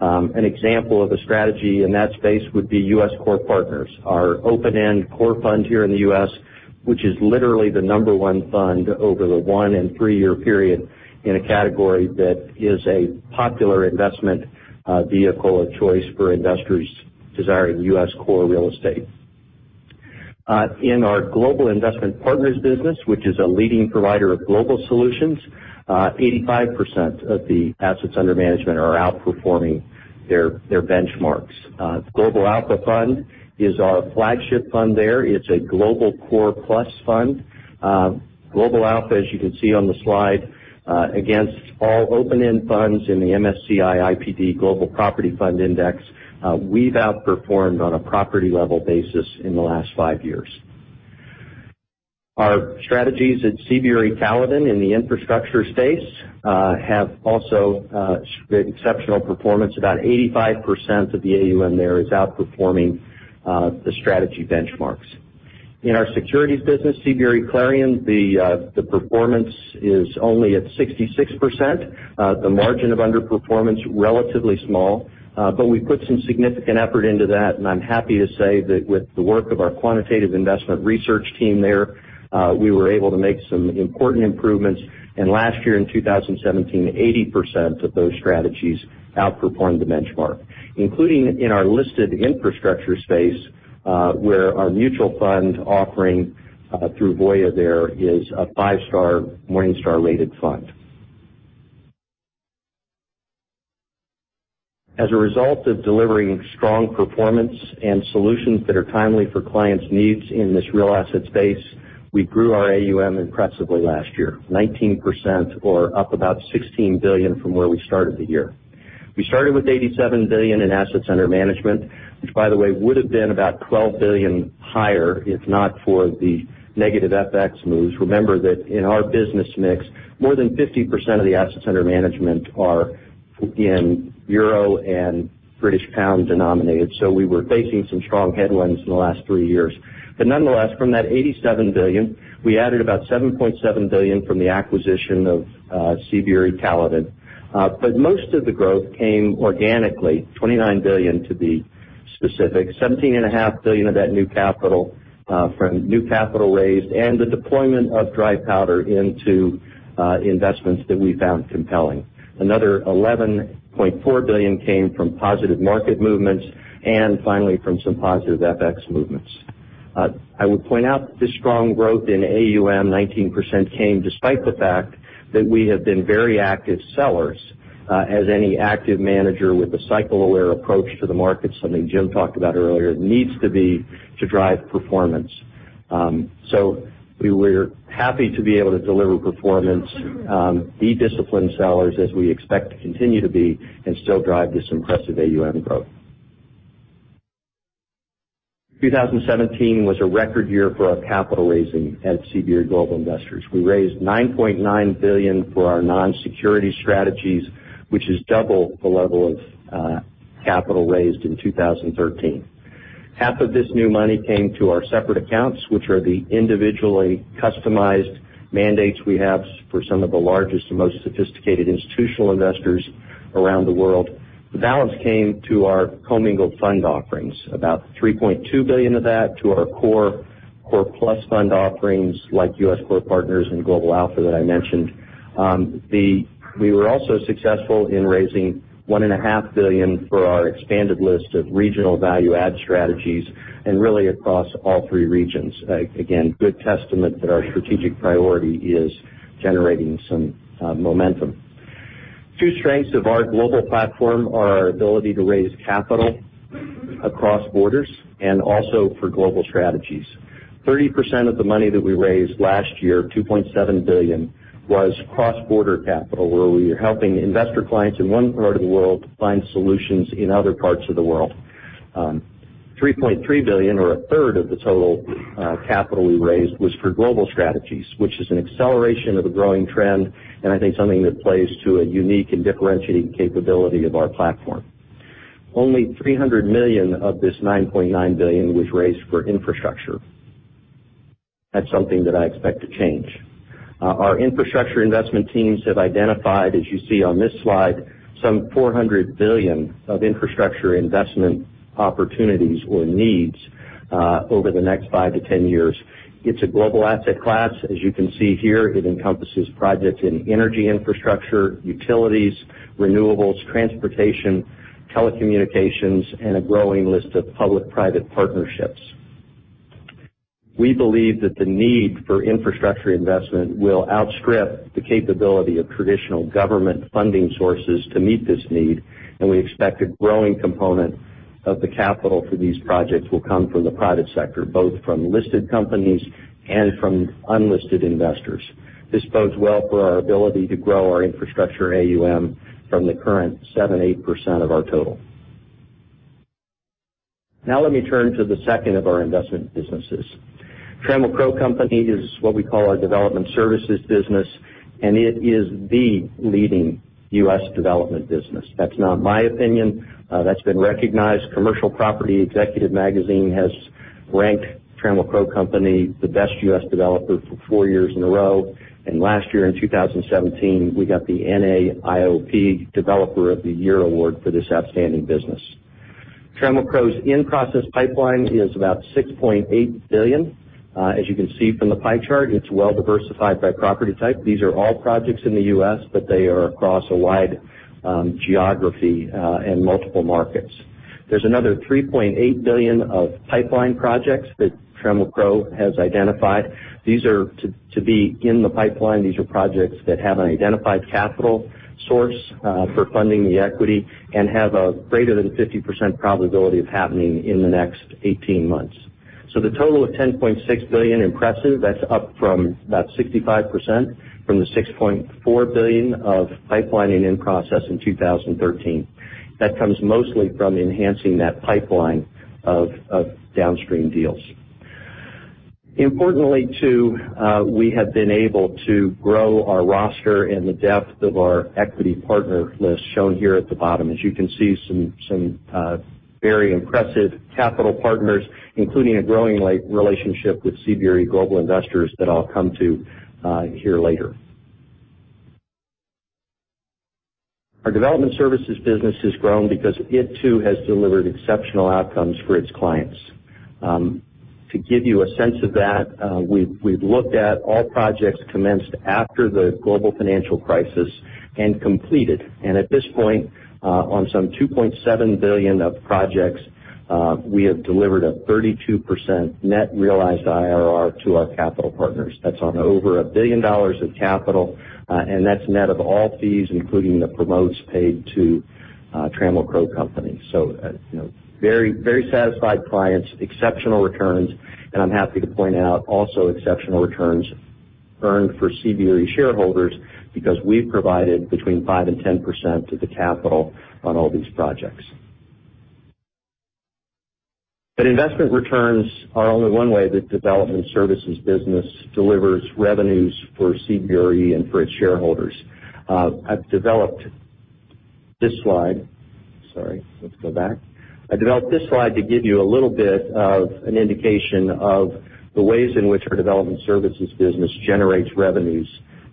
An example of a strategy in that space would be US Core Partners, our open-end core fund here in the U.S., which is literally the number 1 fund over the 1 and 3-year period in a category that is a popular investment vehicle of choice for investors desiring U.S. core real estate. In our Global Investment Partners business, which is a leading provider of global solutions, 85% of the assets under management are outperforming their benchmarks. Global Alpha Fund is our flagship fund there. It's a global core plus fund. Global Alpha, as you can see on the slide, against all open-end funds in the MSCI IPD Global Property Fund Index, we've outperformed on a property-level basis in the last 5 years. Our strategies at CBRE Caledon in the infrastructure space have also exceptional performance. About 85% of the AUM there is outperforming the strategy benchmarks. In our securities business, CBRE Clarion, the performance is only at 66%. The margin of underperformance is relatively small. We put some significant effort into that, and I'm happy to say that with the work of our quantitative investment research team there, we were able to make some important improvements, and last year in 2017, 80% of those strategies outperformed the benchmark, including in our listed infrastructure space, where our mutual fund offering through Voya there is a 5-star Morningstar-rated fund. As a result of delivering strong performance and solutions that are timely for clients' needs in this real asset space, we grew our AUM impressively last year, 19%, or up about $16 billion from where we started the year. We started with $87 billion in assets under management, which by the way, would have been about $12 billion higher if not for the negative FX moves. Remember that in our business mix, more than 50% of the assets under management are in EUR and GBP denominated. We were facing some strong headwinds in the last 3 years. Nonetheless, from that $87 billion, we added about $7.7 billion from the acquisition of CBRE Caledon. Most of the growth came organically, $29 billion, to be specific, $17.5 billion of that new capital from new capital raised, and the deployment of dry powder into investments that we found compelling. Another $11.4 billion came from positive market movements, and finally, from some positive FX movements. I would point out that this strong growth in AUM, 19%, came despite the fact that we have been very active sellers as any active manager with a cycle-aware approach to the market, something Jim talked about earlier, needs to be to drive performance. We're happy to be able to deliver performance, be disciplined sellers, as we expect to continue to be, and still drive this impressive AUM growth. 2017 was a record year for our capital raising at CBRE Global Investors. We raised $9.9 billion for our non-security strategies, which is double the level of capital raised in 2013. Half of this new money came to our separate accounts, which are the individually customized mandates we have for some of the largest and most sophisticated institutional investors around the world. The balance came to our commingled fund offerings. About $3.2 billion of that to our core plus fund offerings, like US Core Partners and Global Alpha that I mentioned. We were also successful in raising $1.5 billion for our expanded list of regional value add strategies and really across all three regions. Again, good testament that our strategic priority is generating some momentum. Two strengths of our global platform are our ability to raise capital across borders and also for global strategies. 30% of the money that we raised last year, $2.7 billion, was cross-border capital, where we are helping investor clients in one part of the world find solutions in other parts of the world. $3.3 billion or a third of the total capital we raised was for global strategies, which is an acceleration of a growing trend, and I think something that plays to a unique and differentiating capability of our platform. Only $300 million of this $9.9 billion was raised for infrastructure. That's something that I expect to change. Our infrastructure investment teams have identified, as you see on this slide, some $400 billion of infrastructure investment opportunities or needs over the next five to 10 years. It's a global asset class. As you can see here, it encompasses projects in energy infrastructure, utilities, renewables, transportation, telecommunications, and a growing list of public-private partnerships. We believe that the need for infrastructure investment will outstrip the capability of traditional government funding sources to meet this need, and we expect a growing component of the capital for these projects will come from the private sector, both from listed companies and from unlisted investors. This bodes well for our ability to grow our infrastructure AUM from the current 7%, 8% of our total. Let me turn to the second of our investment businesses. Trammell Crow Company is what we call our development services business, and it is the leading U.S. development business. That's not my opinion. That's been recognized. Commercial Property Executive magazine has ranked Trammell Crow Company the best U.S. developer for four years in a row. Last year, in 2017, we got the NAIOP Developer of the Year award for this outstanding business. Trammell Crow's in-process pipeline is about $6.8 billion. As you can see from the pie chart, it's well diversified by property type. These are all projects in the U.S., but they are across a wide geography and multiple markets. There's another $3.8 billion of pipeline projects that Trammell Crow has identified. These are to be in the pipeline. These are projects that have an identified capital source for funding the equity and have a greater than 50% probability of happening in the next 18 months. The total of $10.6 billion, impressive. That is up about 65% from the $6.4 billion of pipeline and in-process in 2013. That comes mostly from enhancing that pipeline of downstream deals. Importantly, too, we have been able to grow our roster and the depth of our equity partner list, shown here at the bottom. As you can see, some very impressive capital partners, including a growing relationship with CBRE Global Investors that I will come to here later. Our development services business has grown because it too has delivered exceptional outcomes for its clients. To give you a sense of that, we have looked at all projects commenced after the global financial crisis and completed. And at this point, on some $2.7 billion of projects, we have delivered a 32% net realized IRR to our capital partners. That is on over $1 billion of capital, and that is net of all fees, including the promotes paid to Trammell Crow Company. Very satisfied clients, exceptional returns, and I am happy to point out also exceptional returns earned for CBRE shareholders because we have provided between 5% and 10% of the capital on all these projects. Investment returns are only one way the development services business delivers revenues for CBRE and for its shareholders. I have developed this slide. Sorry, let's go back. I developed this slide to give you a little bit of an indication of the ways in which our development services business generates revenues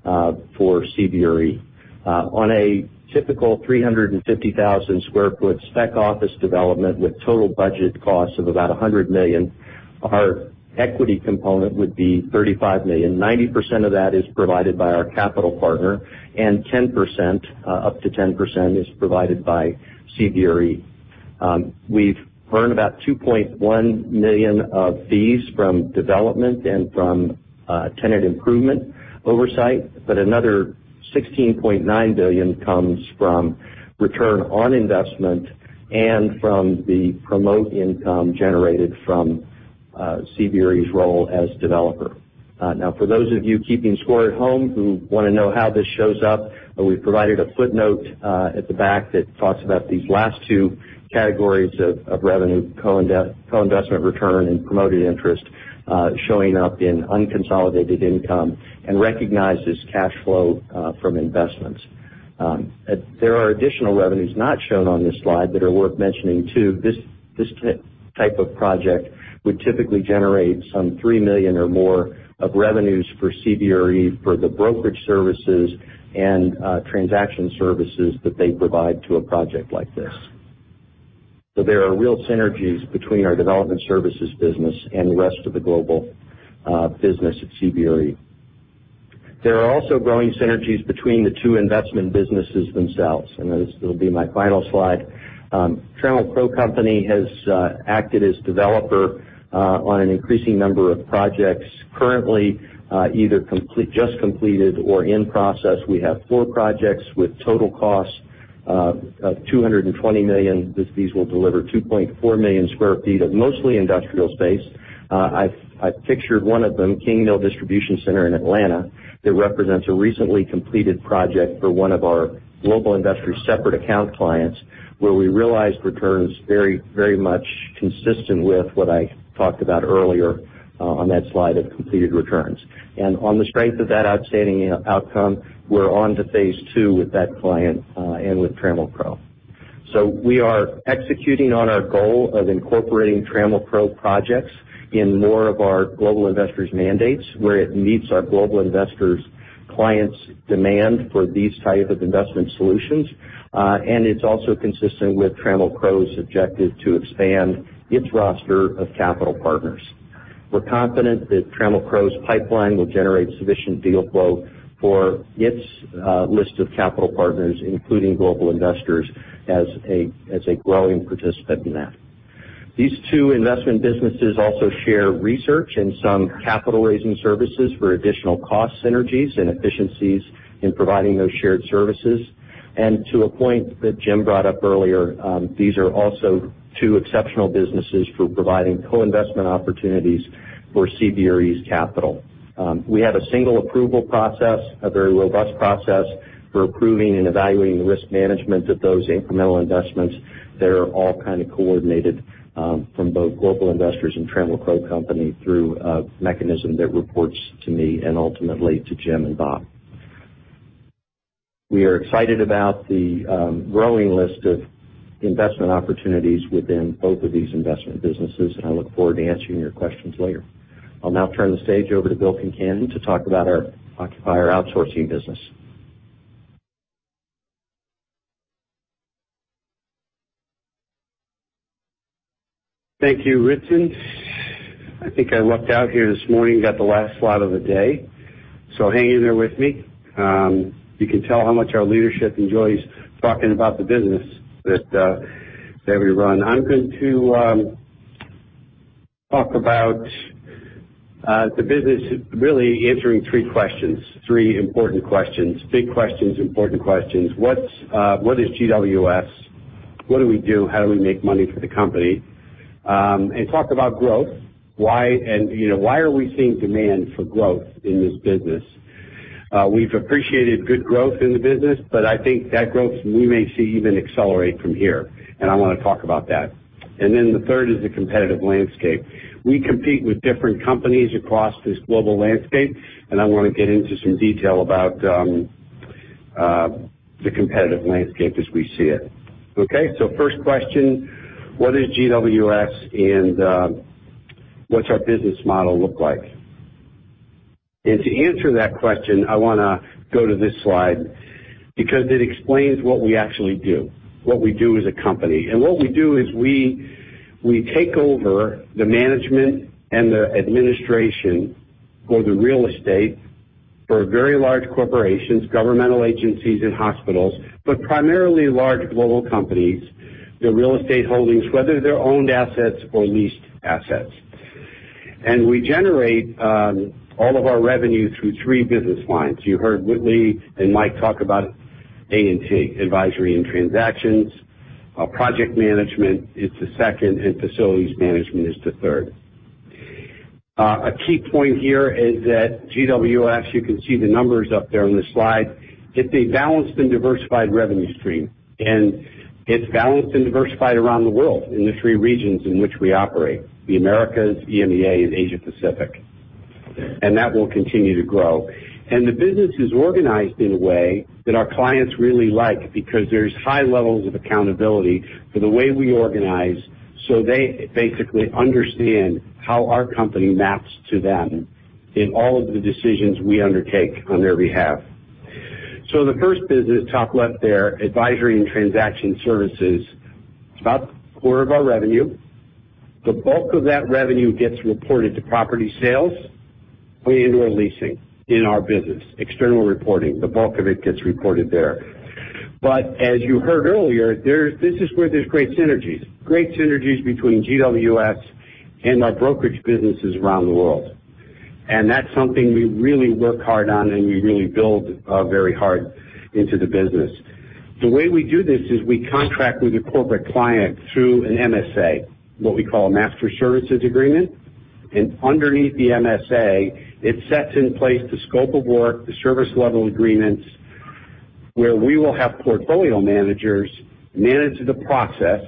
for CBRE. On a typical 350,000 square foot spec office development with total budget costs of about $100 million, our equity component would be $35 million. 90% of that is provided by our capital partner, and up to 10% is provided by CBRE. We have earned about $2.1 million of fees from development and from tenant improvement oversight, but another $16.9 billion comes from return on investment and from the promote income generated from CBRE's role as developer. For those of you keeping score at home who want to know how this shows up, we have provided a footnote at the back that talks about these last two categories of revenue, co-investment return, and promoted interest showing up in unconsolidated income and recognized as cash flow from investments. There are additional revenues not shown on this slide that are worth mentioning, too. This type of project would typically generate some $3 million or more of revenues for CBRE for the brokerage services and transaction services that they provide to a project like this. There are real synergies between our development services business and the rest of the global business at CBRE. There are also growing synergies between the two investment businesses themselves, this will be my final slide. Trammell Crow Company has acted as developer on an increasing number of projects currently either just completed or in process. We have four projects with total costs of $220 million. These will deliver 2.4 million sq ft of mostly industrial space. I have pictured one of them, King Mill Distribution Center in Atlanta, that represents a recently completed project for one of our global industry separate account clients, where we realized returns very much consistent with what I talked about earlier on that slide of completed returns. On the strength of that outstanding outcome, we are on to phase 2 with that client and with Trammell Crow. We are executing on our goal of incorporating Trammell Crow projects in more of our global investors' mandates, where it meets our global investors' clients' demand for these type of investment solutions. It's also consistent with Trammell Crow's objective to expand its roster of capital partners. We're confident that Trammell Crow's pipeline will generate sufficient Deal Flow for its list of capital partners, including global investors, as a growing participant in that. These two investment businesses also share research and some capital raising services for additional cost synergies and efficiencies in providing those shared services. To a point that Jim brought up earlier, these are also two exceptional businesses for providing co-investment opportunities for CBRE's capital. We have a single approval process, a very robust process for approving and evaluating the risk management of those incremental investments that are all kind of coordinated from both global investors and Trammell Crow Company through a mechanism that reports to me and ultimately to Jim and Bob. We are excited about the growing list of investment opportunities within both of these investment businesses, and I look forward to answering your questions later. I'll now turn the stage over to Bill Concannon to talk about our occupier outsourcing business. Thank you, Ritson. I think I lucked out here this morning, got the last slide of the day. Hang in there with me. You can tell how much our leadership enjoys talking about the business that we run. The business is really answering three questions, three important questions. Big questions, important questions. What is GWS? What do we do? How do we make money for the company? Talk about growth. Why are we seeing demand for growth in this business? We've appreciated good growth in the business, but I think that growth, we may see even accelerate from here, and I want to talk about that. Then the third is the competitive landscape. We compete with different companies across this global landscape, and I want to get into some detail about the competitive landscape as we see it. First question, what is GWS and what's our business model look like? To answer that question, I want to go to this slide because it explains what we actually do, what we do as a company. What we do is we take over the management and the administration for the real estate for very large corporations, governmental agencies, and hospitals, but primarily large global companies, their real estate holdings, whether they're owned assets or leased assets. We generate all of our revenue through three business lines. You heard Whitley and Mike talk about A&T, Advisory and Transactions. Project Management is the second, and Facilities Management is the third. A key point here is that GWS, you can see the numbers up there on the slide. It's a balanced and diversified revenue stream, and it's balanced and diversified around the world in the three regions in which we operate, the Americas, EMEA, and Asia Pacific. That will continue to grow. The business is organized in a way that our clients really like because there's high levels of accountability for the way we organize. They basically understand how our company maps to them in all of the decisions we undertake on their behalf. The first business, top left there, Advisory & Transaction Services, it's about a quarter of our revenue. The bulk of that revenue gets reported to property sales and/or leasing in our business. External reporting, the bulk of it gets reported there. As you heard earlier, this is where there's great synergies. Great synergies between GWS and our brokerage businesses around the world. That's something we really work hard on, and we really build very hard into the business. The way we do this is we contract with a corporate client through an MSA, what we call a Master Services Agreement. Underneath the MSA, it sets in place the scope of work, the service level agreements, where we will have portfolio managers manage the process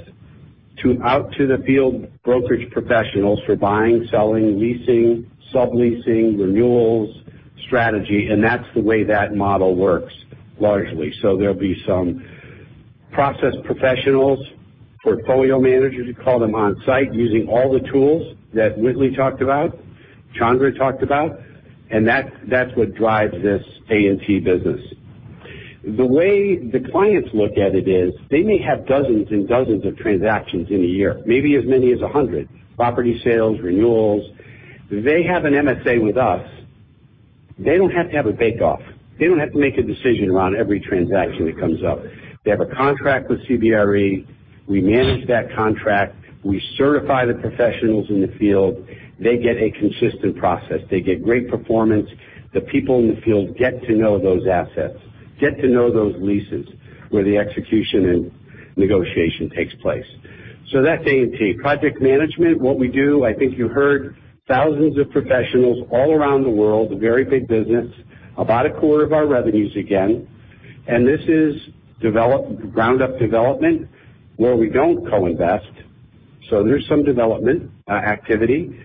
to out to the field brokerage professionals for buying, selling, leasing, subleasing, renewals, strategy, and that's the way that model works largely. There'll be some process professionals, portfolio managers, you call them on site using all the tools that Whitley talked about, Chandra talked about, and that's what drives this A&T business. The way the clients look at it is they may have dozens and dozens of transactions in a year, maybe as many as 100. Property sales, renewals. They have an MSA with us. They don't have to have a bake-off. They don't have to make a decision around every transaction that comes up. They have a contract with CBRE. We manage that contract. We certify the professionals in the field. They get a consistent process. They get great performance. The people in the field get to know those assets, get to know those leases where the execution and negotiation takes place. That's A&T. Project Management, what we do, I think you heard thousands of professionals all around the world, a very big business, about a quarter of our revenues again. This is ground-up development where we don't co-invest. There's some development activity,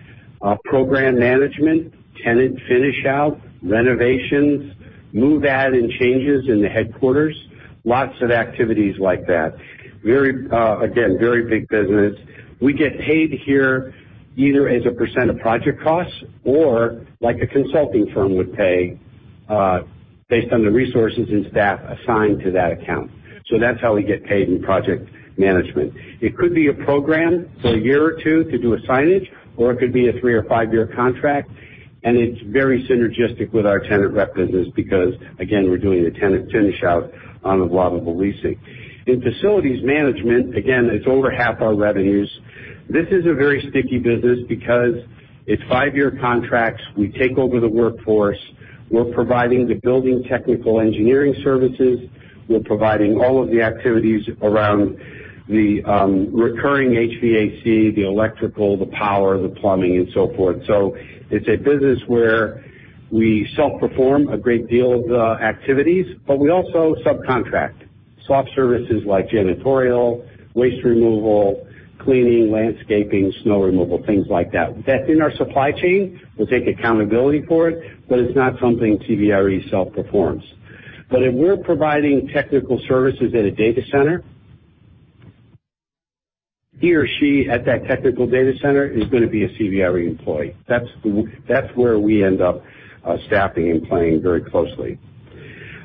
program management, tenant finish out, renovations, move add and changes in the headquarters, lots of activities like that. Again, very big business. We get paid here either as a % of project costs or like a consulting firm would pay based on the resources and staff assigned to that account. That's how we get paid in project management. It could be a program for a year or two to do a signage, or it could be a three or five-year contract, and it's very synergistic with our tenant rep business because, again, we're doing a tenant finish out on a global leasing. In Facilities Management, again, it's over half our revenues. This is a very sticky business because it's five-year contracts. We take over the workforce. We're providing the building technical engineering services. We're providing all of the activities around the recurring HVAC, the electrical, the power, the plumbing, and so forth. It's a business where we self-perform a great deal of the activities, but we also subcontract soft services like janitorial, waste removal, cleaning, landscaping, snow removal, things like that. That's in our supply chain. We'll take accountability for it, but it's not something CBRE self-performs. But if we're providing technical services at a data center, he or she at that technical data center is going to be a CBRE employee. That's where we end up staffing and playing very closely.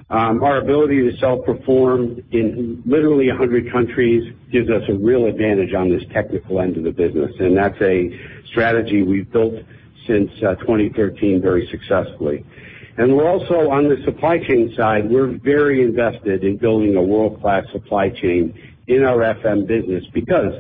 Our ability to self-perform in literally 100 countries gives us a real advantage on this technical end of the business, and that's a strategy we've built since 2013 very successfully. We're also on the supply chain side, we're very invested in building a world-class supply chain in our FM business because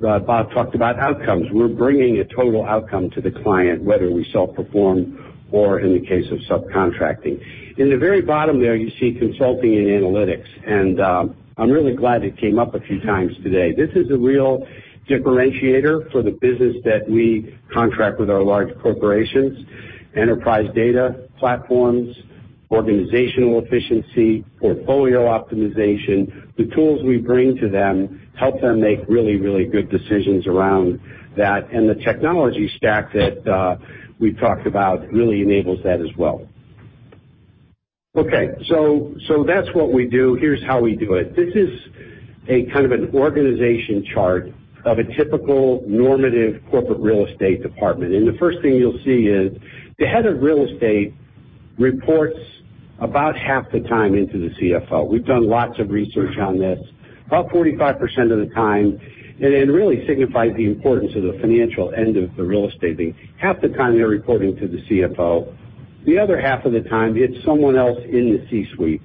Bob talked about outcomes. We're bringing a total outcome to the client, whether we self-perform or in the case of subcontracting. In the very bottom there, you see consulting and analytics. I'm really glad it came up a few times today. This is a real differentiator for the business that we contract with our large corporations, enterprise data platforms, organizational efficiency, portfolio optimization. The tools we bring to them help them make really, really good decisions around that. The technology stack that we've talked about really enables that as well. Okay. That's what we do. Here's how we do it. This is a kind of an organization chart of a typical normative corporate real estate department. The first thing you'll see is the head of real estate reports about half the time into the CFO. We've done lots of research on this, about 45% of the time. It really signifies the importance of the financial end of the real estate thing. Half the time, they're reporting to the CFO. The other half of the time, it's someone else in the C-suite.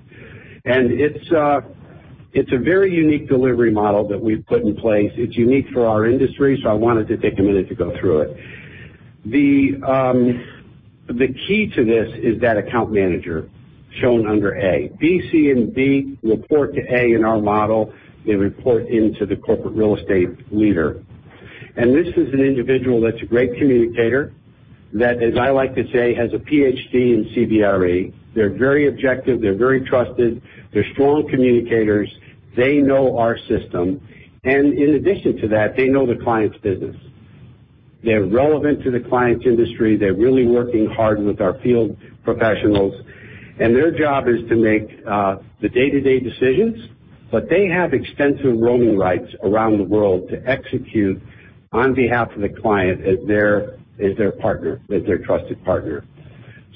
It's a very unique delivery model that we've put in place. It's unique for our industry, so I wanted to take a minute to go through it. The key to this is that account manager shown under A. B, C, and D report to A in our model. They report into the corporate real estate leader. This is an individual that's a great communicator, that, as I like to say, has a PhD in CBRE. They're very objective. They're very trusted. They're strong communicators. They know our system. In addition to that, they know the client's business. They're relevant to the client's industry. They're really working hard with our field professionals. Their job is to make the day-to-day decisions, but they have extensive roaming rights around the world to execute on behalf of the client as their partner, as their trusted partner.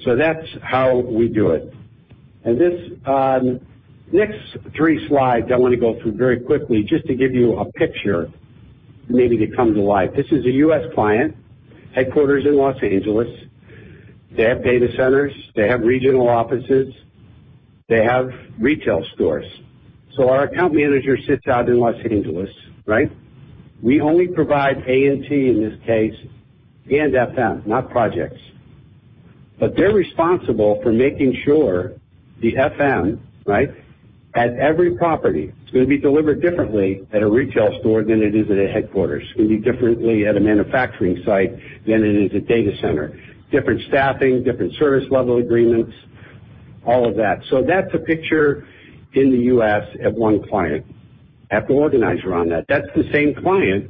That's how we do it. These next three slides I want to go through very quickly just to give you a picture, maybe it comes alive. This is a U.S. client, headquarters in Los Angeles. They have data centers. They have regional offices. They have retail stores. Our account manager sits out in Los Angeles, right? We only provide A&T in this case and FM, not projects. They're responsible for making sure the FM at every property, it's going to be delivered differently at a retail store than it is at a headquarters. It's going to be differently at a manufacturing site than it is a data center. Different staffing, different service level agreements, all of that. That's a picture in the U.S. of one client. Have to organize around that. That's the same client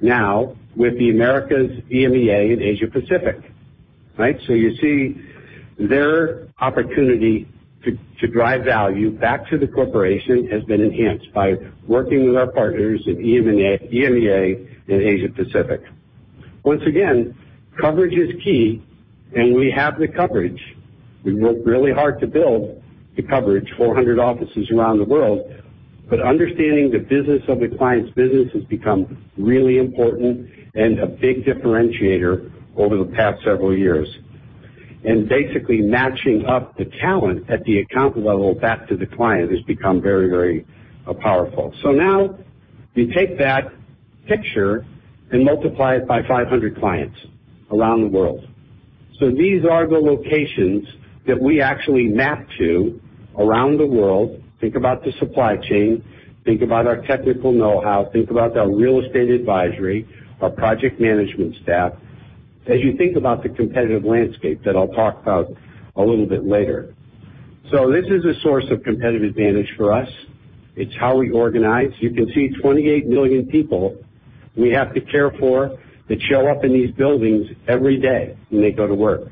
now with the Americas, EMEA, and Asia Pacific. You see their opportunity to drive value back to the corporation has been enhanced by working with our partners in EMEA and Asia Pacific. Once again, coverage is key, and we have the coverage. We worked really hard to build the coverage, 400 offices around the world. Understanding the business of the client's business has become really important and a big differentiator over the past several years. Basically matching up the talent at the account level back to the client has become very, very powerful. Now you take that picture and multiply it by 500 clients around the world. These are the locations that we actually map to around the world. Think about the supply chain, think about our technical know-how, think about our real estate advisory, our project management staff, as you think about the competitive landscape that I'll talk about a little bit later. This is a source of competitive advantage for us. It's how we organize. You can see 28 million people we have to care for that show up in these buildings every day when they go to work.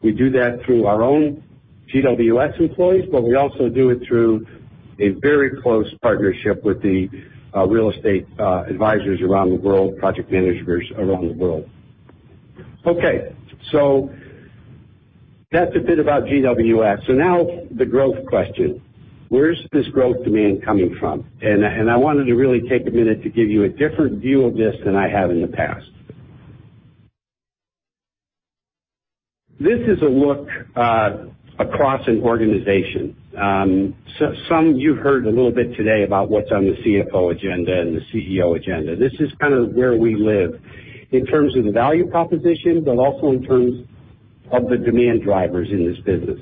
We do that through our own GWS employees, but we also do it through a very close partnership with the real estate advisors around the world, project managers around the world. Okay. That's a bit about GWS. Now the growth question, where's this growth demand coming from? I wanted to really take a minute to give you a different view of this than I have in the past. This is a look across an organization. Some you've heard a little bit today about what's on the CFO agenda and the CEO agenda. This is kind of where we live in terms of the value proposition, but also in terms of the demand drivers in this business.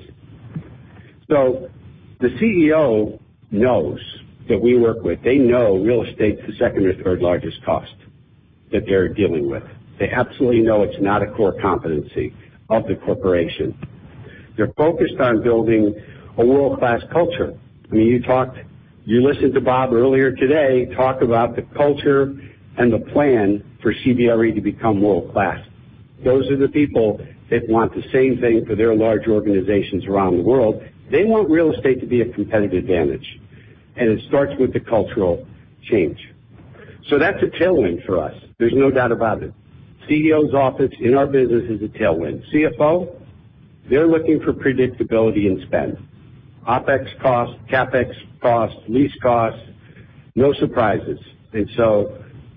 The CEO knows that we work with-- They know real estate's the second or third largest cost that they're dealing with. They absolutely know it's not a core competency of the corporation. They're focused on building a world-class culture. I mean, you listened to Bob earlier today talk about the culture and the plan for CBRE to become world-class. Those are the people that want the same thing for their large organizations around the world. They want real estate to be a competitive advantage, and it starts with the cultural change. That's a tailwind for us. There's no doubt about it. CEO's office in our business is a tailwind. CFO, they're looking for predictability in spend. OpEx cost, CapEx cost, lease cost, no surprises.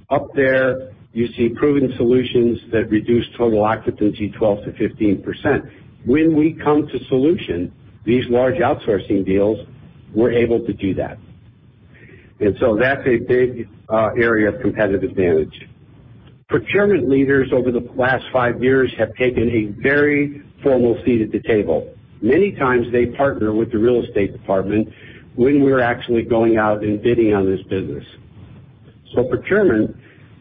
Up there, you see proven solutions that reduce total occupancy 12%-15%. When we come to solution these large outsourcing deals, we're able to do that. That's a big area of competitive advantage. Procurement leaders over the last five years have taken a very formal seat at the table. Many times, they partner with the real estate department when we're actually going out and bidding on this business. Procurement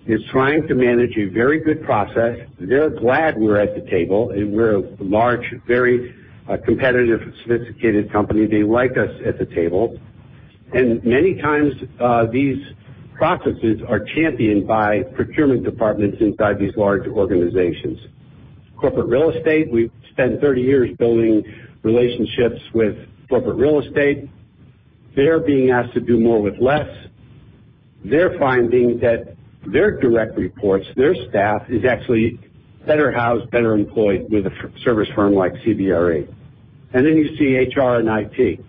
is trying to manage a very good process. They're glad we're at the table, we're a large, very competitive, sophisticated company. They like us at the table. Many times, these processes are championed by procurement departments inside these large organizations. Corporate real estate, we've spent 30 years building relationships with corporate real estate. They're being asked to do more with less. They're finding that their direct reports, their staff, is actually better housed, better employed with a service firm like CBRE. Then you see HR and IT.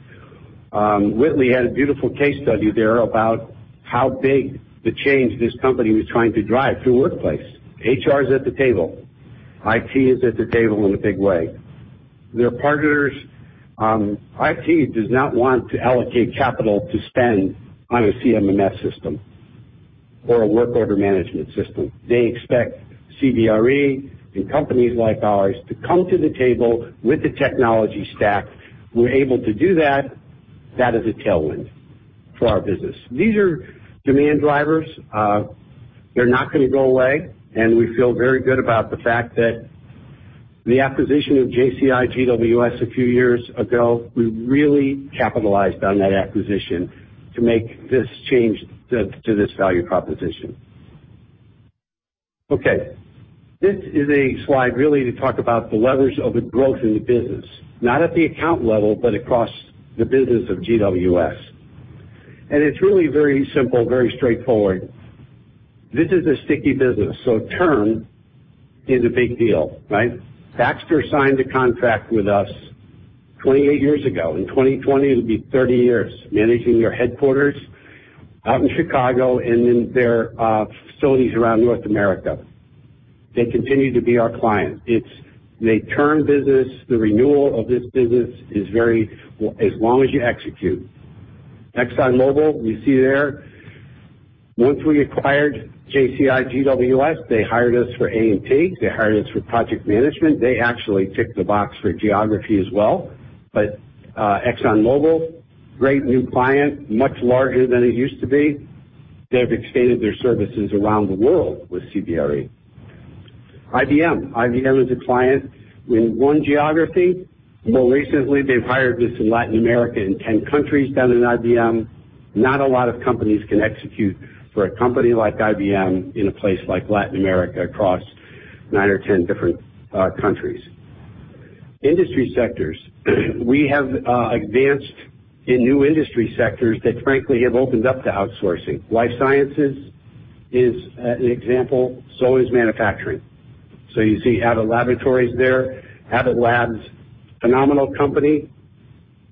Whitley had a beautiful case study there about how big the change this company was trying to drive through workplace. HR is at the table. IT is at the table in a big way. Their partners. IT does not want to allocate capital to spend on a CMMS system or a work order management system. They expect CBRE and companies like ours to come to the table with the technology stack. We're able to do that. That is a tailwind for our business. These are demand drivers. They're not going to go away, we feel very good about the fact that the acquisition of JCI GWS a few years ago, we really capitalized on that acquisition to make this change to this value proposition. This is a slide really to talk about the levers of the growth in the business, not at the account level, but across the business of GWS. It's really very simple, very straightforward. This is a sticky business, so turn is a big deal, right? Baxter signed a contract with us 28 years ago. In 2020, it'll be 30 years managing their headquarters out in Chicago and in their facilities around North America. They continue to be our client. It's a turn business. The renewal of this business is very, as long as you execute. ExxonMobil, you see there. Once we acquired JCI GWS, they hired us for A&T. They hired us for project management. They actually ticked the box for geography as well. ExxonMobil, great new client, much larger than it used to be. They have expanded their services around the world with CBRE. IBM. IBM is a client in one geography. More recently, they've hired us in Latin America in 10 countries down in IBM. Not a lot of companies can execute for a company like IBM in a place like Latin America across 9 or 10 different countries. Industry sectors. We have advanced in new industry sectors that frankly have opened up to outsourcing. Life sciences is an example. So as manufacturing. You see Abbott Laboratories there. Abbott Labs, phenomenal company.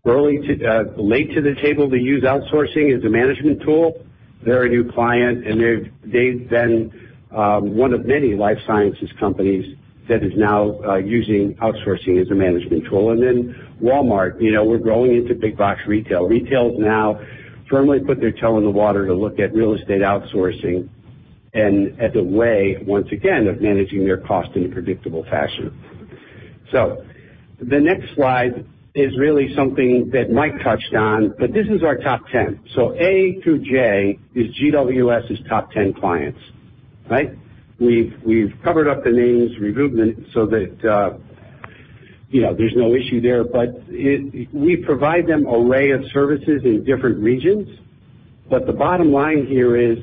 Late to the table to use outsourcing as a management tool. They've been one of many life sciences companies that is now using outsourcing as a management tool. Then Walmart, we're growing into big box retail. Retail has now firmly put their toe in the water to look at real estate outsourcing and at the way, once again, of managing their cost in a predictable fashion. The next slide is really something that Mike touched on, this is our top 10. A through J is GWS's top 10 clients. Right? We've covered up the names, removed them so that there's no issue there. We provide them array of services in different regions. The bottom line here is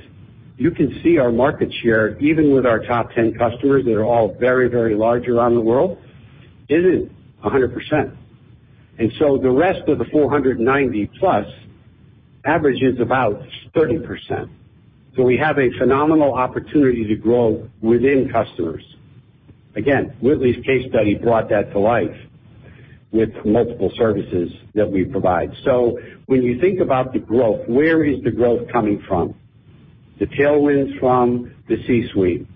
you can see our market share, even with our top 10 customers that are all very, very large around the world, isn't 100%. The rest of the 490+ averages about 30%. We have a phenomenal opportunity to grow within customers. Again, Whitley's case study brought that to life with multiple services that we provide. When you think about the growth, where is the growth coming from? The tailwinds from the C-suite,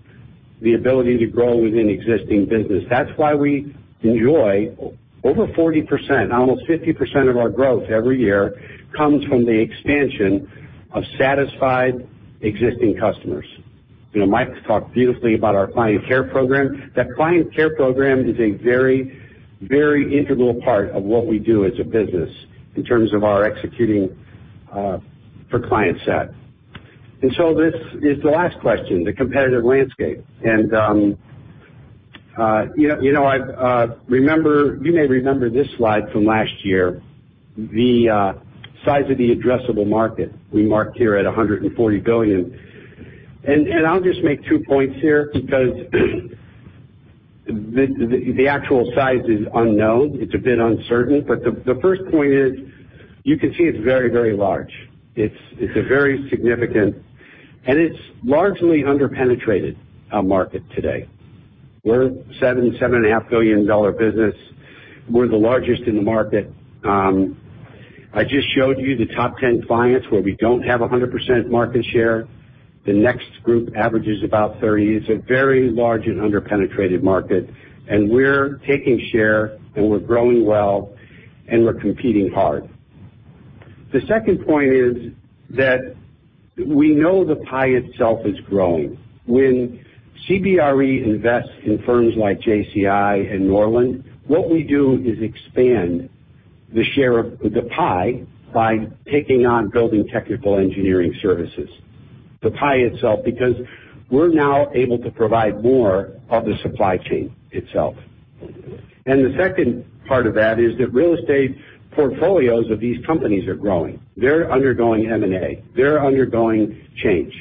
the ability to grow within existing business. That's why we enjoy over 40%, almost 50% of our growth every year comes from the expansion of satisfied existing customers. Mike talked beautifully about our client care program. That client care program is a very, very integral part of what we do as a business in terms of our executing for client set. This is the last question, the competitive landscape. You may remember this slide from last year, the size of the addressable market we marked here at $140 billion. I'll just make two points here because the actual size is unknown. It's a bit uncertain. The first point is, you can see it's very, very large. It's a very significant, and it's largely under-penetrated market today. We're a $7.5 billion business. We're the largest in the market. I just showed you the top 10 clients where we don't have 100% market share. The next group averages about 30%. It's a very large and under-penetrated market, and we're taking share, and we're growing well, and we're competing hard. The second point is that we know the pie itself is growing. When CBRE invests in firms like JCI and Norland, what we do is expand the share of the pie by taking on building technical engineering services. The pie itself, because we're now able to provide more of the supply chain itself. The second part of that is that real estate portfolios of these companies are growing. They're undergoing M&A. They're undergoing change.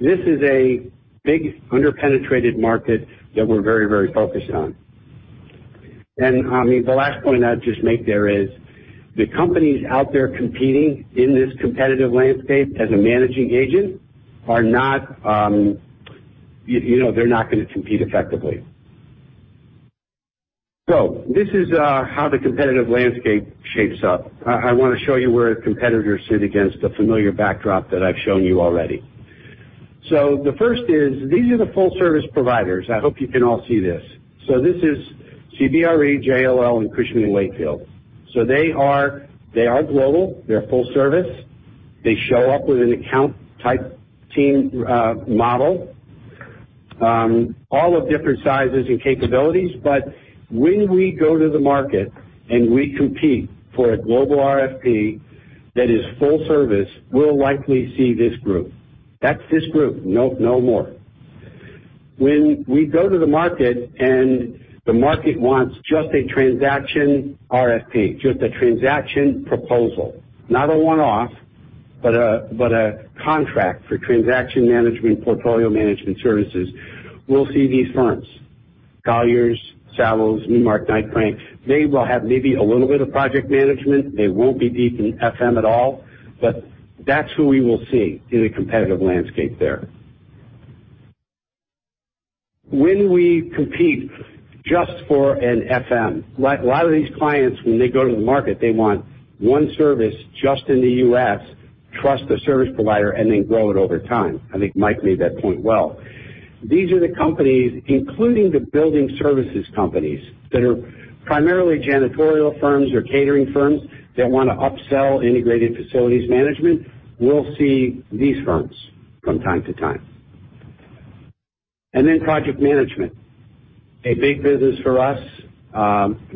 This is a big under-penetrated market that we're very focused on. The last point I'd just make there is the companies out there competing in this competitive landscape as a managing agent are not going to compete effectively. This is how the competitive landscape shapes up. I want to show you where competitors sit against the familiar backdrop that I've shown you already. The first is, these are the full-service providers. I hope you can all see this. This is CBRE, JLL, and Cushman & Wakefield. They are global. They're full service. They show up with an account type team model. All of different sizes and capabilities, but when we go to the market and we compete for a global RFP that is full service, we'll likely see this group. That's this group. No more. When we go to the market and the market wants just a transaction RFP, just a transaction proposal, not a one-off, but a contract for transaction management, portfolio management services, we'll see these firms. Colliers, Savills, Newmark Knight Frank. They will have maybe a little bit of project management. They won't be deep in FM at all. That's who we will see in a competitive landscape there. When we compete just for an FM. A lot of these clients, when they go to the market, they want one service just in the U.S., trust the service provider, and then grow it over time. I think Mike made that point well. These are the companies, including the building services companies, that are primarily janitorial firms or catering firms that want to upsell integrated facilities management. We'll see these firms from time to time. Project management, a big business for us.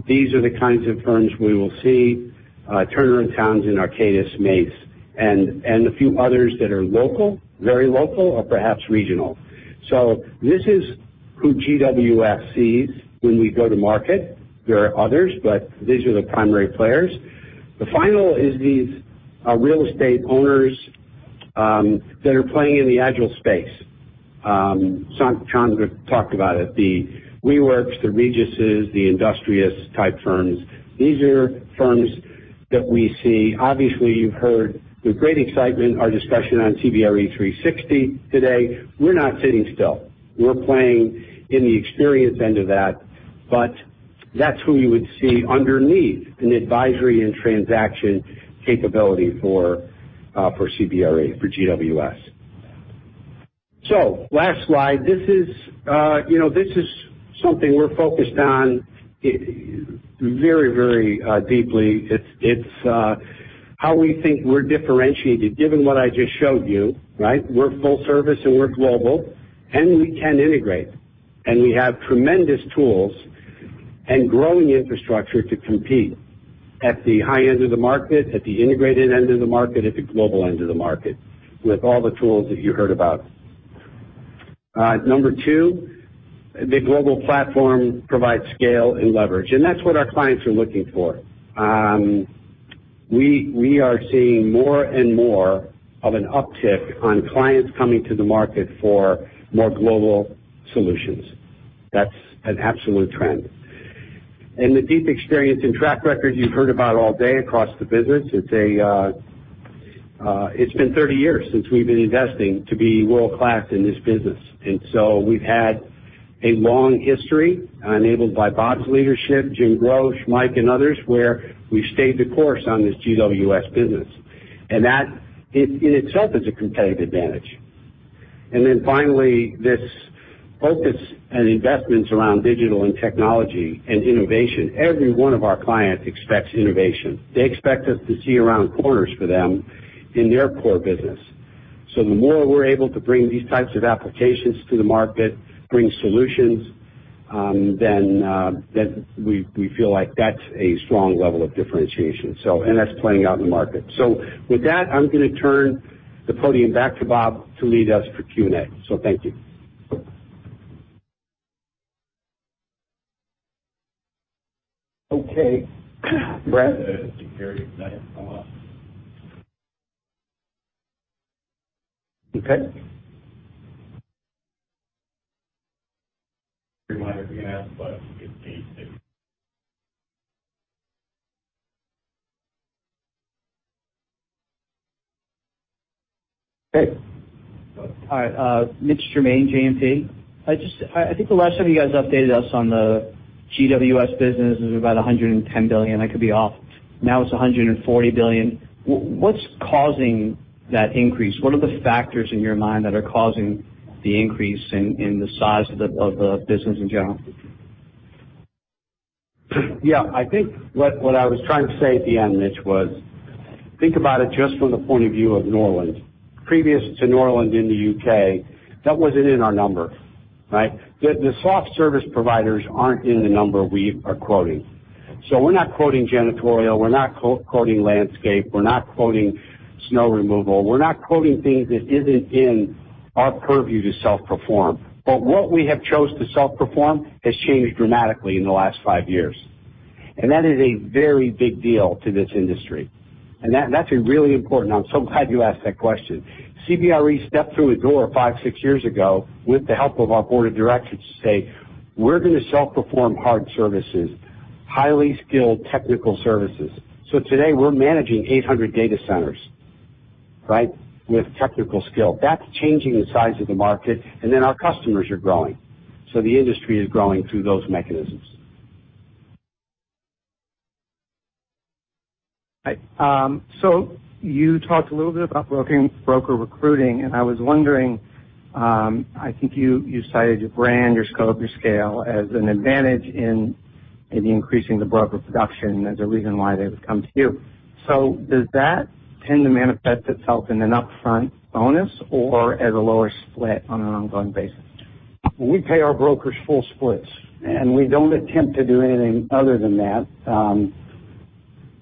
These are the kinds of firms we will see, Turner & Townsend and Arcadis, Mace, and a few others that are local, very local, or perhaps regional. This is who GWS sees when we go to market. There are others, but these are the primary players. The final is these real estate owners that are playing in the agile space. Sean talked about it, the WeWork, the Regus, the Industrious type firms. These are firms that we see. Obviously, you've heard with great excitement our discussion on CBRE 360 today. We're not sitting still. We're playing in the experience end of that, but that's who you would see underneath an Advisory and Transaction capability for CBRE, for GWS. Last slide. This is something we're focused on very deeply. It's how we think we're differentiated given what I just showed you. We're full service, and we're global, and we can integrate, and we have tremendous tools and growing infrastructure to compete at the high end of the market, at the integrated end of the market, at the global end of the market with all the tools that you heard about. Number two, the global platform provides scale and leverage, and that's what our clients are looking for. We are seeing more and more of an uptick on clients coming to the market for more global solutions. That's an absolute trend. The deep experience and track record you've heard about all day across the business. It's been 30 years since we've been investing to be world-class in this business. We've had a long history enabled by Bob's leadership, Jim Groch, Mike, and others, where we've stayed the course on this GWS business. That in itself is a competitive advantage. Finally, this focus and investments around digital and technology and innovation. Every one of our clients expects innovation. They expect us to see around corners for them in their core business. The more we're able to bring these types of applications to the market, bring solutions, then we feel like that's a strong level of differentiation. That's playing out in the market. I'm going to turn the podium back to Bob to lead us for Q&A. Thank you. Okay. Brad? Okay. Okay. All right. Mitch Germain, JMP. I think the last time you guys updated us on the GWS business is about $110 billion. I could be off. Now it's $140 billion. What's causing that increase? What are the factors in your mind that are causing the increase in the size of the business in general? I think what I was trying to say at the end, Mitch, was think about it just from the point of view of Norland. Previous to Norland in the U.K., that wasn't in our number, right? The soft service providers aren't in the number we are quoting. We're not quoting janitorial, we're not quoting landscape, we're not quoting snow removal. We're not quoting things that isn't in our purview to self-perform. What we have chose to self-perform has changed dramatically in the last five years. That is a very big deal to this industry. That's really important. I'm so glad you asked that question. CBRE stepped through a door five, six years ago with the help of our board of directors to say, "We're going to self-perform hard services, highly skilled technical services." Today, we're managing 800 data centers, right, with technical skill. That's changing the size of the market, our customers are growing. The industry is growing through those mechanisms. You talked a little bit about broker recruiting. I was wondering, I think you cited your brand, your scope, your scale as an advantage in maybe increasing the broker production as a reason why they would come to you. Does that tend to manifest itself in an upfront bonus or as a lower split on an ongoing basis? We pay our brokers full splits. We don't attempt to do anything other than that.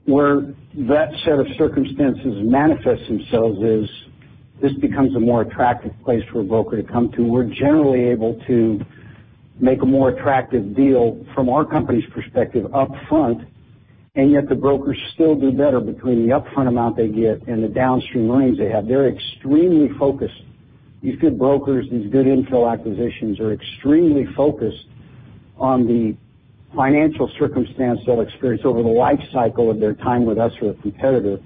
Where that set of circumstances manifests themselves is this becomes a more attractive place for a broker to come to. We're generally able to make a more attractive deal from our company's perspective up front, yet the brokers still do better between the upfront amount they get and the downstream earnings they have. They're extremely focused. These good brokers, these good intel acquisitions are extremely focused on the financial circumstance they'll experience over the life cycle of their time with us or a competitor.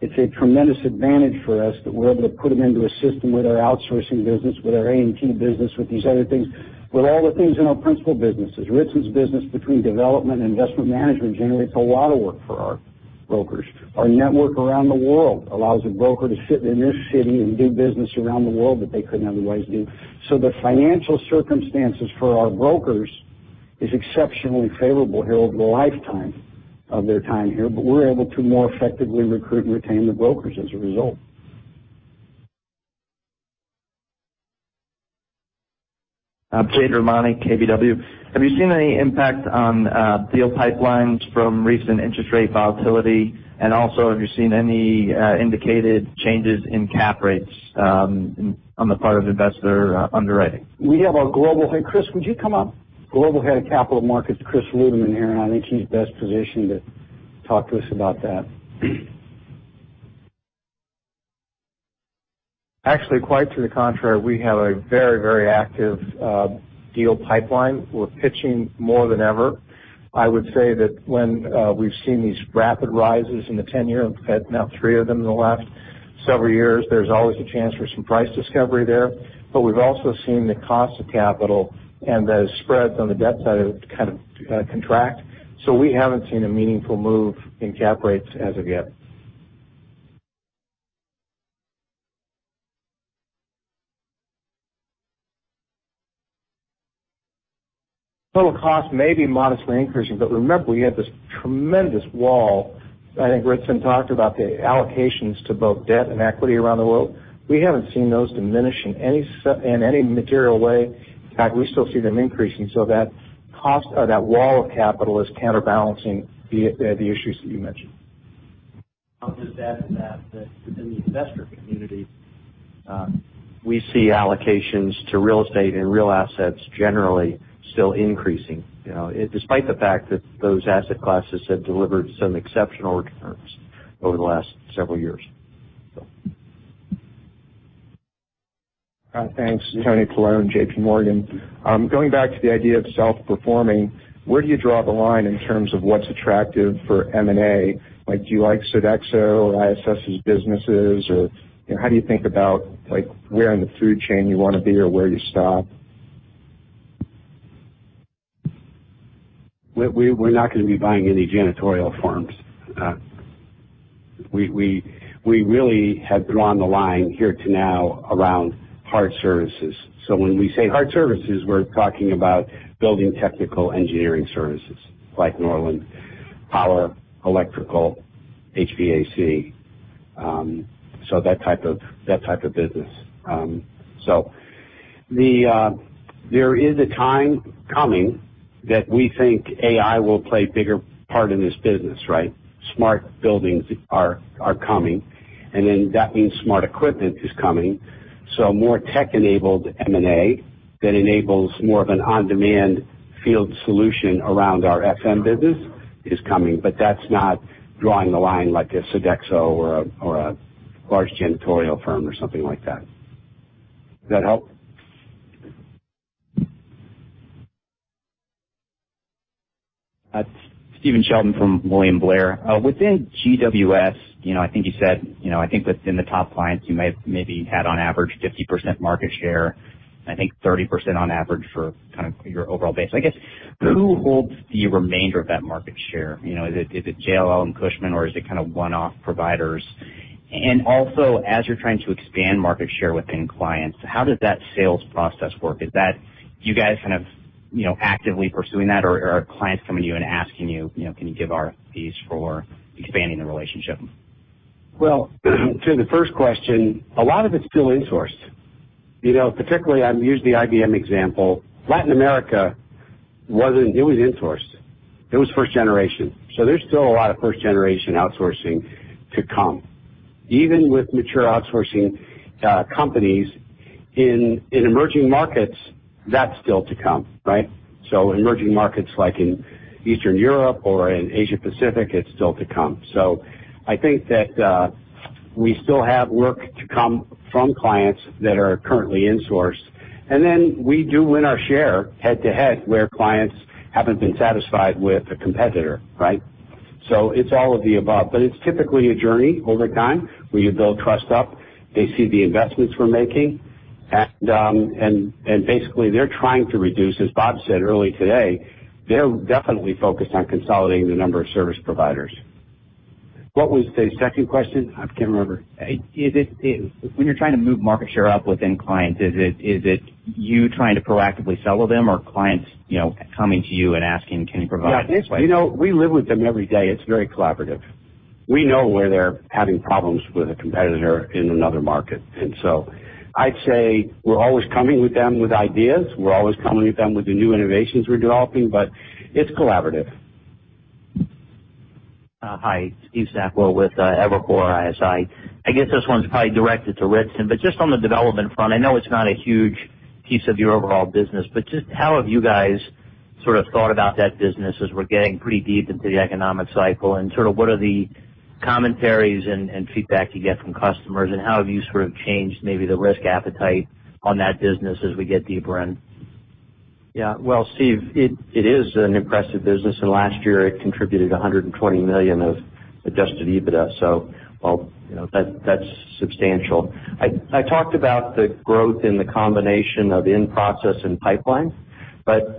It's a tremendous advantage for us that we're able to put them into a system with our outsourcing business, with our A&T business, with these other things, with all the things in our principal businesses. Ritson's business between development and investment management generates a lot of work for our brokers. Our network around the world allows a broker to sit in their city and do business around the world that they couldn't otherwise do. The financial circumstances for our brokers is exceptionally favorable here over the lifetime of their time here. We're able to more effectively recruit and retain the brokers as a result. Jade Rahmani, KBW. Have you seen any impact on deal pipelines from recent interest rate volatility? Also, have you seen any indicated changes in cap rates on the part of investor underwriting? We have our Global Head, Chris, would you come up? Global Head of Capital Markets, Chris Ludeman, here, and I think he's best positioned to talk to us about that. Actually, quite to the contrary, we have a very active deal pipeline. We're pitching more than ever. I would say that when we've seen these rapid rises in the 10-year, we've had now three of them in the last several years. There's always a chance for some price discovery there. We've also seen the cost of capital and those spreads on the debt side kind of contract. We haven't seen a meaningful move in cap rates as of yet. Total cost may be modestly increasing, but remember, we have this tremendous wall. I think Ritson talked about the allocations to both debt and equity around the world. We haven't seen those diminish in any material way. In fact, we still see them increasing, so that cost or that wall of capital is counterbalancing the issues that you mentioned. I'll just add to that within the investor community, we see allocations to real estate and real assets generally still increasing, despite the fact that those asset classes have delivered some exceptional returns over the last several years. Thanks. Tony Paolone, J.P. Morgan. Going back to the idea of self-performing, where do you draw the line in terms of what's attractive for M&A? Do you like Sodexo or ISS's businesses, or how do you think about where in the food chain you want to be or where you stop? We're not going to be buying any janitorial firms. We really have drawn the line here to now around hard services. When we say hard services, we're talking about building technical engineering services like Norland, power, electrical, HVAC. That type of business. There is a time coming that we think AI will play a bigger part in this business, right? Smart buildings are coming, that means smart equipment is coming. More tech-enabled M&A that enables more of an on-demand field solution around our FM business is coming. That's not drawing the line like a Sodexo or a large janitorial firm or something like that. Does that help? It's Stephen Sheldon from William Blair. Within GWS, I think you said, I think within the top clients, you maybe had on average 50% market share, and I think 30% on average for your overall base. I guess, who holds the remainder of that market share? Is it JLL and Cushman, or is it one-off providers? As you're trying to expand market share within clients, how does that sales process work? Is that you guys actively pursuing that or are clients coming to you and asking you, "Can you give RFPs for expanding the relationship? To the first question, a lot of it's still in-sourced. Particularly, I've used the IBM example. Latin America, it was in-sourced. It was first generation. There's still a lot of first-generation outsourcing to come. Even with mature outsourcing companies in emerging markets, that's still to come, right? Emerging markets like in Eastern Europe or in Asia Pacific, it's still to come. I think that we still have work to come from clients that are currently in-sourced, we do win our share head-to-head where clients haven't been satisfied with a competitor, right? It's all of the above, it's typically a journey over time where you build trust up. They see the investments we're making, basically, they're trying to reduce, as Bob said early today, they're definitely focused on consolidating the number of service providers. What was the second question? I can't remember. When you're trying to move market share up within clients, is it you trying to proactively sell to them or clients coming to you and asking, "Can you provide this? We live with them every day. It's very collaborative. We know where they're having problems with a competitor in another market. I'd say we're always coming with them with ideas. We're always coming with them with the new innovations we're developing, it's collaborative. Hi, Steve Sakwa with Evercore ISI. I guess this one's probably directed to Ritson, just on the development front, I know it's not a huge piece of your overall business, just how have you guys thought about that business as we're getting pretty deep into the economic cycle and what are the commentaries and feedback you get from customers, how have you sort of changed maybe the risk appetite on that business as we get deeper in? Well, Steve, it is an impressive business. Last year it contributed $120 million of adjusted EBITDA, that's substantial. I talked about the growth in the combination of in-process and pipeline,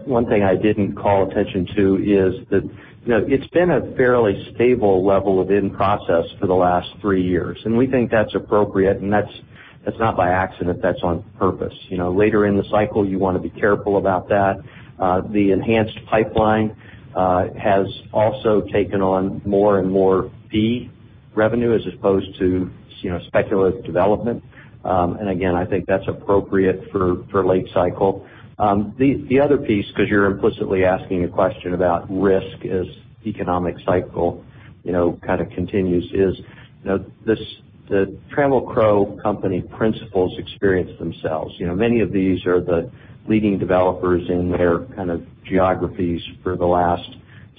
one thing I didn't call attention to is that it's been a fairly stable level of in-process for the last three years, we think that's appropriate, that's not by accident. That's on purpose. Later in the cycle, you want to be careful about that. The enhanced pipeline has also taken on more and more fee revenue as opposed to speculative development. Again, I think that's appropriate for late cycle. The other piece, because you're implicitly asking a question about risk as economic cycle kind of continues is, the Trammell Crow Company principals experience themselves. Many of these are the leading developers in their kind of geographies for the last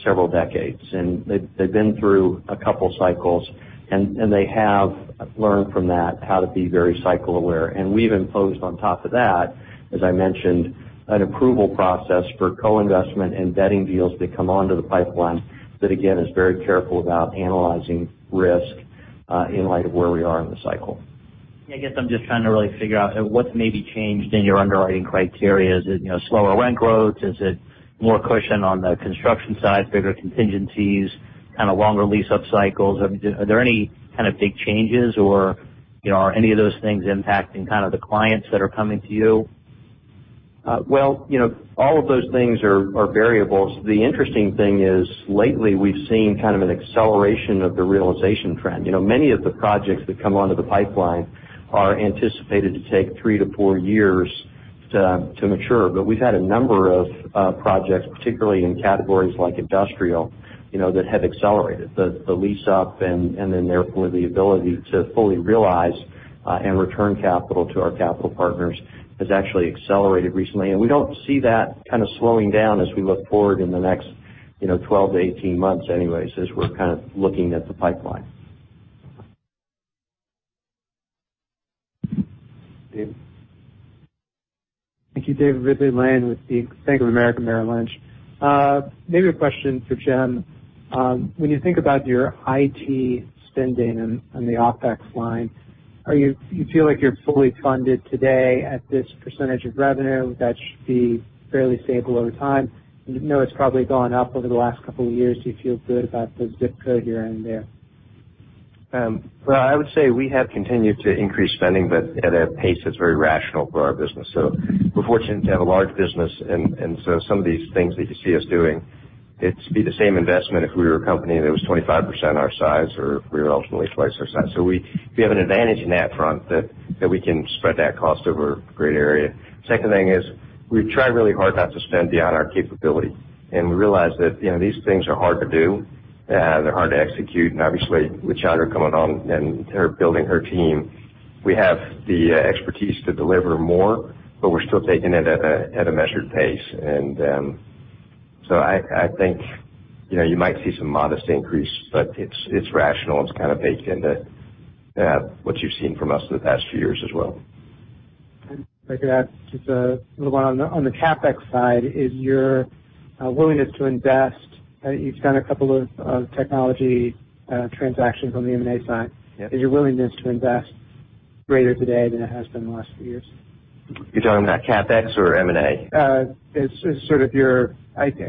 several decades, they've been through a couple cycles, they have learned from that how to be very cycle aware. We've imposed on top of that, as I mentioned, an approval process for co-investment and vetting deals that come onto the pipeline that again, is very careful about analyzing risk in light of where we are in the cycle. I guess I'm just trying to really figure out what's maybe changed in your underwriting criteria. Is it slower rent growth? Is it more cushion on the construction side, bigger contingencies, kind of longer lease-up cycles? Are there any kind of big changes or are any of those things impacting the clients that are coming to you? Well, all of those things are variables. The interesting thing is lately, we've seen kind of an acceleration of the realization trend. Many of the projects that come onto the pipeline are anticipated to take three to four years to mature. We've had a number of projects, particularly in categories like industrial that have accelerated. The lease-up and therefore the ability to fully realize and return capital to our capital partners has actually accelerated recently. We don't see that kind of slowing down as we look forward in the next 12-18 months anyway, so as we're kind of looking at the pipeline. David. Thank you, David Ridley-Lane with the Bank of America Merrill Lynch. Maybe a question for Jim. When you think about your IT spending on the OpEx line, you feel like you're fully funded today at this percentage of revenue, that should be fairly stable over time? You know it's probably gone up over the last couple of years. Do you feel good about the ZIP code you're in there? Well, I would say we have continued to increase spending, at a pace that's very rational for our business. We're fortunate to have a large business, some of these things that you see us doing, it'd be the same investment if we were a company that was 25% our size, or if we were ultimately twice our size. We have an advantage in that front that we can spread that cost over a great area. Second thing is we've tried really hard not to spend beyond our capability, we realize that these things are hard to do. They're hard to execute, obviously with Chandra coming on and her building her team, we have the expertise to deliver more, we're still taking it at a measured pace. I think you might see some modest increase, but it's rational and it's kind of baked into what you've seen from us in the past few years as well. If I could add just a little one on the CapEx side. You've done a couple of technology transactions on the M&A side. Yeah. Is your willingness to invest greater today than it has been in the last few years? You're talking about CapEx or M&A? I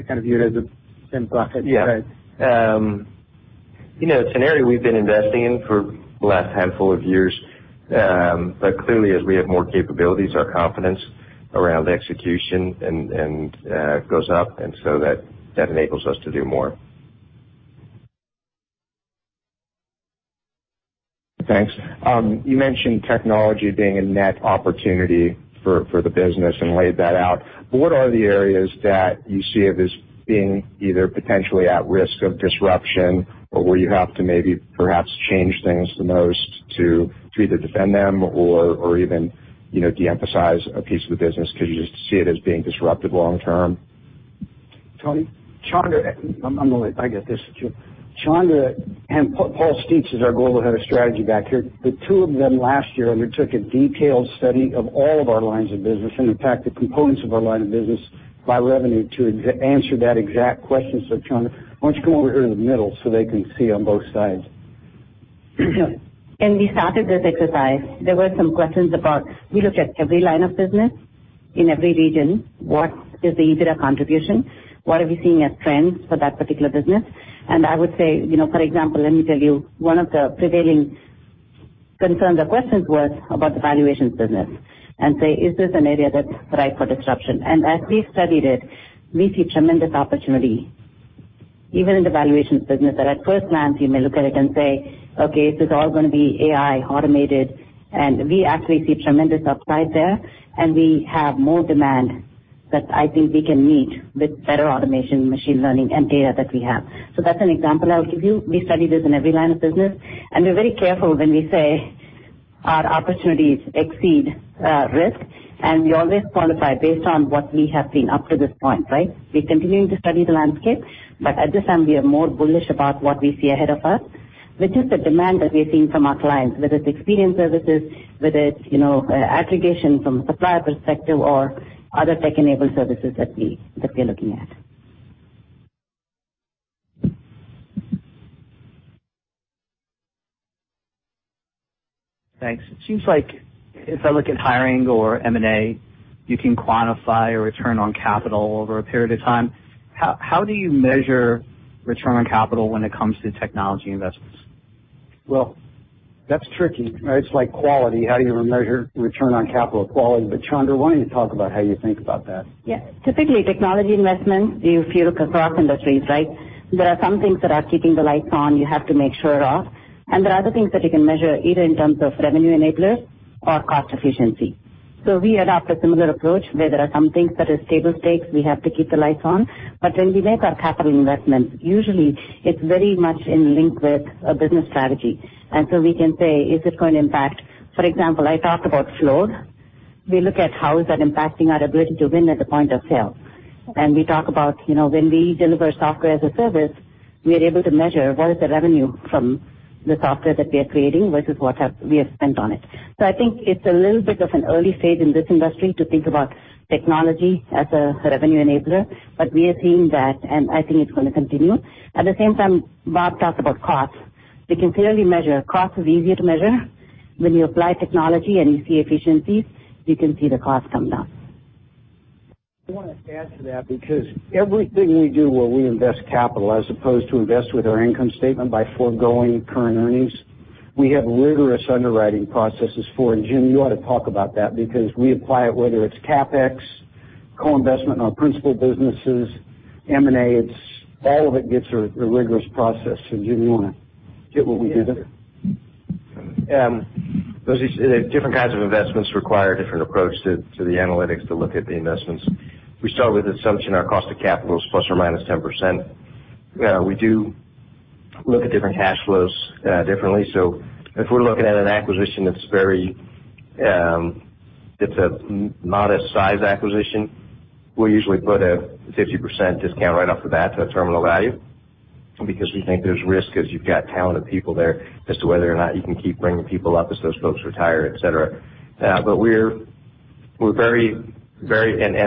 kind of view it as a same bucket. Yeah. It's an area we've been investing in for the last handful of years. Clearly, as we have more capabilities, our confidence around execution goes up, that enables us to do more. Thanks. You mentioned technology being a net opportunity for the business and laid that out. What are the areas that you see as being either potentially at risk of disruption or where you have to maybe perhaps change things the most to either defend them or even de-emphasize a piece of the business because you just see it as being disrupted long term? Tony? I get this. Chandra and Paul Steitz is our Global Head of Strategy back here. The two of them last year undertook a detailed study of all of our lines of business, in fact, the components of our line of business by revenue to answer that exact question. Chandra, why don't you come over here in the middle so they can see on both sides? When we started this exercise, there were some questions about, we looked at every line of business in every region. What is the EBITDA contribution? What are we seeing as trends for that particular business? I would say, for example, let me tell you one of the prevailing concerns or questions was about the valuations business and say, "Is this an area that's ripe for disruption?" As we studied it, we see tremendous opportunity even in the valuations business that at first glance you may look at it and say, "Okay, is this all going to be AI automated?" We actually see tremendous upside there, and we have more demand that I think we can meet with better automation, machine learning, and data that we have. That's an example I would give you. We study this in every line of business, and we're very careful when we say our opportunities exceed risk, and we always qualify based on what we have seen up to this point, right? We're continuing to study the landscape, at this time, we are more bullish about what we see ahead of us, which is the demand that we are seeing from our clients, whether it's experience services, whether it's aggregation from a supplier perspective or other tech-enabled services that we're looking at. Thanks. It seems like if I look at hiring or M&A, you can quantify a return on capital over a period of time. How do you measure return on capital when it comes to technology investments? That's tricky, right? It's like quality. How do you measure return on capital quality? Chandra, why don't you talk about how you think about that? Yeah. Typically, technology investments, if you look across industries, right? There are some things that are keeping the lights on, you have to make sure of, and there are other things that you can measure either in terms of revenue enablers or cost efficiency. We adopt a similar approach where there are some things that are table stakes, we have to keep the lights on. When we make our capital investments, usually it's very much in link with a business strategy. We can say, is this going to impact For example, I talked about flow. We look at how is that impacting our ability to win at the point of sale. We talk about when we deliver software as a service, we are able to measure what is the revenue from the software that we are creating versus what we have spent on it. I think it's a little bit of an early stage in this industry to think about technology as a revenue enabler, we are seeing that, and I think it's going to continue. At the same time, Bob talked about cost. We can clearly measure. Cost is easier to measure. When you apply technology and you see efficiencies, you can see the cost come down. I want to add to that because everything we do where we invest capital as opposed to invest with our income statement by foregoing current earnings, we have rigorous underwriting processes for. Jim, you ought to talk about that because we apply it whether it's CapEx, co-investment in our principal businesses, M&A, all of it gets a rigorous process. Jim, you want to get what we do there? Different kinds of investments require a different approach to the analytics to look at the investments. We start with the assumption our cost of capital is plus or minus 10%. We do look at different cash flows differently. If we're looking at an acquisition that's a modest size acquisition, we'll usually put a 50% discount right off the bat to a terminal value because we think there's risk as you've got talented people there as to whether or not you can keep bringing people up as those folks retire, et cetera.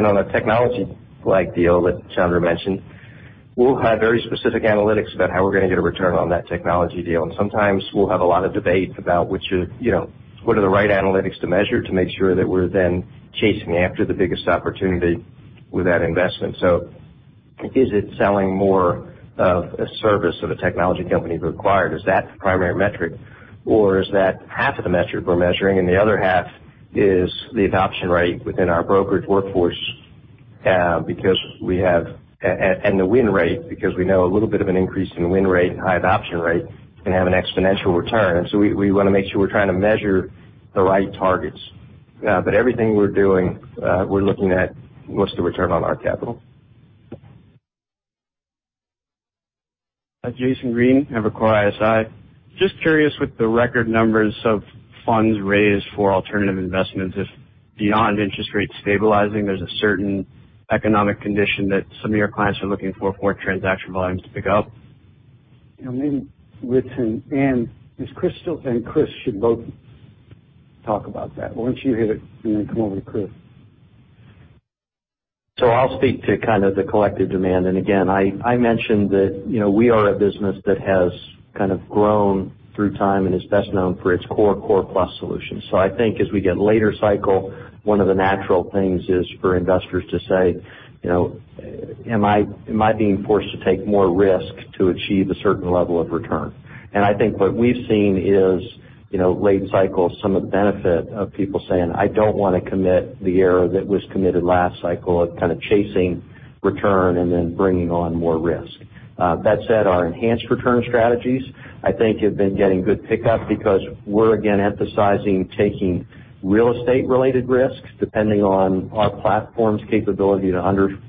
On a technology-like deal that Chandra mentioned, we'll have very specific analytics about how we're going to get a return on that technology deal. Sometimes we'll have a lot of debate about what are the right analytics to measure to make sure that we're then chasing after the biggest opportunity with that investment. Is it selling more of a service that a technology company acquired? Is that the primary metric, or is that half of the metric we're measuring and the other half is the adoption rate within our brokerage workforce, and the win rate, because we know a little bit of an increase in win rate and high adoption rate can have an exponential return. We want to make sure we're trying to measure the right targets. Everything we're doing, we're looking at what's the return on our capital. Jason Green, Evercore ISI. Just curious, with the record numbers of funds raised for alternative investments, if beyond interest rates stabilizing, there's a certain economic condition that some of your clients are looking for transaction volumes to pick up? Maybe Ritson and Chris should both talk about that. Why don't you hit it, and then come over to Chris? I'll speak to kind of the collective demand. Again, I mentioned that we are a business that has kind of grown through time and is best known for its core plus solutions. I think as we get later cycle, one of the natural things is for investors to say, "Am I being forced to take more risk to achieve a certain level of return?" I think what we've seen is, late in cycle, some of the benefit of people saying, "I don't want to commit the error that was committed last cycle of kind of chasing return and then bringing on more risk." That said, our enhanced return strategies, I think, have been getting good pickup because we're again emphasizing taking real estate-related risks depending on our platform's capability to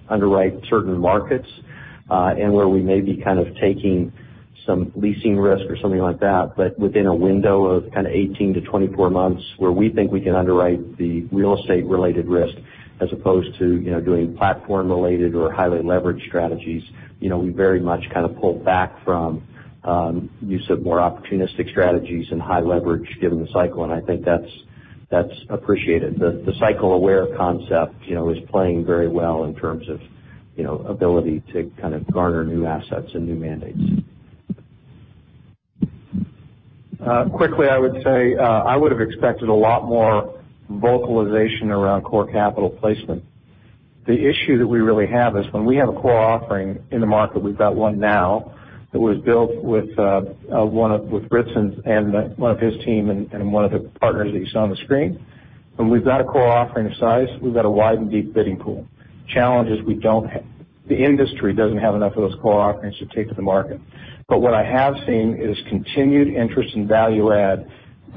underwrite certain markets, and where we may be kind of taking some leasing risk or something like that. Within a window of kind of 18-24 months, where we think we can underwrite the real estate-related risk as opposed to doing platform-related or highly leveraged strategies. We very much kind of pulled back from use of more opportunistic strategies and high leverage given the cycle, and I think that's appreciated. The cycle-aware concept is playing very well in terms of ability to kind of garner new assets and new mandates. Quickly, I would say, I would've expected a lot more vocalization around core capital placement. The issue that we really have is when we have a core offering in the market, we've got one now that was built with Ritson and one of his team and one of the partners that you saw on the screen. When we've got a core offering of size, we've got a wide and deep bidding pool. Challenge is the industry doesn't have enough of those core offerings to take to the market. What I have seen is continued interest in value add.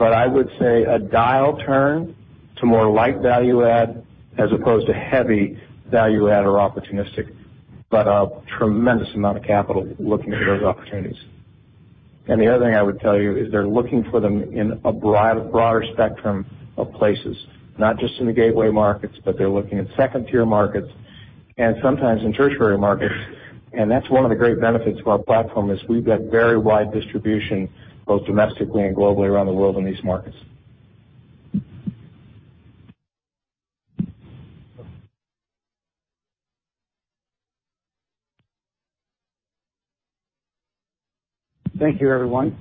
I would say a dial turn to more light value add as opposed to heavy value add or opportunistic. A tremendous amount of capital looking at those opportunities. The other thing I would tell you is they're looking for them in a broader spectrum of places. Not just in the gateway markets, but they're looking at 2nd-tier markets and sometimes in tertiary markets. That's one of the great benefits of our platform, is we've got very wide distribution, both domestically and globally around the world in these markets. Thank you, everyone.